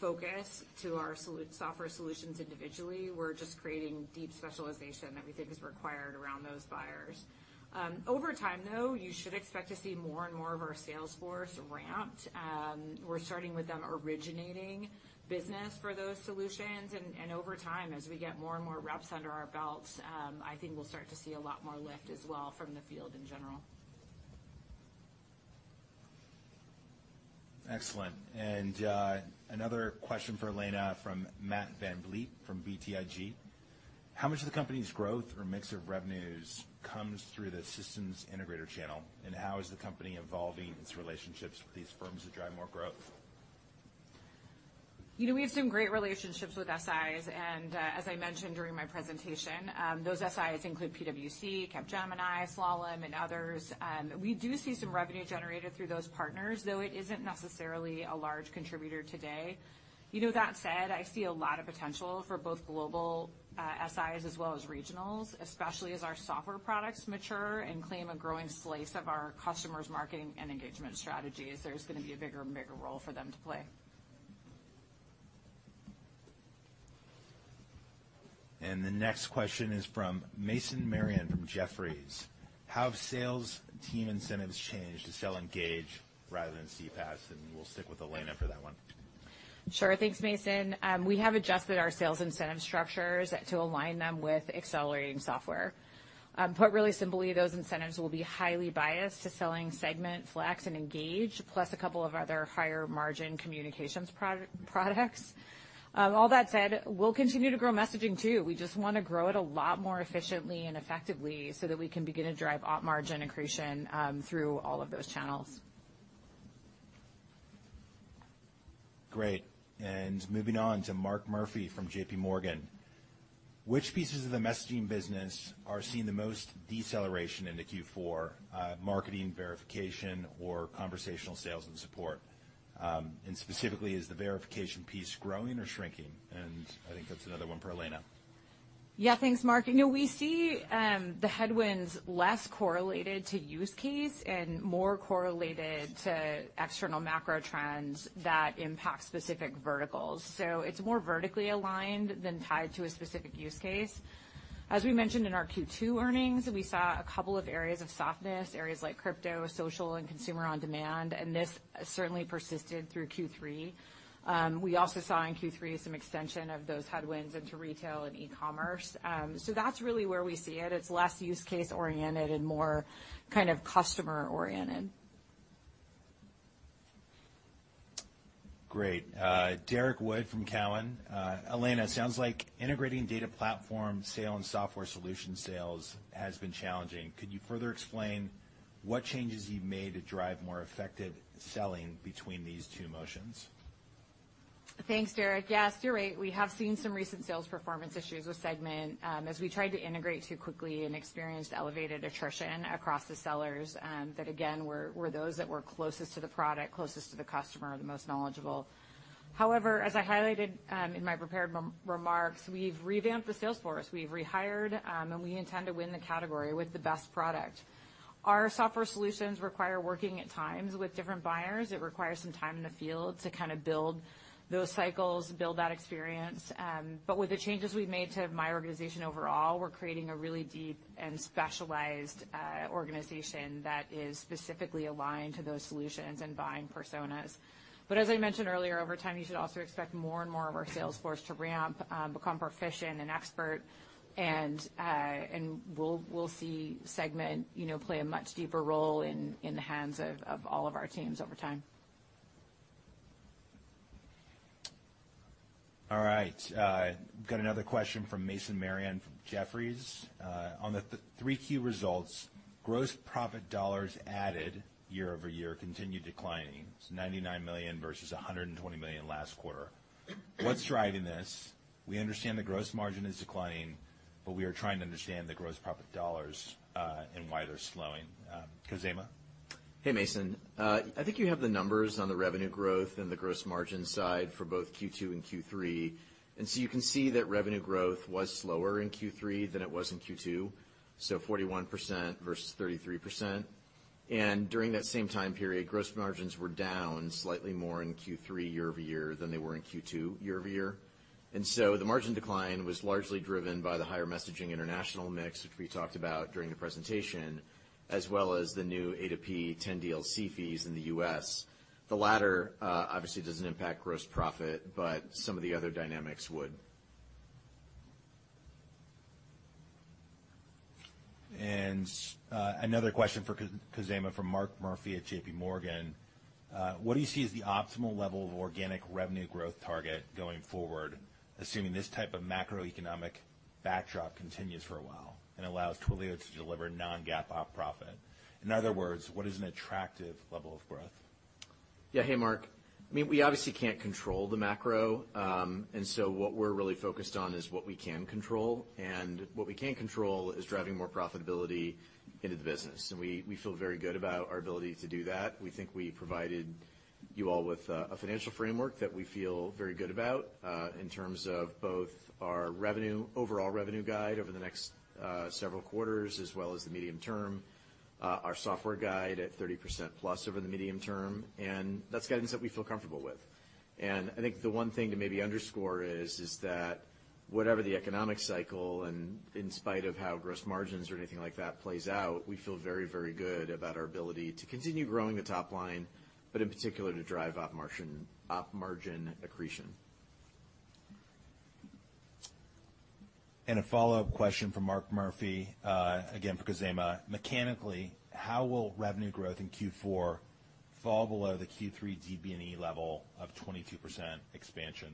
focus to our software solutions individually, we're just creating deep specialization that we think is required around those buyers. Over time, though, you should expect to see more and more of our sales force ramped. We're starting with them originating business for those solutions, and over time, as we get more and more reps under our belts, I think we'll start to see a lot more lift as well from the field in general. Excellent. Another question for Elena from Matt VanVliet from BTIG. How much of the company's growth or mix of revenues comes through the systems integrator channel? How is the company evolving its relationships with these firms to drive more growth? You know, we have some great relationships with SIs, and as I mentioned during my presentation, those SIs include PwC, Capgemini, Slalom, and others. We do see some revenue generated through those partners, though it isn't necessarily a large contributor today. You know, that said, I see a lot of potential for both global SIs as well as regionals, especially as our software products mature and claim a growing slice of our customers' marketing and engagement strategies. There's gonna be a bigger and bigger role for them to play. The next question is from Mason Marion from Jefferies. How have sales team incentives changed to sell Engage rather than CPaaS? We'll stick with Elena Donio for that one. Sure. Thanks, Mason. We have adjusted our sales incentive structures to align them with accelerating software. Put really simply, those incentives will be highly biased to selling Segment, Flex and Engage, plus a couple of other higher margin communications products. All that said, we'll continue to grow messaging too. We just wanna grow it a lot more efficiently and effectively so that we can begin to drive op margin accretion through all of those channels. Great. Moving on to Mark Murphy from JPMorgan. Which pieces of the messaging business are seeing the most deceleration into Q4, marketing, verification or conversational sales and support? Specifically, is the verification piece growing or shrinking? I think that's another one for Elena. Yeah. Thanks, Mark. You know, we see the headwinds less correlated to use case and more correlated to external macro trends that impact specific verticals. It's more vertically aligned than tied to a specific use case. As we mentioned in our Q2 earnings, we saw a couple of areas of softness, areas like crypto, social, and consumer on demand, and this certainly persisted through Q3. We also saw in Q3 some extension of those headwinds into retail and e-commerce. That's really where we see it. It's less use case-oriented and more kind of customer-oriented. Great. Derrick Wood from Cowen. Elena, sounds like integrating data platform sales and software solution sales has been challenging. Could you further explain what changes you've made to drive more effective selling between these two motions? Thanks, Derrick. Yes, you're right. We have seen some recent sales performance issues with Segment as we tried to integrate too quickly and experienced elevated attrition across the sellers that again were those that were closest to the product, closest to the customer, the most knowledgeable. However, as I highlighted in my prepared remarks, we've revamped the sales force. We've rehired and we intend to win the category with the best product. Our software solutions require working at times with different buyers. It requires some time in the field to kind of build those cycles, build that experience. With the changes we've made to my organization overall, we're creating a really deep and specialized organization that is specifically aligned to those solutions and buying personas. As I mentioned earlier, over time, you should also expect more and more of our sales force to ramp, become proficient and expert, and we'll see Segment, you know, play a much deeper role in the hands of all of our teams over time. All right. Got another question from Mason Marion from Jefferies. On the three key results, gross profit dollars added year-over-year continued declining, so $99 million versus $120 million last quarter. What's driving this? We understand the gross margin is declining, but we are trying to understand the gross profit dollars, and why they're slowing. Khozema? Hey, Mason. I think you have the numbers on the revenue growth and the gross margin side for both Q2 and Q3. You can see that revenue growth was slower in Q3 than it was in Q2, so 41% versus 33%. During that same time period, gross margins were down slightly more in Q3 year-over-year than they were in Q2 year-over-year. The margin decline was largely driven by the higher messaging international mix, which we talked about during the presentation, as well as the new A2P 10DLC fees in the U.S. The latter obviously doesn't impact gross profit, but some of the other dynamics would. Another question for Khozema from Mark Murphy at JPMorgan. What do you see as the optimal level of organic revenue growth target going forward, assuming this type of macroeconomic backdrop continues for a while and allows Twilio to deliver non-GAAP op profit? In other words, what is an attractive level of growth? Yeah. Hey, Mark. I mean, we obviously can't control the macro, and so what we're really focused on is what we can control. What we can control is driving more profitability into the business, and we feel very good about our ability to do that. We think we provided you all with a financial framework that we feel very good about, in terms of both our revenue, overall revenue guide over the next several quarters as well as the medium term, our software guide at 30%+ over the medium term. That's guidance that we feel comfortable with. I think the one thing to maybe underscore is that whatever the economic cycle and in spite of how gross margins or anything like that plays out, we feel very, very good about our ability to continue growing the top line, but in particular, to drive op margin accretion. A follow-up question from Mark Murphy, again, for Khozema. Mechanically, how will revenue growth in Q4 fall below the Q3 DBNE level of 22% expansion?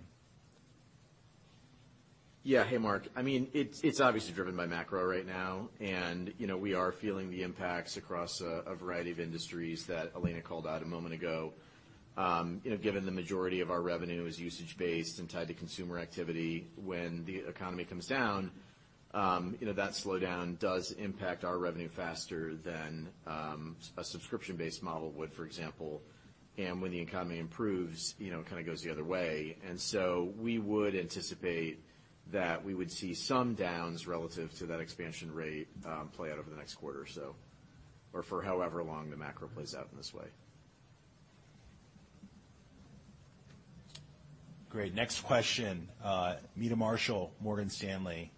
Yeah. Hey, Mark. I mean, it's obviously driven by macro right now. You know, we are feeling the impacts across a variety of industries that Elena called out a moment ago. You know, given the majority of our revenue is usage-based and tied to consumer activity, when the economy comes down, you know, that slowdown does impact our revenue faster than a subscription-based model would, for example. When the economy improves, you know, it kind of goes the other way. We would anticipate that we would see some downs relative to that expansion rate play out over the next quarter or so, or for however long the macro plays out in this way. Great. Next question, Meta Marshall, Morgan Stanley.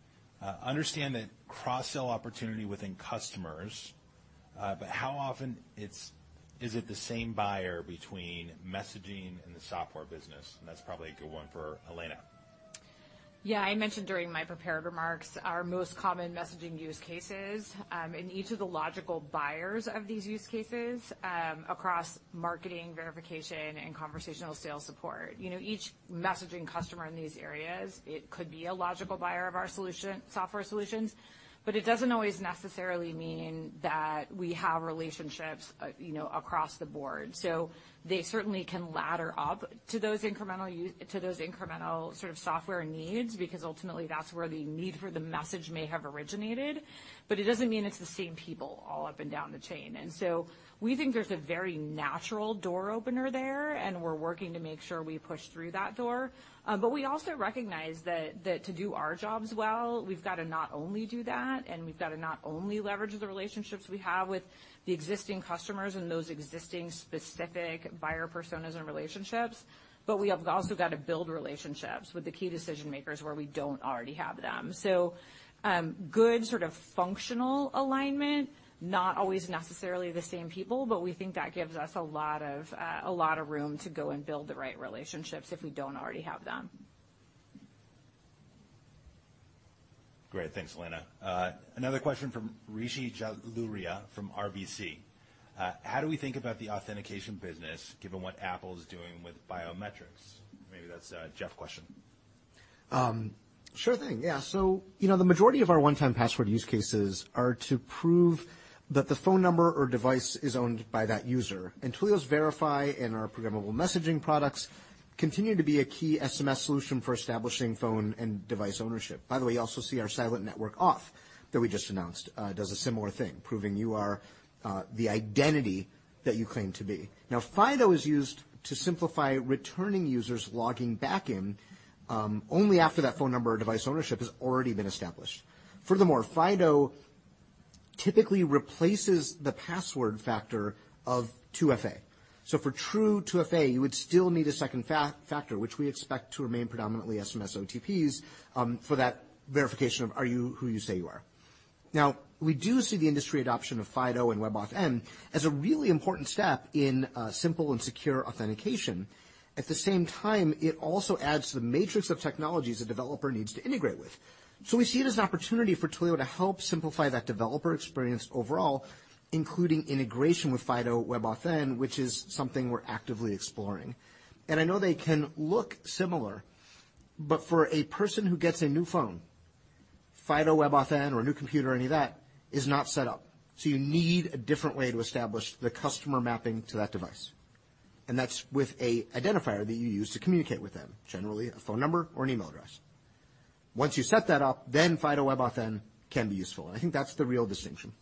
Understand the cross-sell opportunity within customers, but how often is it the same buyer between messaging and the software business? That's probably a good one for Elena Donio. Yeah. I mentioned during my prepared remarks our most common messaging use cases, and each of the logical buyers of these use cases, across marketing, verification, and conversational sales support. You know, each messaging customer in these areas, it could be a logical buyer of our software solutions, but it doesn't always necessarily mean that we have relationships, you know, across the Board. They certainly can ladder up to those incremental sort of software needs, because ultimately, that's where the need for the message may have originated. It doesn't mean it's the same people all up and down the chain. We think there's a very natural door opener there, and we're working to make sure we push through that door. We also recognize that to do our jobs well, we've got to not only leverage the relationships we have with the existing customers and those existing specific buyer personas and relationships, but we have also got to build relationships with the key decision makers where we don't already have them. Good sort of functional alignment, not always necessarily the same people, but we think that gives us a lot of room to go and build the right relationships if we don't already have them. Great. Thanks, Elena. Another question from Rishi Jaluria from RBC. How do we think about the authentication business given what Apple is doing with biometrics? Maybe that's a Jeff question. Sure thing. Yeah. You know, the majority of our one-time password use cases are to prove that the phone number or device is owned by that user. Twilio's Verify and our programmable messaging products continue to be a key SMS solution for establishing phone and device ownership. By the way, you also see our Silent Network Auth that we just announced, does a similar thing, proving you are, the identity that you claim to be. Now, FIDO is used to simplify returning users logging back in, only after that phone number or device ownership has already been established. Furthermore, FIDO typically replaces the password factor of 2FA. For true 2FA, you would still need a second factor, which we expect to remain predominantly SMS OTPs, for that verification of are you who you say you are. Now, we do see the industry adoption of FIDO and WebAuthn as a really important step in simple and secure authentication. At the same time, it also adds to the matrix of technologies a developer needs to integrate with. We see it as an opportunity for Twilio to help simplify that developer experience overall, including integration with FIDO/WebAuthn, which is something we're actively exploring. I know they can look similar, but for a person who gets a new phone, FIDO/WebAuthn or a new computer, any of that, is not set up, so you need a different way to establish the customer mapping to that device. That's with a identifier that you use to communicate with them, generally a phone number or an email address. Once you set that up, then FIDO/WebAuthn can be useful, and I think that's the real distinction.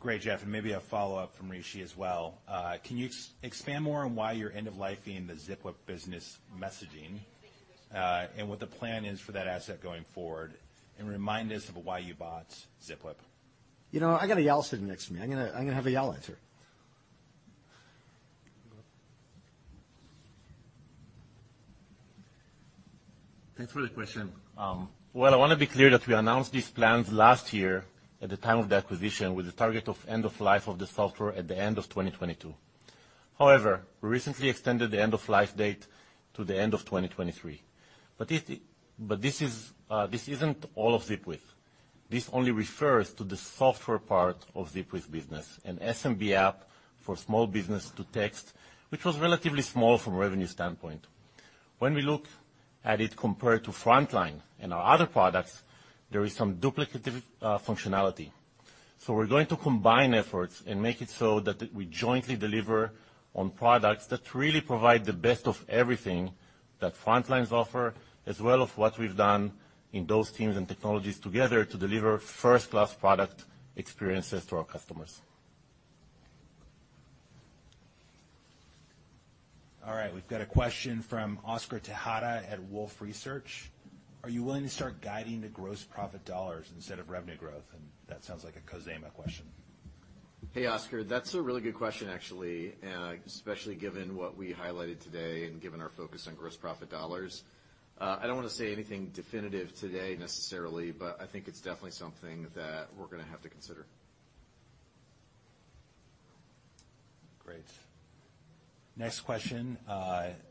Great, Jeff. Maybe a follow-up from Rishi as well. Can you expand more on why you're end-of-lifing the Zipwhip business messaging, and what the plan is for that asset going forward? Remind us of why you bought Zipwhip. You know, I got Eyal sitting next to me. I'm gonna have Eyal answer. Thanks for the question. Well, I wanna be clear that we announced these plans last year at the time of the acquisition with the target of end of life of the software at the end of 2022. However, we recently extended the end of life date to the end of 2023. This isn't all of Zipwhip. This only refers to the software part of Zipwhip business, an SMB app for small business to text, which was relatively small from a revenue standpoint. When we look at it compared to Frontline and our other products, there is some duplicative functionality. We're going to combine efforts and make it so that we jointly deliver on products that really provide the best of everything that Frontline offer, as well as what we've done in those teams and technologies together to deliver first-class product experiences to our customers. All right, we've got a question from Oscar Tejada at Wolfe Research. Are you willing to start guiding the gross profit dollars instead of revenue growth? That sounds like a Khozema question. Hey, Oscar. That's a really good question, actually, and especially given what we highlighted today and given our focus on gross profit dollars. I don't wanna say anything definitive today necessarily, but I think it's definitely something that we're gonna have to consider. Great. Next question,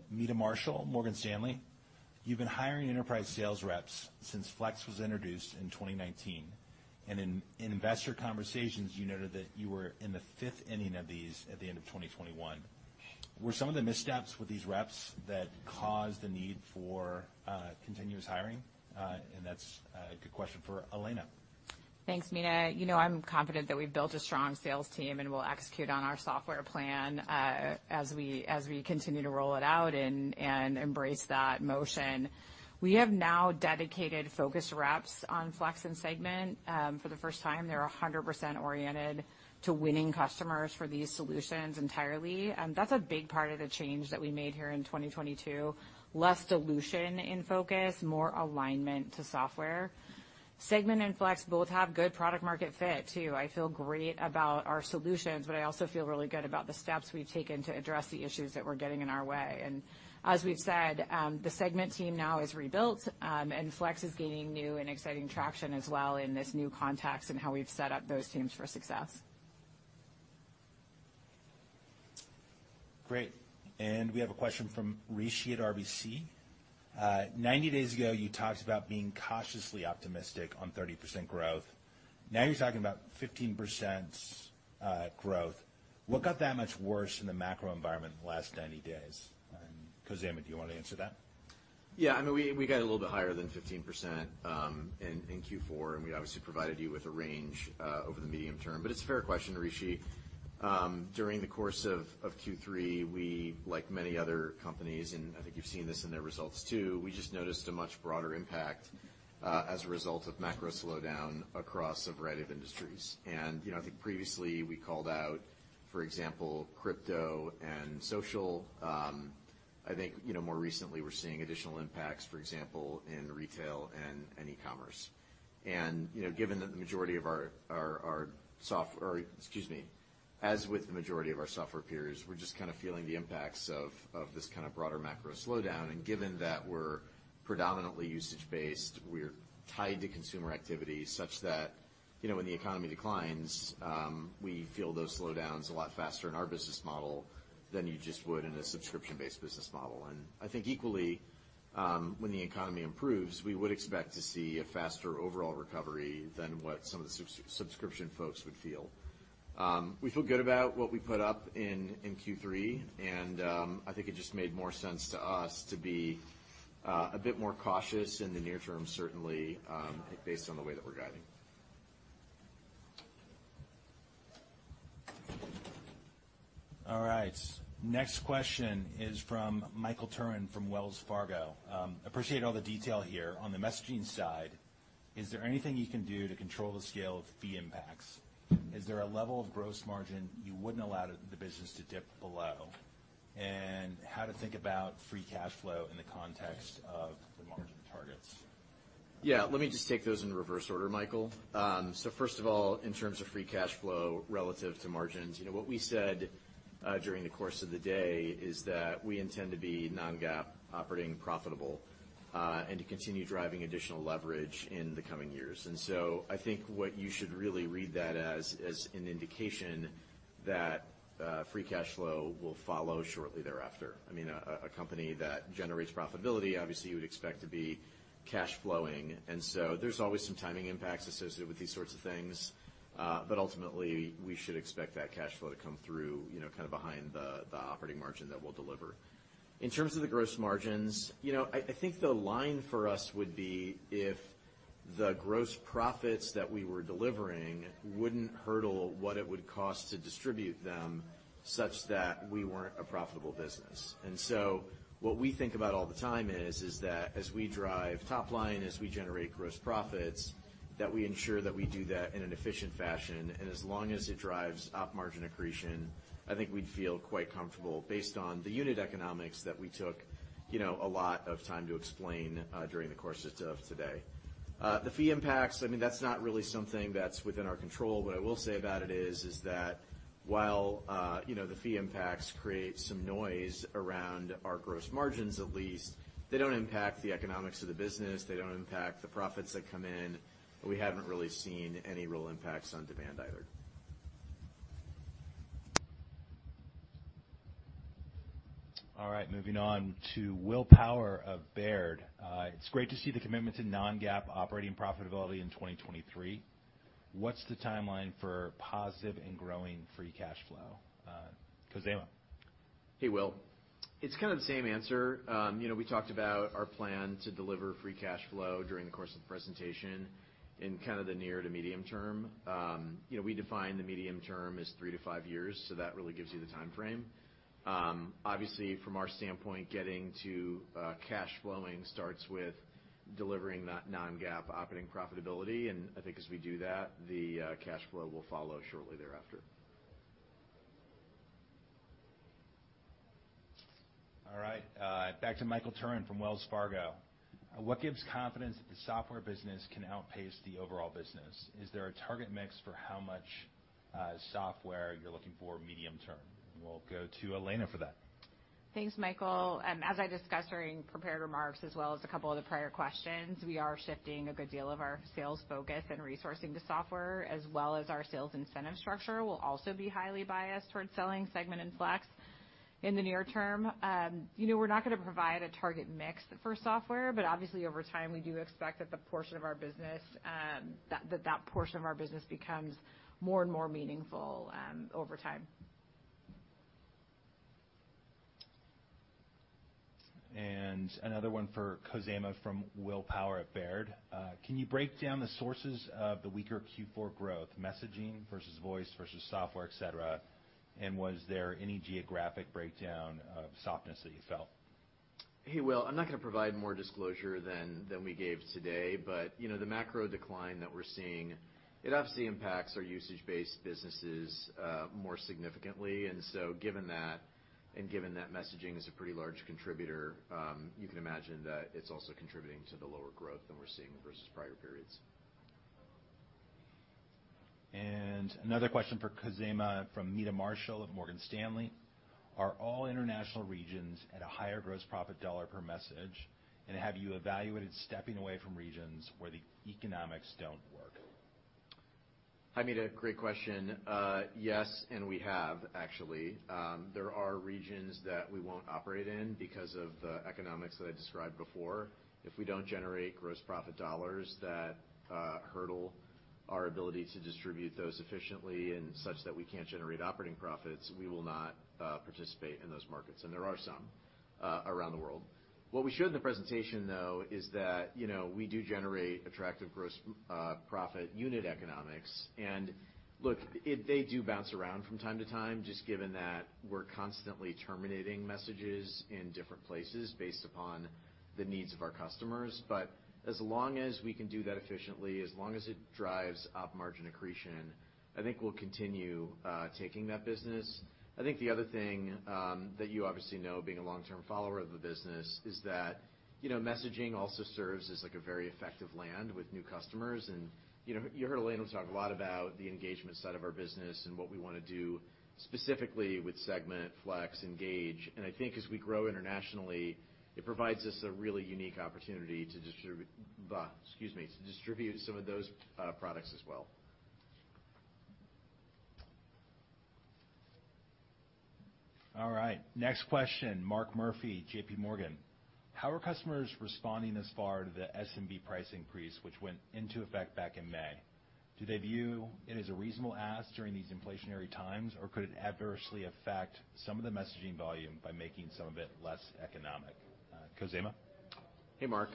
Meta Marshall, Morgan Stanley. You've been hiring enterprise sales reps since Flex was introduced in 2019, and in investor conversations, you noted that you were in the fifth inning of these at the end of 2021. Were some of the missteps with these reps that caused the need for continuous hiring? That's a good question for Elena. Thanks, Meta Marshall. You know, I'm confident that we've built a strong sales team, and we'll execute on our software plan as we continue to roll it out and embrace that motion. We have now dedicated focus reps on Flex and Segment. For the first time, they're 100% oriented to winning customers for these solutions entirely. That's a big part of the change that we made here in 2022. Less solution in focus, more alignment to software. Segment and Flex both have good product market fit too. I feel great about our solutions, but I also feel really good about the steps we've taken to address the issues that were getting in our way. As we've said, the Segment team now is rebuilt, and Flex is gaining new and exciting traction as well in this new context and how we've set up those teams for success. Great. We have a question from Rishi Jaluria at RBC. 90 days ago, you talked about being cautiously optimistic on 30% growth. Now you're talking about 15% growth. What got that much worse in the macro environment in the last 90 days? Khozema, do you wanna answer that? Yeah. I mean, we got a little bit higher than 15%, in Q4, and we obviously provided you with a range over the medium term. It's a fair question, Rishi. During the course of Q3, we like many other companies, and I think you've seen this in their results too, we just noticed a much broader impact as a result of macro slowdown across a variety of industries. You know, I think previously we called out, for example, crypto and social. I think, you know, more recently we're seeing additional impacts, for example, in retail and e-commerce. You know, given that, as with the majority of our software peers, we're just kinda feeling the impacts of this kind of broader macro slowdown. Given that we're predominantly usage-based, tied to consumer activity such that, you know, when the economy declines, we feel those slowdowns a lot faster in our business model than you just would in a subscription-based business model. I think equally, when the economy improves, we would expect to see a faster overall recovery than what some of the subscription folks would feel. We feel good about what we put up in Q3, and I think it just made more sense to us to be a bit more cautious in the near term, certainly, based on the way that we're guiding. All right. Next question is from Michael Turrin from Wells Fargo. Appreciate all the detail here. On the messaging side, is there anything you can do to control the scale of fee impacts? Is there a level of gross margin you wouldn't allow the business to dip below? And how to think about free cash flow in the context of the margin targets? Yeah. Let me just take those in reverse order, Michael. First of all, in terms of free cash flow relative to margins, you know, what we said during the course of the day is that we intend to be non-GAAP operating profitable and to continue driving additional leverage in the coming years. I think what you should really read that as an indication that free cash flow will follow shortly thereafter. I mean, a company that generates profitability, obviously you would expect to be cash flowing. There's always some timing impacts associated with these sorts of things. But ultimately, we should expect that cash flow to come through, you know, kind of behind the operating margin that we'll deliver. In terms of the gross margins, you know, I think the line for us would be if the gross profits that we were delivering wouldn't cover what it would cost to distribute them such that we weren't a profitable business. What we think about all the time is that as we drive top line, as we generate gross profits, that we ensure that we do that in an efficient fashion. As long as it drives operating margin accretion, I think we'd feel quite comfortable based on the unit economics that we took, you know, a lot of time to explain during the course of today. The fee impacts, I mean, that's not really something that's within our control. What I will say about it is that while, you know, the fee impacts create some noise around our gross margins at least, they don't impact the economics of the business, they don't impact the profits that come in, and we haven't really seen any real impacts on demand either. All right, moving on to Will Power of Baird. It's great to see the commitment to non-GAAP operating profitability in 2023. What's the timeline for positive and growing free cash flow? Khozema. Hey, Will. It's kind of the same answer. You know, we talked about our plan to deliver free cash flow during the course of the presentation in kind of the near to medium term. You know, we define the medium term as three to five years, so that really gives you the time frame. Obviously from our standpoint, getting to cash flowing starts with delivering that non-GAAP operating profitability. I think as we do that, the cash flow will follow shortly thereafter. All right. Back to Michael Turrin from Wells Fargo. What gives confidence that the software business can outpace the overall business? Is there a target mix for how much software you're looking for medium term? We'll go to Elena for that. Thanks, Michael. As I discussed during prepared remarks as well as a couple of the prior questions, we are shifting a good deal of our sales focus and resourcing to software, as well as our sales incentive structure will also be highly biased towards selling Segment and Flex in the near term. You know, we're not gonna provide a target mix for software, but obviously over time, we do expect that the portion of our business becomes more and more meaningful over time. Another one for Khozema from Will Power at Baird. Can you break down the sources of the weaker Q4 growth, messaging versus voice versus software, et cetera? Was there any geographic breakdown of softness that you felt? Hey, Will. I'm not gonna provide more disclosure than we gave today, but you know, the macro decline that we're seeing, it obviously impacts our usage-based businesses more significantly. Given that, and given that messaging is a pretty large contributor, you can imagine that it's also contributing to the lower growth than we're seeing versus prior periods. Another question for Khozema from Meta Marshall of Morgan Stanley. Are all international regions at a higher gross profit dollar per message? Have you evaluated stepping away from regions where the economics don't work? Hi, Meta. Great question. Yes, there are regions that we won't operate in because of the economics that I described before. If we don't generate gross profit dollars that hurt our ability to distribute those efficiently and such that we can't generate operating profits, we will not participate in those markets, and there are some around the world. What we showed in the presentation, though, is that, you know, we do generate attractive gross profit unit economics. Look, they do bounce around from time to time just given that we're constantly terminating messages in different places based upon the needs of our customers. As long as we can do that efficiently, as long as it drives operating margin accretion, I think we'll continue taking that business. I think the other thing that you obviously know, being a long-term follower of the business is that, you know, messaging also serves as, like, a very effective land with new customers. You know, you heard Elena talk a lot about the engagement side of our business and what we wanna do specifically with Segment, Flex, Engage. I think as we grow internationally, it provides us a really unique opportunity to distribute some of those products as well. All right, next question, Mark Murphy, JPMorgan. How are customers responding thus far to the SMB price increase, which went into effect back in May? Do they view it as a reasonable ask during these inflationary times, or could it adversely affect some of the messaging volume by making some of it less economic? Khozema? Hey, Mark.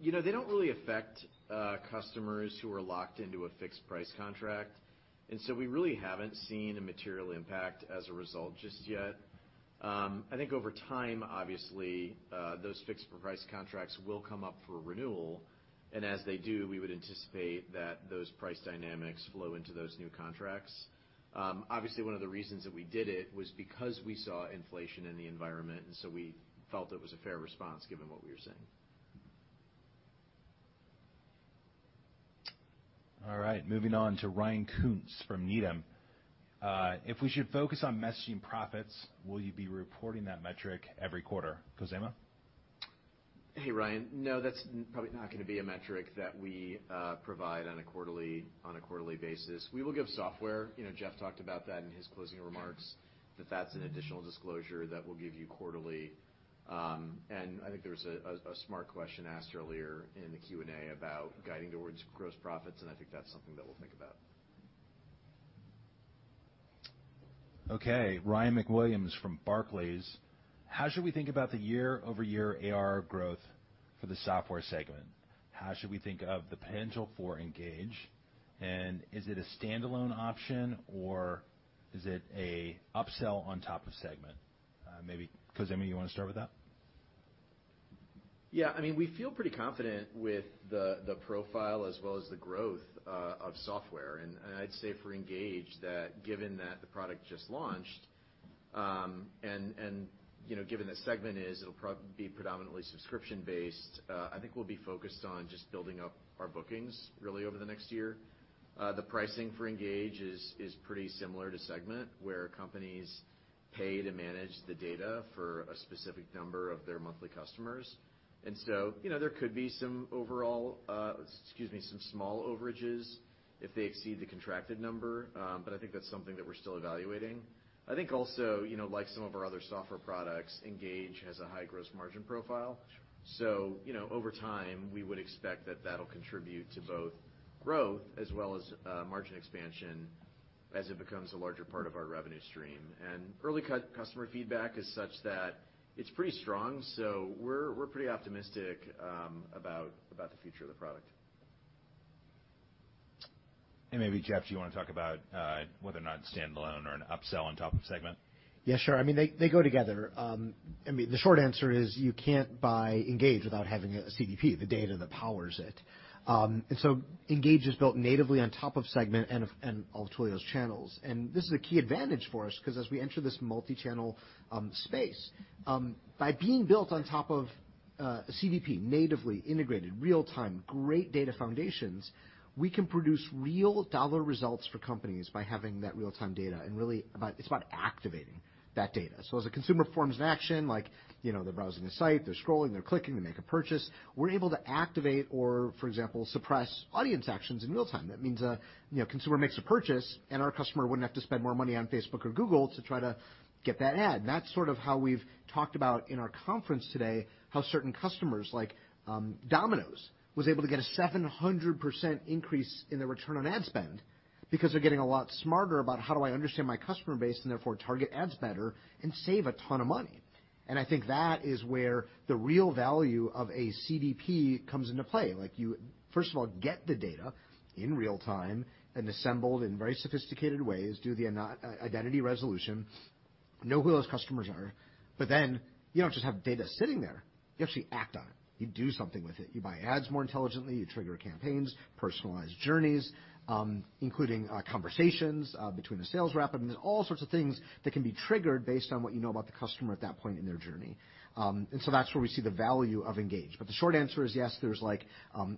You know, they don't really affect customers who are locked into a fixed price contract, and so we really haven't seen a material impact as a result just yet. I think over time, obviously, those fixed price contracts will come up for renewal, and as they do, we would anticipate that those price dynamics flow into those new contracts. Obviously, one of the reasons that we did it was because we saw inflation in the environment, and so we felt it was a fair response given what we were seeing. All right, moving on to Ryan Koontz from Needham. If we should focus on messaging profits, will you be reporting that metric every quarter? Khozema Shipchandler? Hey, Ryan. No, that's probably not gonna be a metric that we provide on a quarterly basis. We will give software. You know, Jeff talked about that in his closing remarks, that that's an additional disclosure that we'll give you quarterly. I think there was a smart question asked earlier in the Q&A about guiding towards gross profits, and I think that's something that we'll think about. Okay. Ryan MacWilliams from Barclays. How should we think about the year-over-year ARR growth for the software Segment? How should we think of the potential for Engage? Is it a standalone option, or is it an upsell on top of Segment? Maybe, Khozema, you wanna start with that? Yeah. I mean, we feel pretty confident with the profile as well as the growth of software. I'd say for Engage that given that the product just launched, you know, given that Segment is, it'll be predominantly subscription-based, I think we'll be focused on just building up our bookings really over the next year. The pricing for Engage is pretty similar to Segment, where companies pay to manage the data for a specific number of their monthly customers. You know, there could be some small overages if they exceed the contracted number, but I think that's something that we're still evaluating. I think also, you know, like some of our other software products, Engage has a high gross margin profile. You know, over time, we would expect that that'll contribute to both growth as well as, margin expansion as it becomes a larger part of our revenue stream. Early customer feedback is such that it's pretty strong, so we're pretty optimistic about the future of the product. Maybe, Jeff, do you wanna talk about whether or not it's standalone or an upsell on top of Segment? Yeah, sure. I mean, they go together. I mean, the short answer is you can't buy Engage without having a CDP, the data that powers it. Engage is built natively on top of Segment and all of Twilio's channels. This is a key advantage for us 'cause as we enter this multi-channel space, by being built on top of CDP, natively integrated, real-time, great data foundations, we can produce real dollar results for companies by having that real-time data and really about activating that data. It's about activating that data. As a consumer performs an action, like, you know, they're browsing a site, they're scrolling, they're clicking, they make a purchase, we're able to activate or, for example, suppress audience actions in real time. That means, you know, a consumer makes a purchase, and our customer wouldn't have to spend more money on Facebook or Google to try to get that ad. That's sort of how we've talked about in our conference today how certain customers like Domino's was able to get a 700% increase in their return on ad spend because they're getting a lot smarter about how do I understand my customer base and therefore target ads better and save a ton of money. I think that is where the real value of a CDP comes into play. Like, you, first of all, get the data in real time and assembled in very sophisticated ways, do the identity resolution, know who those customers are, but then you don't just have data sitting there. You actually act on it. You do something with it. You buy ads more intelligently, you trigger campaigns, personalized journeys, including conversations between the sales rep. I mean, there's all sorts of things that can be triggered based on what you know about the customer at that point in their journey. That's where we see the value of Engage. The short answer is yes, there's like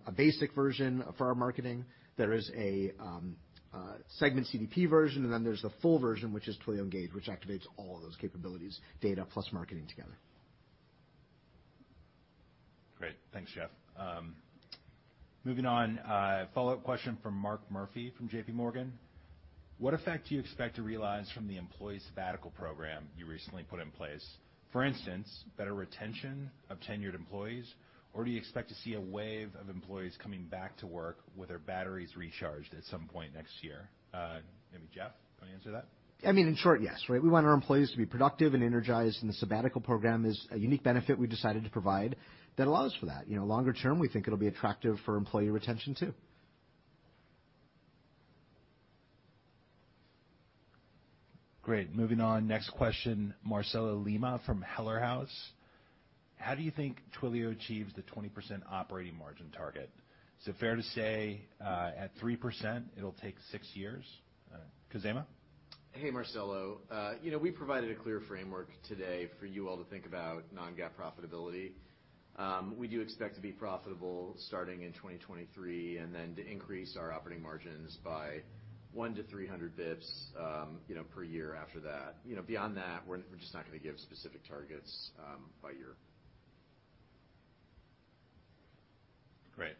a basic version for our marketing. There is a Segment CDP version, and then there's the full version, which is Twilio Engage, which activates all of those capabilities, data plus marketing together. Great. Thanks, Jeff. Moving on, a follow-up question from Mark Murphy from JPMorgan. What effect do you expect to realize from the employee sabbatical program you recently put in place? For instance, better retention of tenured employees, or do you expect to see a wave of employees coming back to work with their batteries recharged at some point next year? Maybe Jeff, want to answer that? I mean, in short, yes, right? We want our employees to be productive and energized, and the sabbatical program is a unique benefit we decided to provide that allows for that. You know, longer term, we think it'll be attractive for employee retention too. Great. Moving on. Next question, Marcelo Lima from Heller House. How do you think Twilio achieves the 20% operating margin target? Is it fair to say, at 3% it'll take six years? Khozema? Hey, Marcelo. You know, we provided a clear framework today for you all to think about non-GAAP profitability. We do expect to be profitable starting in 2023, and then to increase our operating margins by 100 basis points-300 basis points, you know, per year after that. You know, beyond that, we're just not gonna give specific targets by year. Great.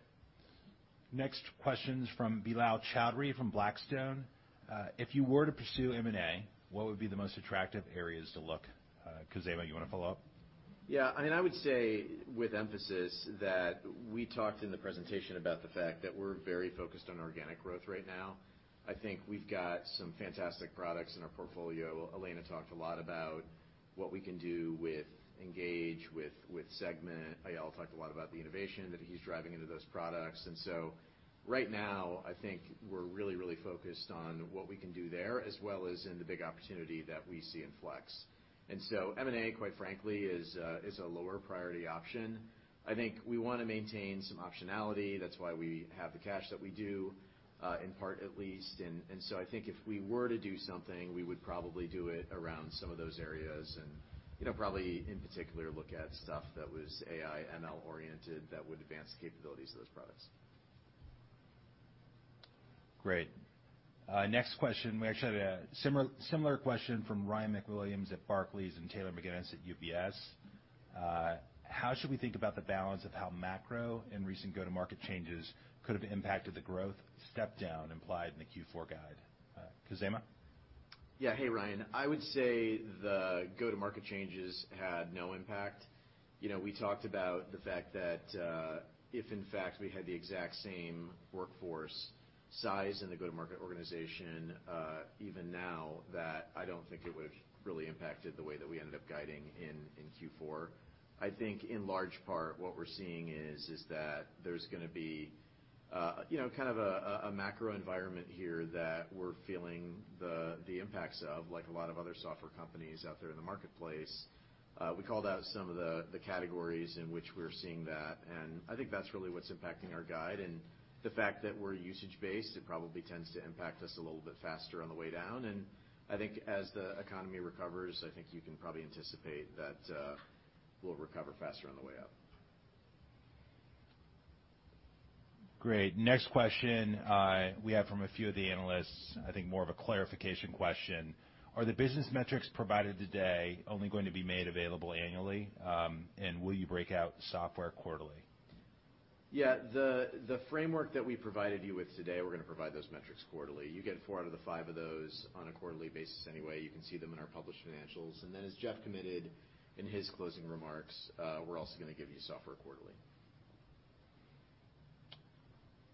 Next question's from Bilal Chaudhry from Blackstone. If you were to pursue M&A, what would be the most attractive areas to look? Khozema, you wanna follow up? I mean, I would say with emphasis that we talked in the presentation about the fact that we're very focused on organic growth right now. I think we've got some fantastic products in our portfolio. Elena talked a lot about what we can do with Engage, with Segment. Eyal talked a lot about the innovation that he's driving into those products. Right now, I think we're really, really focused on what we can do there, as well as in the big opportunity that we see in Flex. M&A, quite frankly, is a lower priority option. I think we wanna maintain some optionality. That's why we have the cash that we do, in part at least. I think if we were to do something, we would probably do it around some of those areas and, you know, probably in particular look at stuff that was AI, ML-oriented that would advance the capabilities of those products. Great. Next question. We actually had a similar question from Ryan MacWilliams at Barclays and Taylor McGinnis at UBS. How should we think about the balance of how macro and recent go-to-market changes could have impacted the growth step-down implied in the Q4 guide? Khozema? Yeah. Hey, Ryan. I would say the go-to-market changes had no impact. You know, we talked about the fact that, if in fact we had the exact same workforce size in the go-to-market organization, even now, that I don't think it would've really impacted the way that we ended up guiding in Q4. I think in large part, what we're seeing is that there's gonna be, you know, kind of a macro environment here that we're feeling the impacts of like a lot of other software companies out there in the marketplace. We called out some of the categories in which we're seeing that, and I think that's really what's impacting our guide. The fact that we're usage-based, it probably tends to impact us a little bit faster on the way down. I think as the economy recovers, I think you can probably anticipate that, we'll recover faster on the way up. Great. Next question, we have from a few of the analysts, I think more of a clarification question. Are the business metrics provided today only going to be made available annually? Will you break out software quarterly? Yeah. The framework that we provided you with today, we're gonna provide those metrics quarterly. You get four out of the five of those on a quarterly basis anyway. You can see them in our published financials. Then as Jeff committed in his closing remarks, we're also gonna give you software quarterly.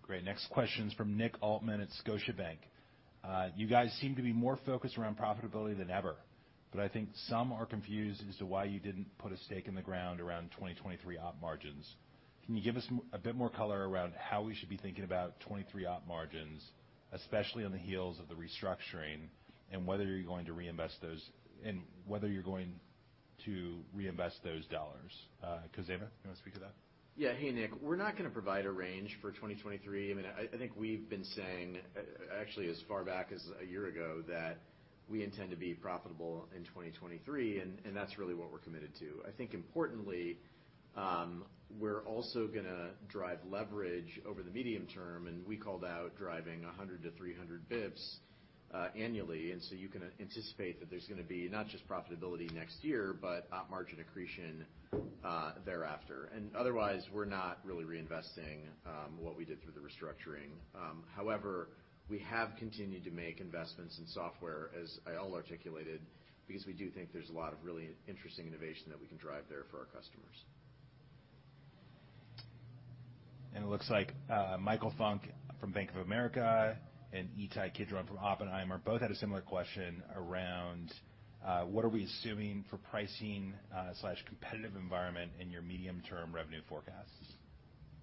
Great. Next question's from Nick Altmann at Scotiabank. You guys seem to be more focused around profitability than ever, but I think some are confused as to why you didn't put a stake in the ground around 2023 op margins. Can you give us a bit more color around how we should be thinking about 2023 op margins, especially on the heels of the restructuring, and whether you're going to reinvest those dollars? Khozema, you wanna speak to that? Yeah. Hey, Nick. We're not gonna provide a range for 2023. I mean, I think we've been saying, actually as far back as a year ago, that we intend to be profitable in 2023, and that's really what we're committed to. I think importantly, we're also gonna drive leverage over the medium term, and we called out driving 100 basis points-300 basis points annually. You can anticipate that there's gonna be not just profitability next year, but operating margin accretion thereafter. Otherwise, we're not really reinvesting what we did through the restructuring. However, we have continued to make investments in software, as Eyal articulated, because we do think there's a lot of really interesting innovation that we can drive there for our customers. It looks like, Michael Funk from Bank of America and Ittai Kidron from Oppenheimer both had a similar question around what are we assuming for pricing slash competitive environment in your medium-term revenue forecasts?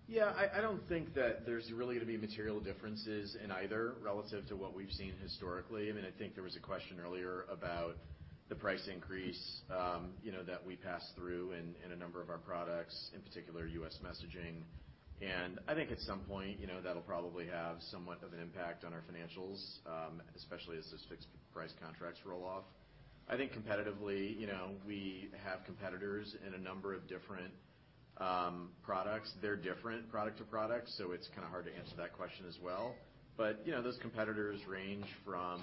Yeah. I don't think that there's really gonna be material differences in either relative to what we've seen historically. I mean, I think there was a question earlier about the price increase, you know, that we passed through in a number of our products, in particular U.S. messaging. I think at some point, you know, that'll probably have somewhat of an impact on our financials, especially as those fixed price contracts roll off. I think competitively, you know, we have competitors in a number of different products. They're different product to product, so it's kinda hard to answer that question as well. You know, those competitors range from,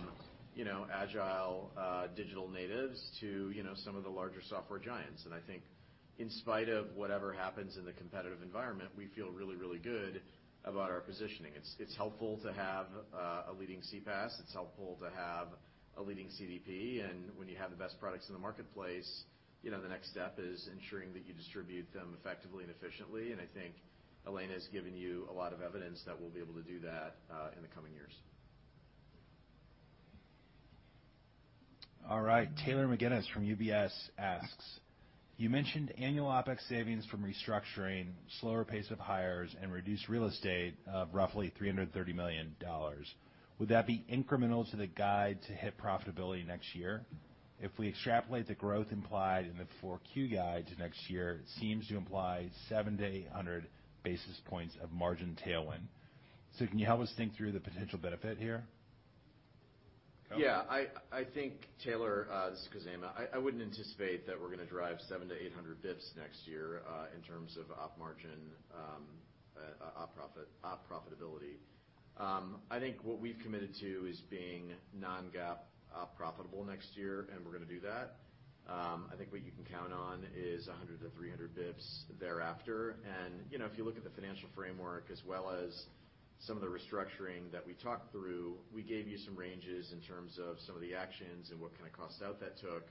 you know, agile digital natives to, you know, some of the larger software giants. I think in spite of whatever happens in the competitive environment, we feel really, really good about our positioning. It's helpful to have a leading CPaaS. It's helpful to have a leading CDP. When you have the best products in the marketplace, you know, the next step is ensuring that you distribute them effectively and efficiently. I think Elena has given you a lot of evidence that we'll be able to do that in the coming years. All right. Taylor McGinnis from UBS asks, "You mentioned annual OpEx savings from restructuring, slower pace of hires, and reduced real estate of roughly $330 million. Would that be incremental to the guide to hit profitability next year? If we extrapolate the growth implied in the 4Q guide to next year, it seems to imply 700 basis points-800 basis points of margin tailwind. So can you help us think through the potential benefit here? Yeah. I think, Taylor, this is Khozema. I wouldn't anticipate that we're gonna drive 700 basis points-800 basis points next year in terms of op margin, op profit, op profitability. I think what we've committed to is being non-GAAP profitable next year, and we're gonna do that. I think what you can count on is 100 basis points-300 basis points thereafter. You know, if you look at the financial framework as well as some of the restructuring that we talked through, we gave you some ranges in terms of some of the actions and what kind of cost out that took,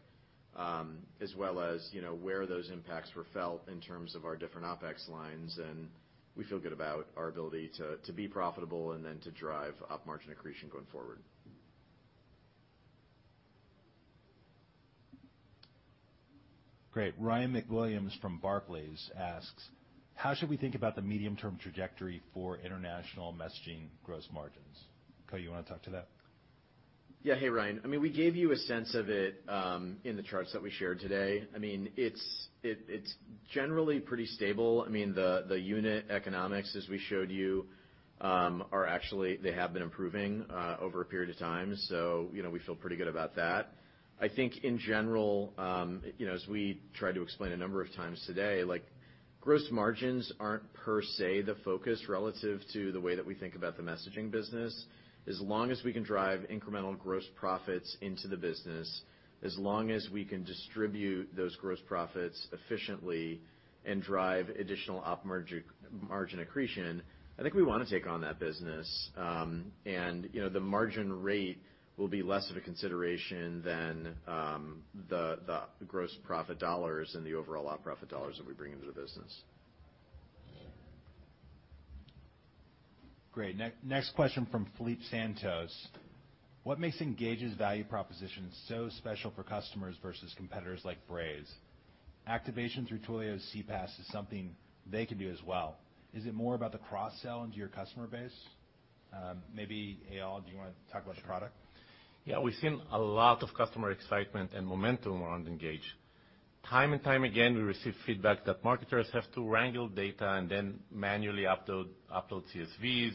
as well as, you know, where those impacts were felt in terms of our different OpEx lines. We feel good about our ability to be profitable and then to drive op margin accretion going forward. Great. Ryan MacWilliams from Barclays asks, "How should we think about the medium-term trajectory for international messaging gross margins?" Khozema Shipchandler, you wanna talk to that? Yeah. Hey, Ryan. I mean, we gave you a sense of it in the charts that we shared today. I mean, it's generally pretty stable. I mean, the unit economics as we showed you are actually they have been improving over a period of time, so you know, we feel pretty good about that. I think in general, you know, as we tried to explain a number of times today, like gross margins aren't per se the focus relative to the way that we think about the messaging business. As long as we can drive incremental gross profits into the business, as long as we can distribute those gross profits efficiently and drive additional operating margin accretion, I think we wanna take on that business. You know, the margin rate will be less of a consideration than the gross profit dollars and the overall op profit dollars that we bring into the business. Great. Next question from Philip Santos: "What makes Engage's value proposition so special for customers versus competitors like Braze? Activation through Twilio's CPaaS is something they can do as well. Is it more about the cross-sell into your customer base?" Maybe, Eyal, do you wanna talk about the product? Yeah. We've seen a lot of customer excitement and momentum around Engage. Time and time again, we receive feedback that marketers have to wrangle data and then manually upload CSVs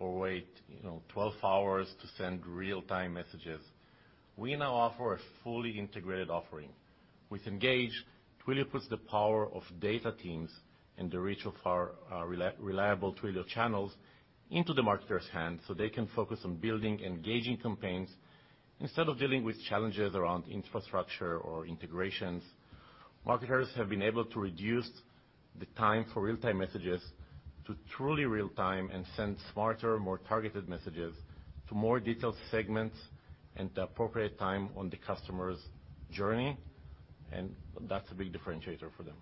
or wait, you know, 12 hours to send real-time messages. We now offer a fully integrated offering. With Engage, Twilio puts the power of data teams and the reach of our reliable Twilio channels into the marketer's hands, so they can focus on building engaging campaigns instead of dealing with challenges around infrastructure or integrations. Marketers have been able to reduce the time for real-time messages to truly real time and send smarter, more targeted messages to more detailed segments at the appropriate time on the customer's journey, and that's a big differentiator for them.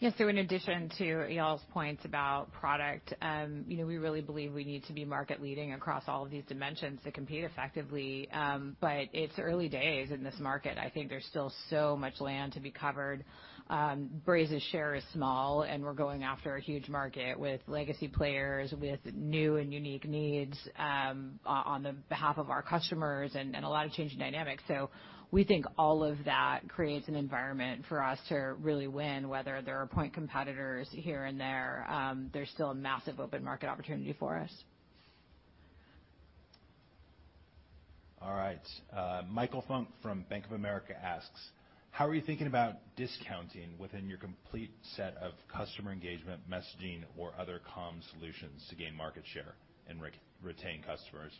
Yes. In addition to Eyal's points about product, you know, we really believe we need to be market leading across all of these dimensions to compete effectively. It's early days in this market. I think there's still so much land to be covered. Braze's share is small, and we're going after a huge market with legacy players, with new and unique needs, on behalf of our customers and a lot of changing dynamics. We think all of that creates an environment for us to really win, whether there are point competitors here and there. There's still a massive open market opportunity for us. All right. Michael Funk from Bank of America asks, "How are you thinking about discounting within your complete set of customer engagement, messaging or other comm solutions to gain market share and retain customers?"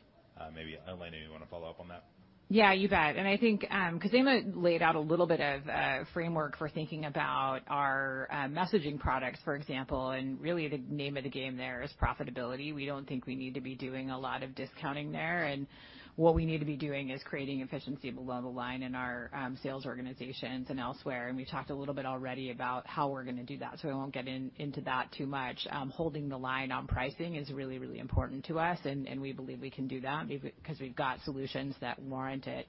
Maybe, Elena Donio, you wanna follow up on that? Yeah, you bet. I think Khozema laid out a little bit of framework for thinking about our messaging products, for example. Really the name of the game there is profitability. We don't think we need to be doing a lot of discounting there, and what we need to be doing is creating efficiency below the line in our sales organizations and elsewhere, and we talked a little bit already about how we're gonna do that, so I won't get into that too much. Holding the line on pricing is really, really important to us, and we believe we can do that because we've got solutions that warrant it.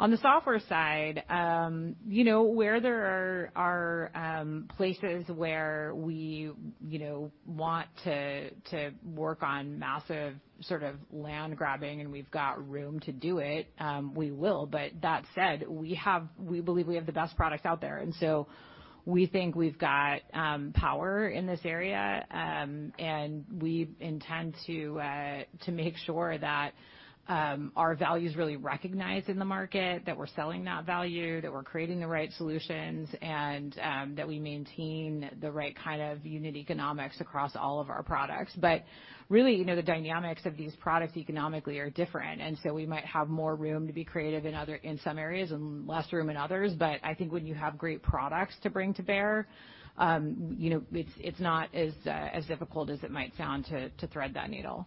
On the software side, you know, where there are places where we, you know, want to work on massive sort of land grabbing and we've got room to do it, we will. But that said, we believe we have the best products out there. We think we've got power in this area, and we intend to make sure that our value is really recognized in the market, that we're selling that value, that we're creating the right solutions and that we maintain the right kind of unit economics across all of our products. Really, you know, the dynamics of these products economically are different. We might have more room to be creative in some areas and less room in others. I think when you have great products to bring to bear, you know, it's not as difficult as it might sound to thread that needle.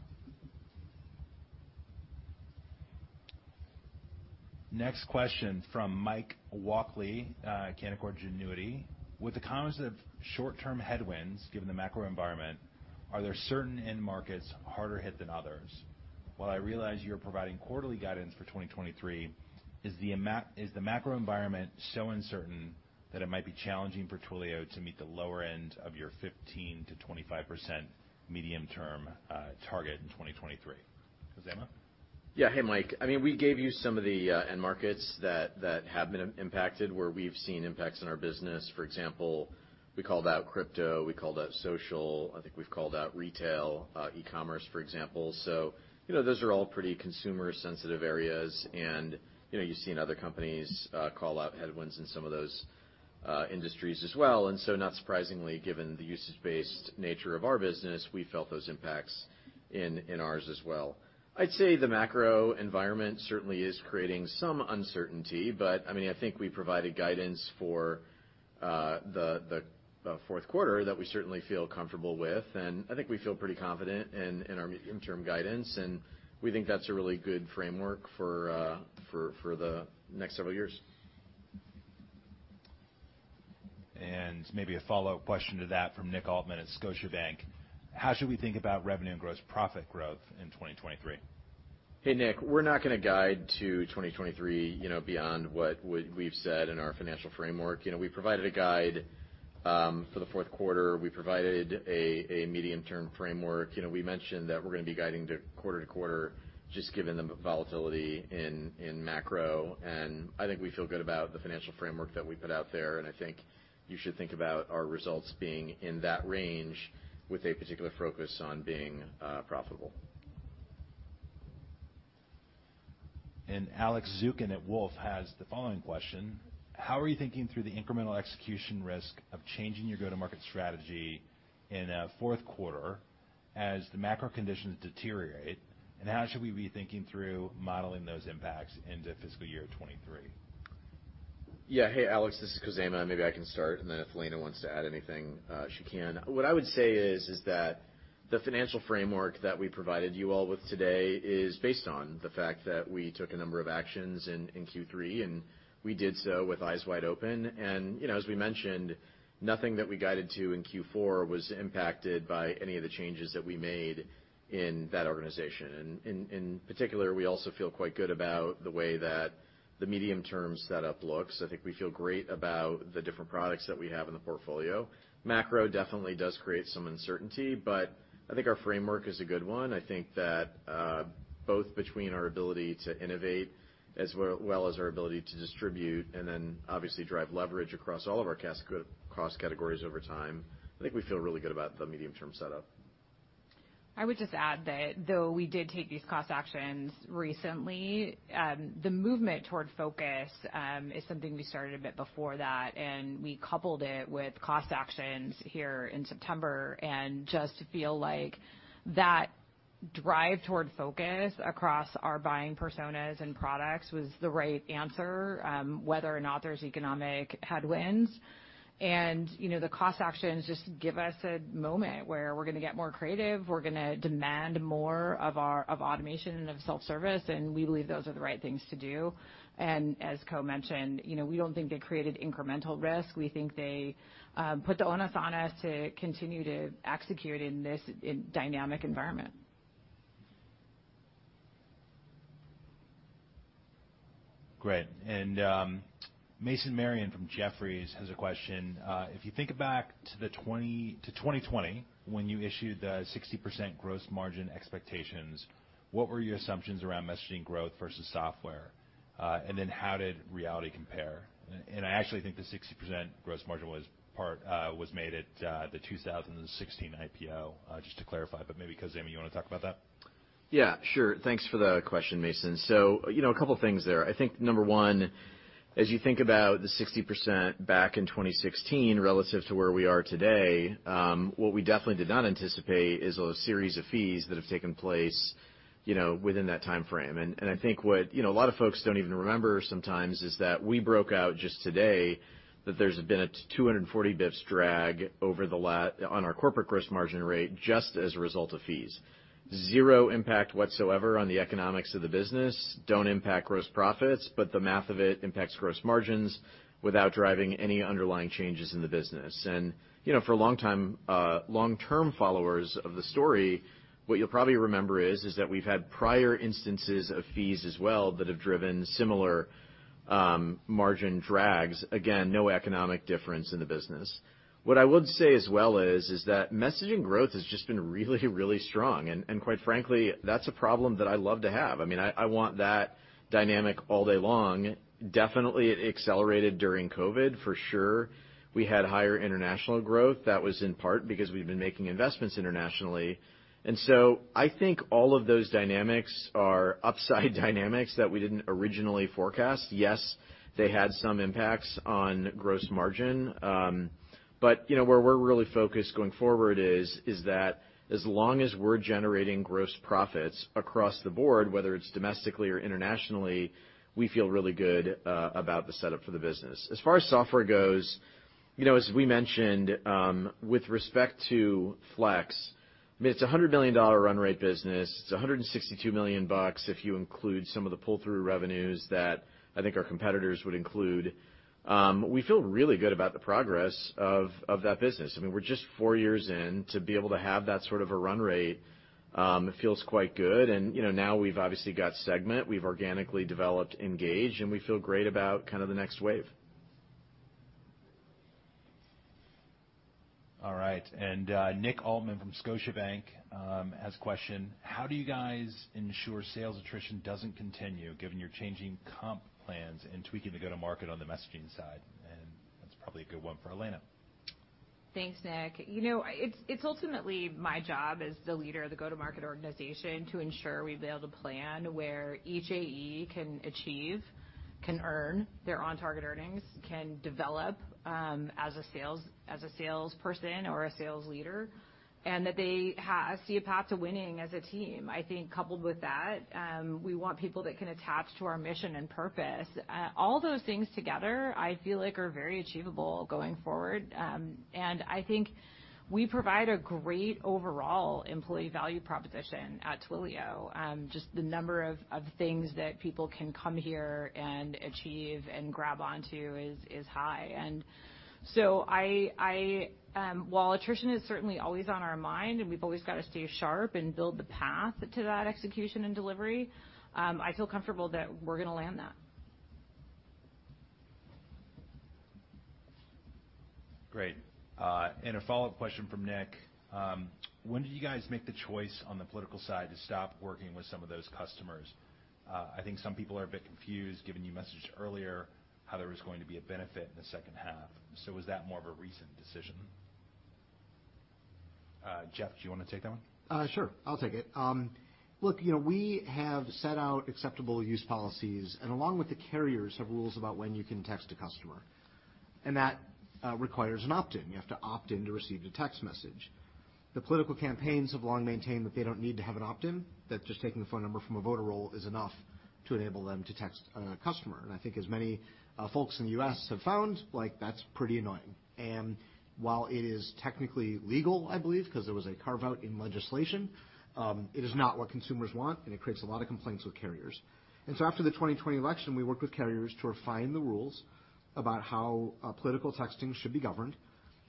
Next question from Mike Walkley, Canaccord Genuity: "With the comments of short-term headwinds, given the macro environment, are there certain end markets harder hit than others? While I realize you're providing quarterly guidance for 2023, is the macro environment so uncertain that it might be challenging for Twilio to meet the lower end of your 15%-25% medium-term target in 2023?" Khozema? Yeah. Hey, Mike. I mean, we gave you some of the end markets that have been impacted, where we've seen impacts in our business. For example, we called out crypto, we called out social. I think we've called out retail, e-commerce, for example. You know, those are all pretty consumer sensitive areas. You know, you've seen other companies call out headwinds in some of those industries as well. Not surprisingly, given the usage-based nature of our business, we felt those impacts in ours as well. I'd say the macro environment certainly is creating some uncertainty, but I mean, I think we provided guidance for the fourth quarter that we certainly feel comfortable with, and I think we feel pretty confident in our medium-term guidance, and we think that's a really good framework for the next several years. Maybe a follow question to that from Nick Altmann at Scotiabank. How should we think about revenue and gross profit growth in 2023? Hey, Nick. We're not gonna guide to 2023, you know, beyond what we've said in our financial framework. You know, we provided a guide for the fourth quarter. We provided a medium-term framework. You know, we mentioned that we're gonna be guiding to quarter to quarter just given the volatility in macro, and I think we feel good about the financial framework that we put out there. I think you should think about our results being in that range with a particular focus on being profitable. Alex Zukin at Wolfe has the following question: how are you thinking through the incremental execution risk of changing your go-to-market strategy in fourth quarter as the macro conditions deteriorate? How should we be thinking through modeling those impacts into fiscal year 2023? Yeah. Hey, Alex. This is Khozema. Maybe I can start, and then if Elena wants to add anything, she can. What I would say is that the financial framework that we provided you all with today is based on the fact that we took a number of actions in Q3, and we did so with eyes wide open. You know, as we mentioned, nothing that we guided to in Q4 was impacted by any of the changes that we made in that organization. In particular, we also feel quite good about the way that the medium-term setup looks. I think we feel great about the different products that we have in the portfolio. Macro definitely does create some uncertainty, but I think our framework is a good one. I think that both our ability to innovate as well as our ability to distribute and then obviously drive leverage across all of our cost categories over time, I think we feel really good about the medium-term setup. I would just add that though we did take these cost actions recently, the movement toward focus is something we started a bit before that, and we coupled it with cost actions here in September and just feel like that drive toward focus across our buyer personas and products was the right answer, whether or not there's economic headwinds. You know, the cost actions just give us a moment where we're gonna get more creative, we're gonna demand more of our automation and of self-service, and we believe those are the right things to do. As Khozema mentioned, you know, we don't think they created incremental risk. We think they put the onus on us to continue to execute in this dynamic environment. Great. Mason Marion from Jefferies has a question. If you think back to 2020 when you issued the 60% gross margin expectations, what were your assumptions around messaging growth versus software? Then how did reality compare? I actually think the 60% gross margin was part was made at the 2016 IPO, just to clarify. Maybe Khozema, you wanna talk about that? Yeah, sure. Thanks for the question, Mason. You know, a couple things there. I think number one, as you think about the 60% back in 2016 relative to where we are today, what we definitely did not anticipate is a series of fees that have taken place, you know, within that timeframe. I think what, you know, a lot of folks don't even remember sometimes is that we broke out just today that there's been a 240 basis points drag on our corporate gross margin rate just as a result of fees. Zero impact whatsoever on the economics of the business, don't impact gross profits, but the math of it impacts gross margins without driving any underlying changes in the business. You know, for a long time, long-term followers of the story, what you'll probably remember is that we've had prior instances of fees as well that have driven similar, margin drags. Again, no economic difference in the business. What I would say as well is that messaging growth has just been really, really strong. Quite frankly, that's a problem that I love to have. I mean, I want that dynamic all day long. Definitely it accelerated during COVID, for sure. We had higher international growth. That was in part because we've been making investments internationally. I think all of those dynamics are upside dynamics that we didn't originally forecast. Yes, they had some impacts on gross margin, but you know, where we're really focused going forward is that as long as we're generating gross profits across the board, whether it's domestically or internationally, we feel really good about the setup for the business. As far as software goes, you know, as we mentioned, with respect to Flex, I mean, it's a $100 million run rate business. It's a $162 million if you include some of the pull-through revenues that I think our competitors would include. We feel really good about the progress of that business. I mean, we're just four years in. To be able to have that sort of a run rate, it feels quite good. You know, now we've obviously got Segment, we've organically developed Engage, and we feel great about kind of the next wave. All right. Nick Altmann from Scotiabank has a question. How do you guys ensure sales attrition doesn't continue given your changing comp plans and tweaking the go-to-market on the messaging side? That's probably a good one for Elena. Thanks, Nick. You know, it's ultimately my job as the leader of the go-to-market organization to ensure we build a plan where each AE can achieve, can earn their on-target earnings, can develop as a salesperson or a sales leader, and that they see a path to winning as a team. I think coupled with that, we want people that can attach to our mission and purpose. All those things together I feel like are very achievable going forward. I think we provide a great overall employee value proposition at Twilio. Just the number of things that people can come here and achieve and grab on to is high. While attrition is certainly always on our mind, and we've always gotta stay sharp and build the path to that execution and delivery, I feel comfortable that we're gonna land that. Great. A follow-up question from Nick. When did you guys make the choice on the political side to stop working with some of those customers? I think some people are a bit confused, given you messaged earlier how there was going to be a benefit in the second half. Was that more of a recent decision? Jeff, do you wanna take that one? Sure, I'll take it. Look, you know, we have set out acceptable use policies and along with the carriers have rules about when you can text a customer, and that requires an opt-in. You have to opt in to receive the text message. The political campaigns have long maintained that they don't need to have an opt-in, that just taking the phone number from a voter roll is enough to enable them to text a customer. I think as many folks in the U.S. have found, like, that's pretty annoying. While it is technically legal, I believe, 'cause there was a carve-out in legislation, it is not what consumers want, and it creates a lot of complaints with carriers. After the 2020 election, we worked with carriers to refine the rules about how political texting should be governed,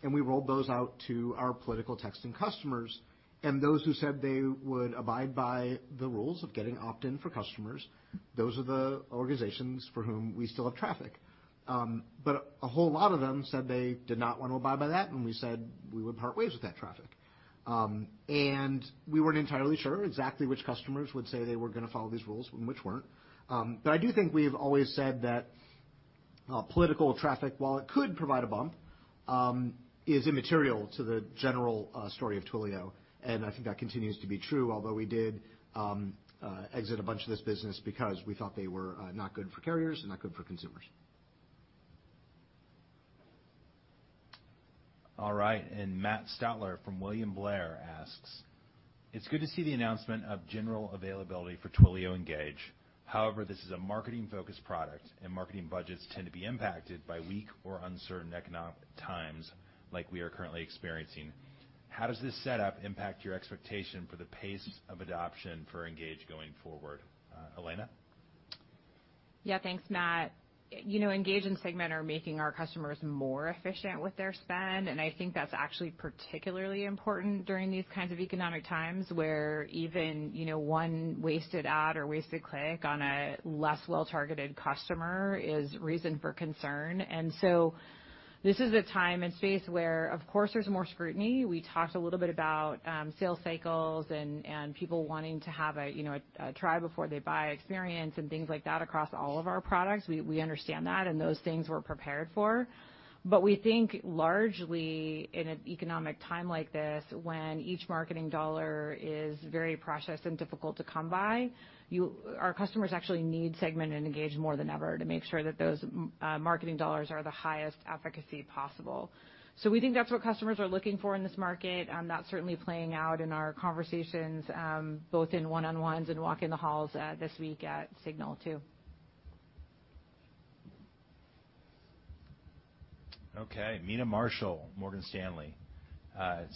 and we rolled those out to our political texting customers. Those who said they would abide by the rules of getting opt-in for customers, those are the organizations for whom we still have traffic. But a whole lot of them said they did not want to abide by that, and we said we would part ways with that traffic. We weren't entirely sure exactly which customers would say they were gonna follow these rules and which weren't. I do think we've always said that political traffic, while it could provide a bump, is immaterial to the general story of Twilio, and I think that continues to be true, although we did exit a bunch of this business because we thought they were not good for carriers and not good for consumers. All right, and Matt Stotler from William Blair asks, "It's good to see the announcement of general availability for Twilio Engage. However, this is a marketing-focused product, and marketing budgets tend to be impacted by weak or uncertain economic times like we are currently experiencing. How does this setup impact your expectation for the pace of adoption for Engage going forward?" Elena? Yeah, thanks, Matt. You know, Engage and Segment are making our customers more efficient with their spend, and I think that's actually particularly important during these kinds of economic times, where even, you know, one wasted ad or wasted click on a less well-targeted customer is reason for concern. This is a time and space where, of course, there's more scrutiny. We talked a little bit about sales cycles and people wanting to have a, you know, a try before they buy experience and things like that across all of our products. We understand that, and those things we're prepared for. We think largely in an economic time like this, when each marketing dollar is very precious and difficult to come by, our customers actually need Segment and Engage more than ever to make sure that those marketing dollars are the highest efficacy possible. We think that's what customers are looking for in this market, that's certainly playing out in our conversations, both in one-on-ones and walking the halls, this week at SIGNAL, too. Okay. Meta Marshall, Morgan Stanley.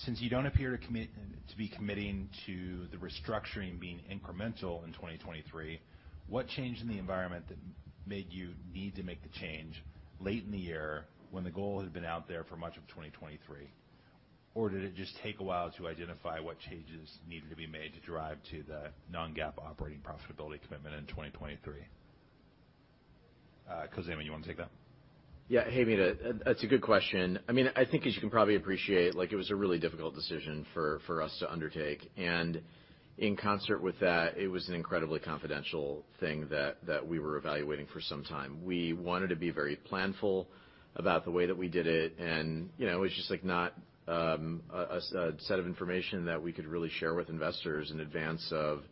"Since you don't appear to be committing to the restructuring being incremental in 2023, what changed in the environment that made you need to make the change late in the year when the goal had been out there for much of 2023? Or did it just take a while to identify what changes needed to be made to drive to the non-GAAP operating profitability commitment in 2023?" Khozema, you wanna take that? Yeah. Hey, Meta. That's a good question. I mean, I think as you can probably appreciate, like, it was a really difficult decision for us to undertake. In concert with that, it was an incredibly confidential thing that we were evaluating for some time. We wanted to be very planful about the way that we did it. You know, it was just, like, not a set of information that we could really share with investors in advance of,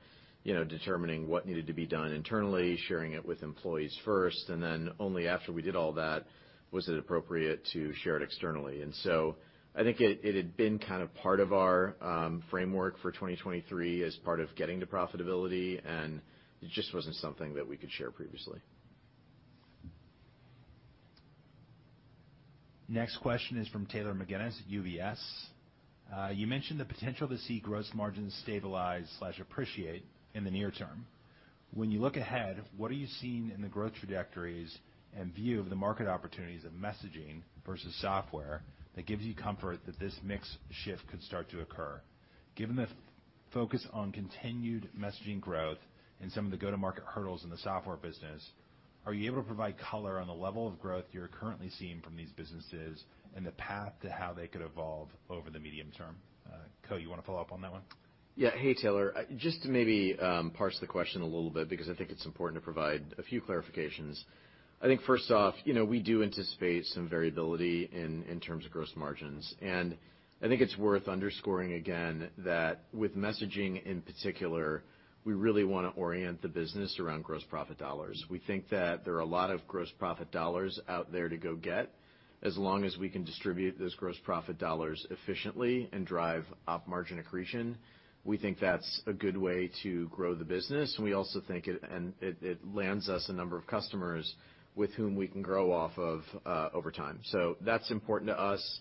you know, determining what needed to be done internally, sharing it with employees first, and then only after we did all that was it appropriate to share it externally. I think it had been kind of part of our framework for 2023 as part of getting to profitability, and it just wasn't something that we could share previously. Next question is from Taylor McGinnis, UBS. "You mentioned the potential to see gross margins stabilize/appreciate in the near term. When you look ahead, what are you seeing in the growth trajectories and view of the market opportunities of messaging versus software that gives you comfort that this mix shift could start to occur? Given the focus on continued messaging growth and some of the go-to-market hurdles in the software business, are you able to provide color on the level of growth you're currently seeing from these businesses and the path to how they could evolve?" Over the medium term. Khozema, you want to follow up on that one? Yeah. Hey, Taylor. Just to maybe parse the question a little bit because I think it's important to provide a few clarifications. I think first off, you know, we do anticipate some variability in terms of gross margins. I think it's worth underscoring again that with messaging in particular, we really wanna orient the business around gross profit dollars. We think that there are a lot of gross profit dollars out there to go get, as long as we can distribute those gross profit dollars efficiently and drive op margin accretion. We think that's a good way to grow the business. We also think it lands us a number of customers with whom we can grow off of over time. That's important to us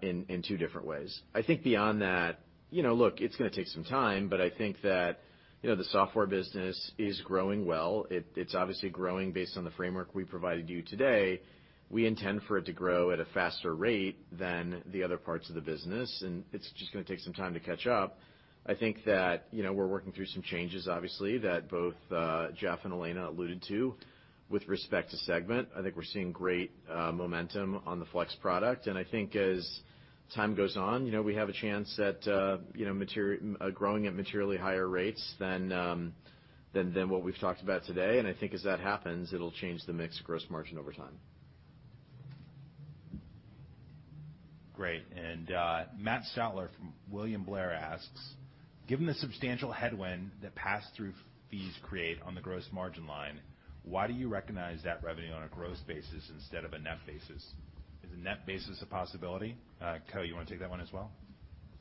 in two different ways. I think beyond that, you know, look, it's gonna take some time, but I think that, you know, the software business is growing well. It, it's obviously growing based on the framework we provided you today. We intend for it to grow at a faster rate than the other parts of the business, and it's just gonna take some time to catch up. I think that, you know, we're working through some changes, obviously, that both Jeff and Elena alluded to with respect to Segment. I think we're seeing great momentum on the Flex product. I think as time goes on, you know, we have a chance at, you know, growing at materially higher rates than what we've talked about today. I think as that happens, it'll change the mix gross margin over time. Great. Matt Stotler from William Blair asks, given the substantial headwind that pass-through fees create on the gross margin line, why do you recognize that revenue on a gross basis instead of a net basis? Is a net basis a possibility? Khozema, you wanna take that one as well?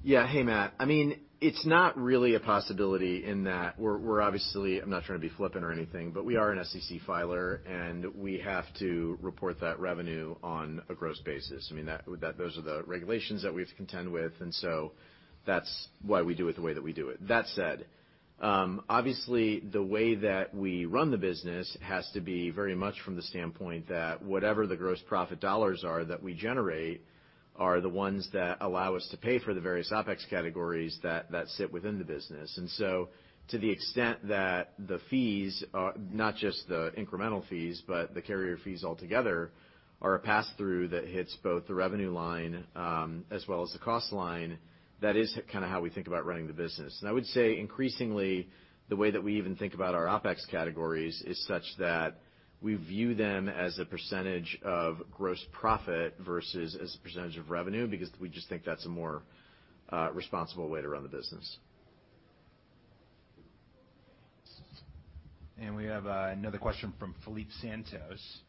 Yeah. Hey, Matt. I mean, it's not really a possibility in that we're obviously. I'm not trying to be flippant or anything, but we are an SEC filer, and we have to report that revenue on a gross basis. I mean, those are the regulations that we have to contend with and so that's why we do it the way that we do it. That said, obviously the way that we run the business has to be very much from the standpoint that whatever the gross profit dollars are that we generate are the ones that allow us to pay for the various OpEx categories that sit within the business. To the extent that the fees are not just the incremental fees, but the carrier fees altogether are a pass-through that hits both the revenue line, as well as the cost line, that is kinda how we think about running the business. I would say increasingly, the way that we even think about our OpEx categories is such that we view them as a percentage of gross profit versus as a percentage of revenue because we just think that's a more, responsible way to run the business. We have another question from Philip Santos.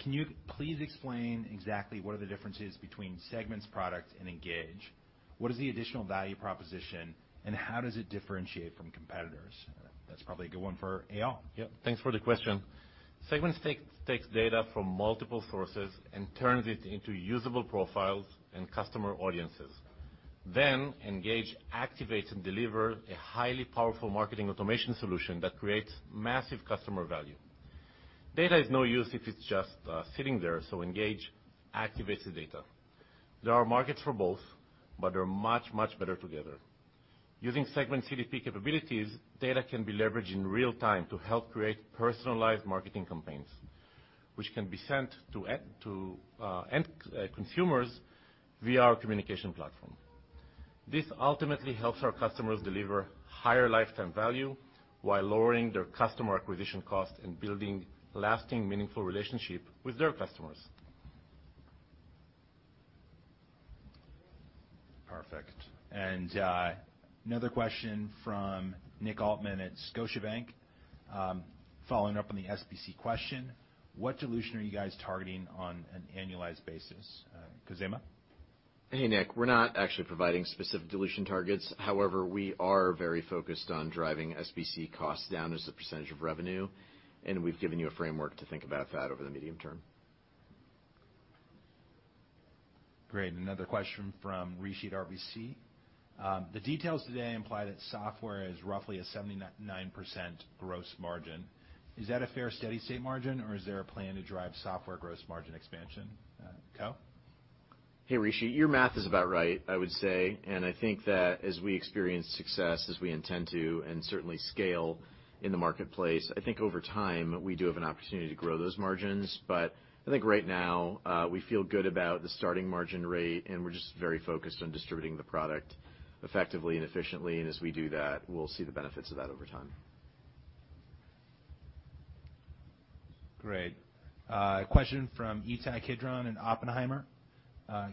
Can you please explain exactly what are the differences between Segment's products and Engage? What is the additional value proposition, and how does it differentiate from competitors? That's probably a good one for Eyal. Yeah. Thanks for the question. Segment takes data from multiple sources and turns it into usable profiles and customer audiences. Then Engage activates and deliver a highly powerful marketing automation solution that creates massive customer value. Data is no use if it's just sitting there, so Engage activates the data. There are markets for both, but they're much, much better together. Using Segment CDP capabilities, data can be leveraged in real time to help create personalized Marketing Campaigns, which can be sent to end consumers via our communication platform. This ultimately helps our customers deliver higher lifetime value while lowering their customer acquisition cost and building lasting, meaningful relationship with their customers. Perfect. Another question from Nick Altmann at Scotiabank. Following up on the SBC question, what dilution are you guys targeting on an annualized basis? Khozema? Hey, Nick. We're not actually providing specific dilution targets. However, we are very focused on driving SBC costs down as a percentage of revenue, and we've given you a framework to think about that over the medium term. Great. Another question from Rishi Jaluria at RBC. The details today imply that software is roughly a 79% gross margin. Is that a fair steady-state margin, or is there a plan to drive software gross margin expansion? Khozema? Hey, Rishi Jaluria. Your math is about right, I would say. I think that as we experience success as we intend to and certainly scale in the marketplace, I think over time, we do have an opportunity to grow those margins. I think right now, we feel good about the starting margin rate, and we're just very focused on distributing the product effectively and efficiently. As we do that, we'll see the benefits of that over time. Great. A question from Ittai Kidron in Oppenheimer.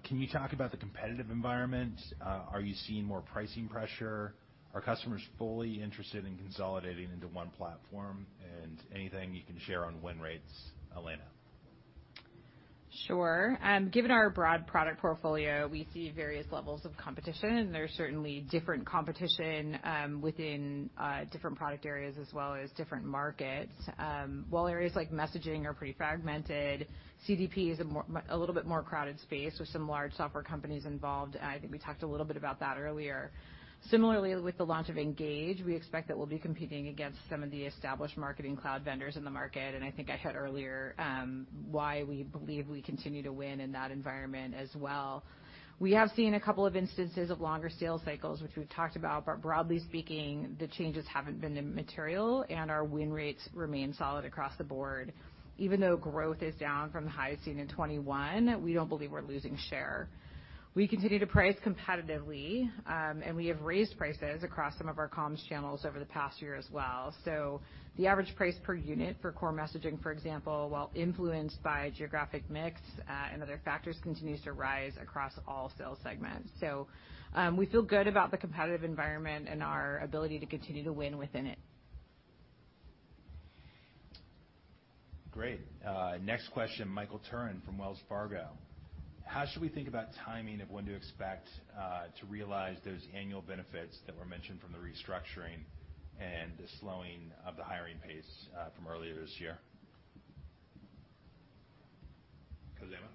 Can you talk about the competitive environment? Are you seeing more pricing pressure? Are customers fully interested in consolidating into one platform? Anything you can share on win rates, Elena? Sure. Given our broad product portfolio, we see various levels of competition, and there's certainly different competition within different product areas as well as different markets. While areas like messaging are pretty fragmented, CDP is a little bit more crowded space with some large software companies involved. I think we talked a little bit about that earlier. Similarly, with the launch of Engage, we expect that we'll be competing against some of the established Marketing Cloud vendors in the market, and I think I hit earlier why we believe we continue to win in that environment as well. We have seen a couple of instances of longer sales cycles, which we've talked about, but broadly speaking, the changes haven't been material, and our win rates remain solid across the board. Even though growth is down from the high seen in 2021, we don't believe we're losing share. We continue to price competitively, and we have raised prices across some of our comms channels over the past year as well. The average price per unit for core messaging, for example, while influenced by geographic mix, and other factors, continues to rise across all sales segments. We feel good about the competitive environment and our ability to continue to win within it. Great. Next question, Michael Turrin from Wells Fargo. How should we think about timing of when to expect to realize those annual benefits that were mentioned from the restructuring and the slowing of the hiring pace from earlier this year? Khozema?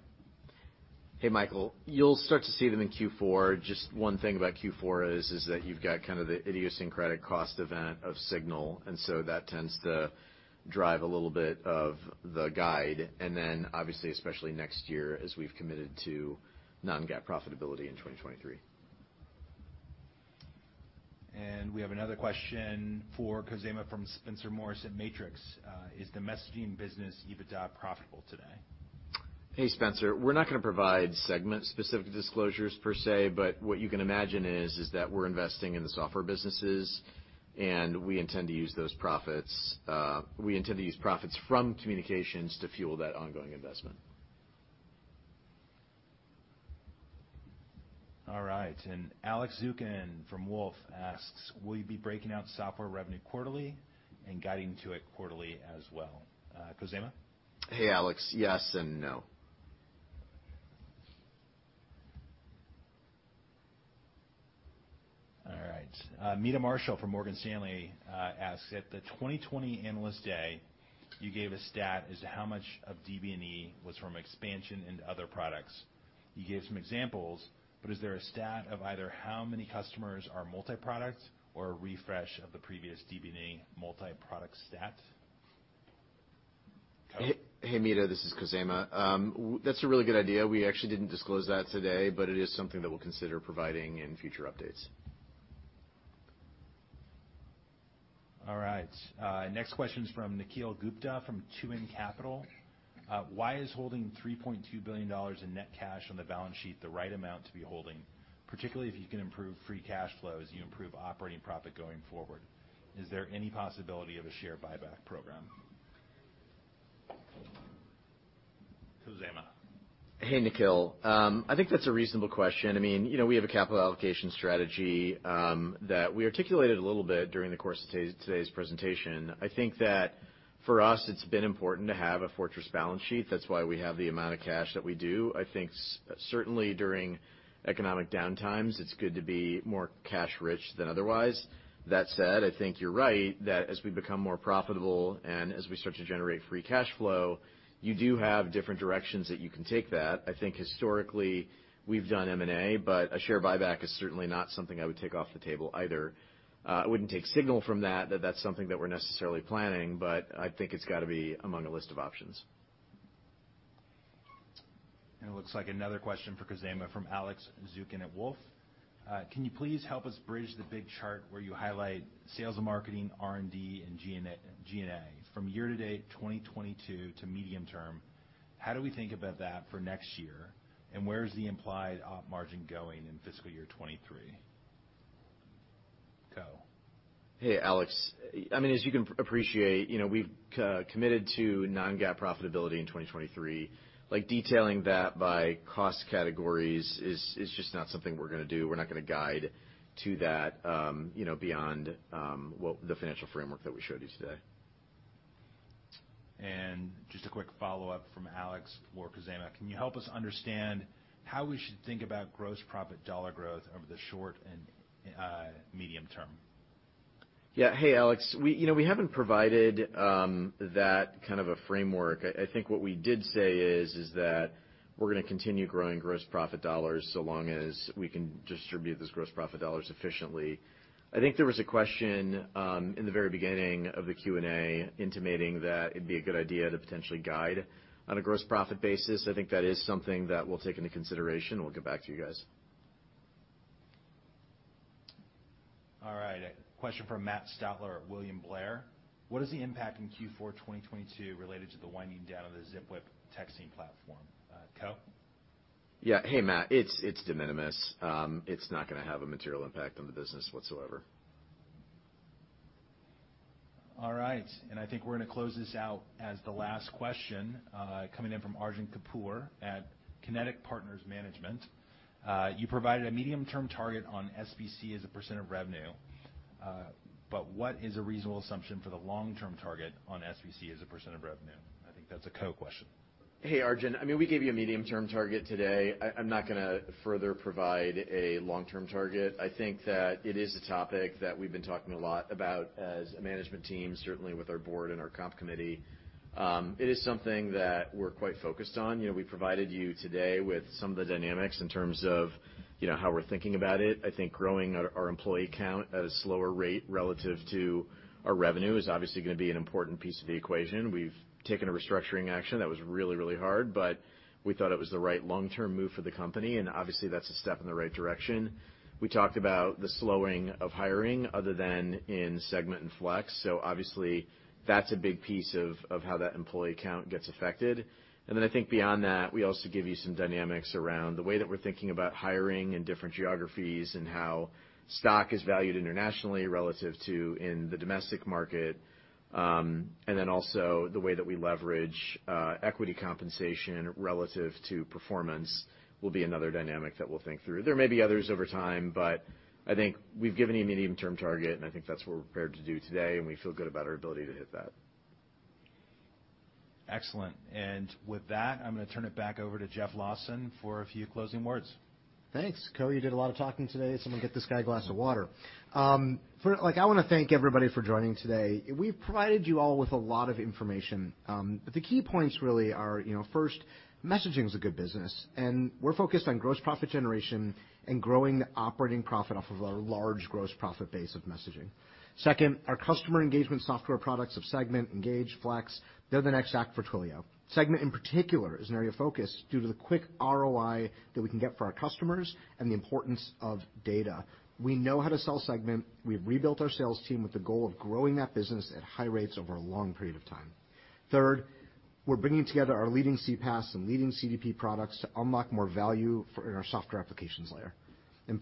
Hey, Michael. You'll start to see them in Q4. Just one thing about Q4 is that you've got kind of the idiosyncratic cost event of SIGNAL, and so that tends to drive a little bit of the guide, and then obviously, especially next year as we've committed to non-GAAP profitability in 2023. We have another question for Khozema Shipchandler from Spencer Morris at Matrix. Is the messaging business EBITDA profitable today? Hey, Spencer. We're not gonna provide Segment-specific disclosures per se, but what you can imagine is that we're investing in the software businesses, and we intend to use profits from communications to fuel that ongoing investment. All right. Alex Zukin from Wolfe asks, will you be breaking out software revenue quarterly and guiding to it quarterly as well? Khozema? Hey, Alex. Yes and no. All right. Meta Marshall from Morgan Stanley asks, at the 2020 Analyst Day, you gave a stat as to how much of DBNE was from expansion into other products. You gave some examples, but is there a stat of either how many customers are multi-product or a refresh of the previous DBNE multi-product stat? Khozema Shipchandler? Hey, Meta, this is Khozema. That's a really good idea. We actually didn't disclose that today, but it is something that we'll consider providing in future updates. All right. Next question is from Nikhil Gupta from 2N Capital. Why is holding $3.2 billion in net cash on the balance sheet the right amount to be holding, particularly if you can improve free cash flow as you improve operating profit going forward? Is there any possibility of a share buyback program? Khozema. Hey, Nikhil. I think that's a reasonable question. I mean, you know, we have a capital allocation strategy, that we articulated a little bit during the course of today's presentation. I think that for us, it's been important to have a fortress balance sheet. That's why we have the amount of cash that we do. I think certainly during economic downtimes, it's good to be more cash rich than otherwise. That said, I think you're right, that as we become more profitable and as we start to generate free cash flow, you do have different directions that you can take that. I think historically we've done M&A, but a share buyback is certainly not something I would take off the table either. I wouldn't take signal from that that's something that we're necessarily planning, but I think it's gotta be among a list of options. It looks like another question for Khozema from Alex Zukin at Wolfe. Can you please help us bridge the big chart where you highlight sales and marketing, R&D, and G&A from year-to-date 2022 to medium term? How do we think about that for next year, and where is the implied op margin going in fiscal year 2023? Kho. Hey, Alex. I mean, as you can appreciate, you know, we've committed to non-GAAP profitability in 2023. Like, detailing that by cost categories is just not something we're gonna do. We're not gonna guide to that, you know, beyond what the financial framework that we showed you today. Just a quick follow-up from Alex for Khozema. Can you help us understand how we should think about gross profit dollar growth over the short and medium term? Yeah. Hey, Alex. We, you know, we haven't provided that kind of a framework. I think what we did say is that we're gonna continue growing gross profit dollars so long as we can distribute those gross profit dollars efficiently. I think there was a question in the very beginning of the Q&A intimating that it'd be a good idea to potentially guide on a gross profit basis. I think that is something that we'll take into consideration. We'll get back to you guys. All right. A question from Matt Stotler at William Blair. What is the impact in Q4 2022 related to the winding down of the Zipwhip texting platform? Khozema? Yeah. Hey, Matt. It's de minimis. It's not gonna have a material impact on the business whatsoever. All right. I think we're gonna close this out as the last question, coming in from Arjun Kapoor at Kinetic Partners Management. You provided a medium-term target on SBC as a percent of revenue. What is a reasonable assumption for the long-term target on SBC as a percent of revenue? I think that's a Khozema question. Hey, Arjun. I mean, we gave you a medium-term target today. I'm not gonna further provide a long-term target. I think that it is a topic that we've been talking a lot about as a management team, certainly with our Board and our comp committee. It is something that we're quite focused on. You know, we provided you today with some of the dynamics in terms of, you know, how we're thinking about it. I think growing our employee count at a slower rate relative to our revenue is obviously gonna be an important piece of the equation. We've taken a restructuring action that was really, really hard, but we thought it was the right long-term move for the company, and obviously, that's a step in the right direction. We talked about the slowing of hiring other than in Segment and Flex. Obviously, that's a big piece of how that employee count gets affected. I think beyond that, we also give you some dynamics around the way that we're thinking about hiring in different geographies and how stock is valued internationally relative to in the domestic market. Also the way that we leverage equity compensation relative to performance will be another dynamic that we'll think through. There may be others over time, but I think we've given you a medium-term target, and I think that's what we're prepared to do today, and we feel good about our ability to hit that. Excellent. With that, I'm gonna turn it back over to Jeff Lawson for a few closing words. Thanks. Khozema, you did a lot of talking today, someone get this guy a glass of water. Like, I wanna thank everybody for joining today. We've provided you all with a lot of information. The key points really are, you know, first, messaging is a good business, and we're focused on gross profit generation and growing operating profit off of our large gross profit base of messaging. Second, our customer engagement software products of Segment, Engage, Flex, they're the next act for Twilio. Segment in particular is an area of focus due to the quick ROI that we can get for our customers and the importance of data. We know how to sell Segment. We've rebuilt our sales team with the goal of growing that business at high rates over a long period of time. Third, we're bringing together our leading CPaaS and leading CDP products to unlock more value for our software applications layer.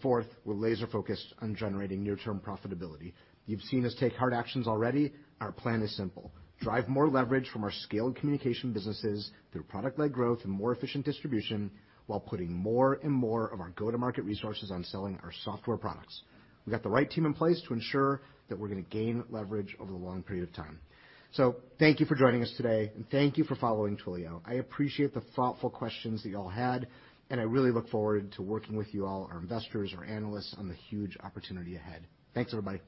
Fourth, we're laser focused on generating near term profitability. You've seen us take hard actions already. Our plan is simple. Drive more leverage from our scaled communication businesses through product-led growth and more efficient distribution while putting more and more of our go-to-market resources on selling our software products. We've got the right team in place to ensure that we're gonna gain leverage over a long period of time. Thank you for joining us today, and thank you for following Twilio. I appreciate the thoughtful questions that y'all had, and I really look forward to working with you all, our investors, our analysts on the huge opportunity ahead. Thanks, everybody.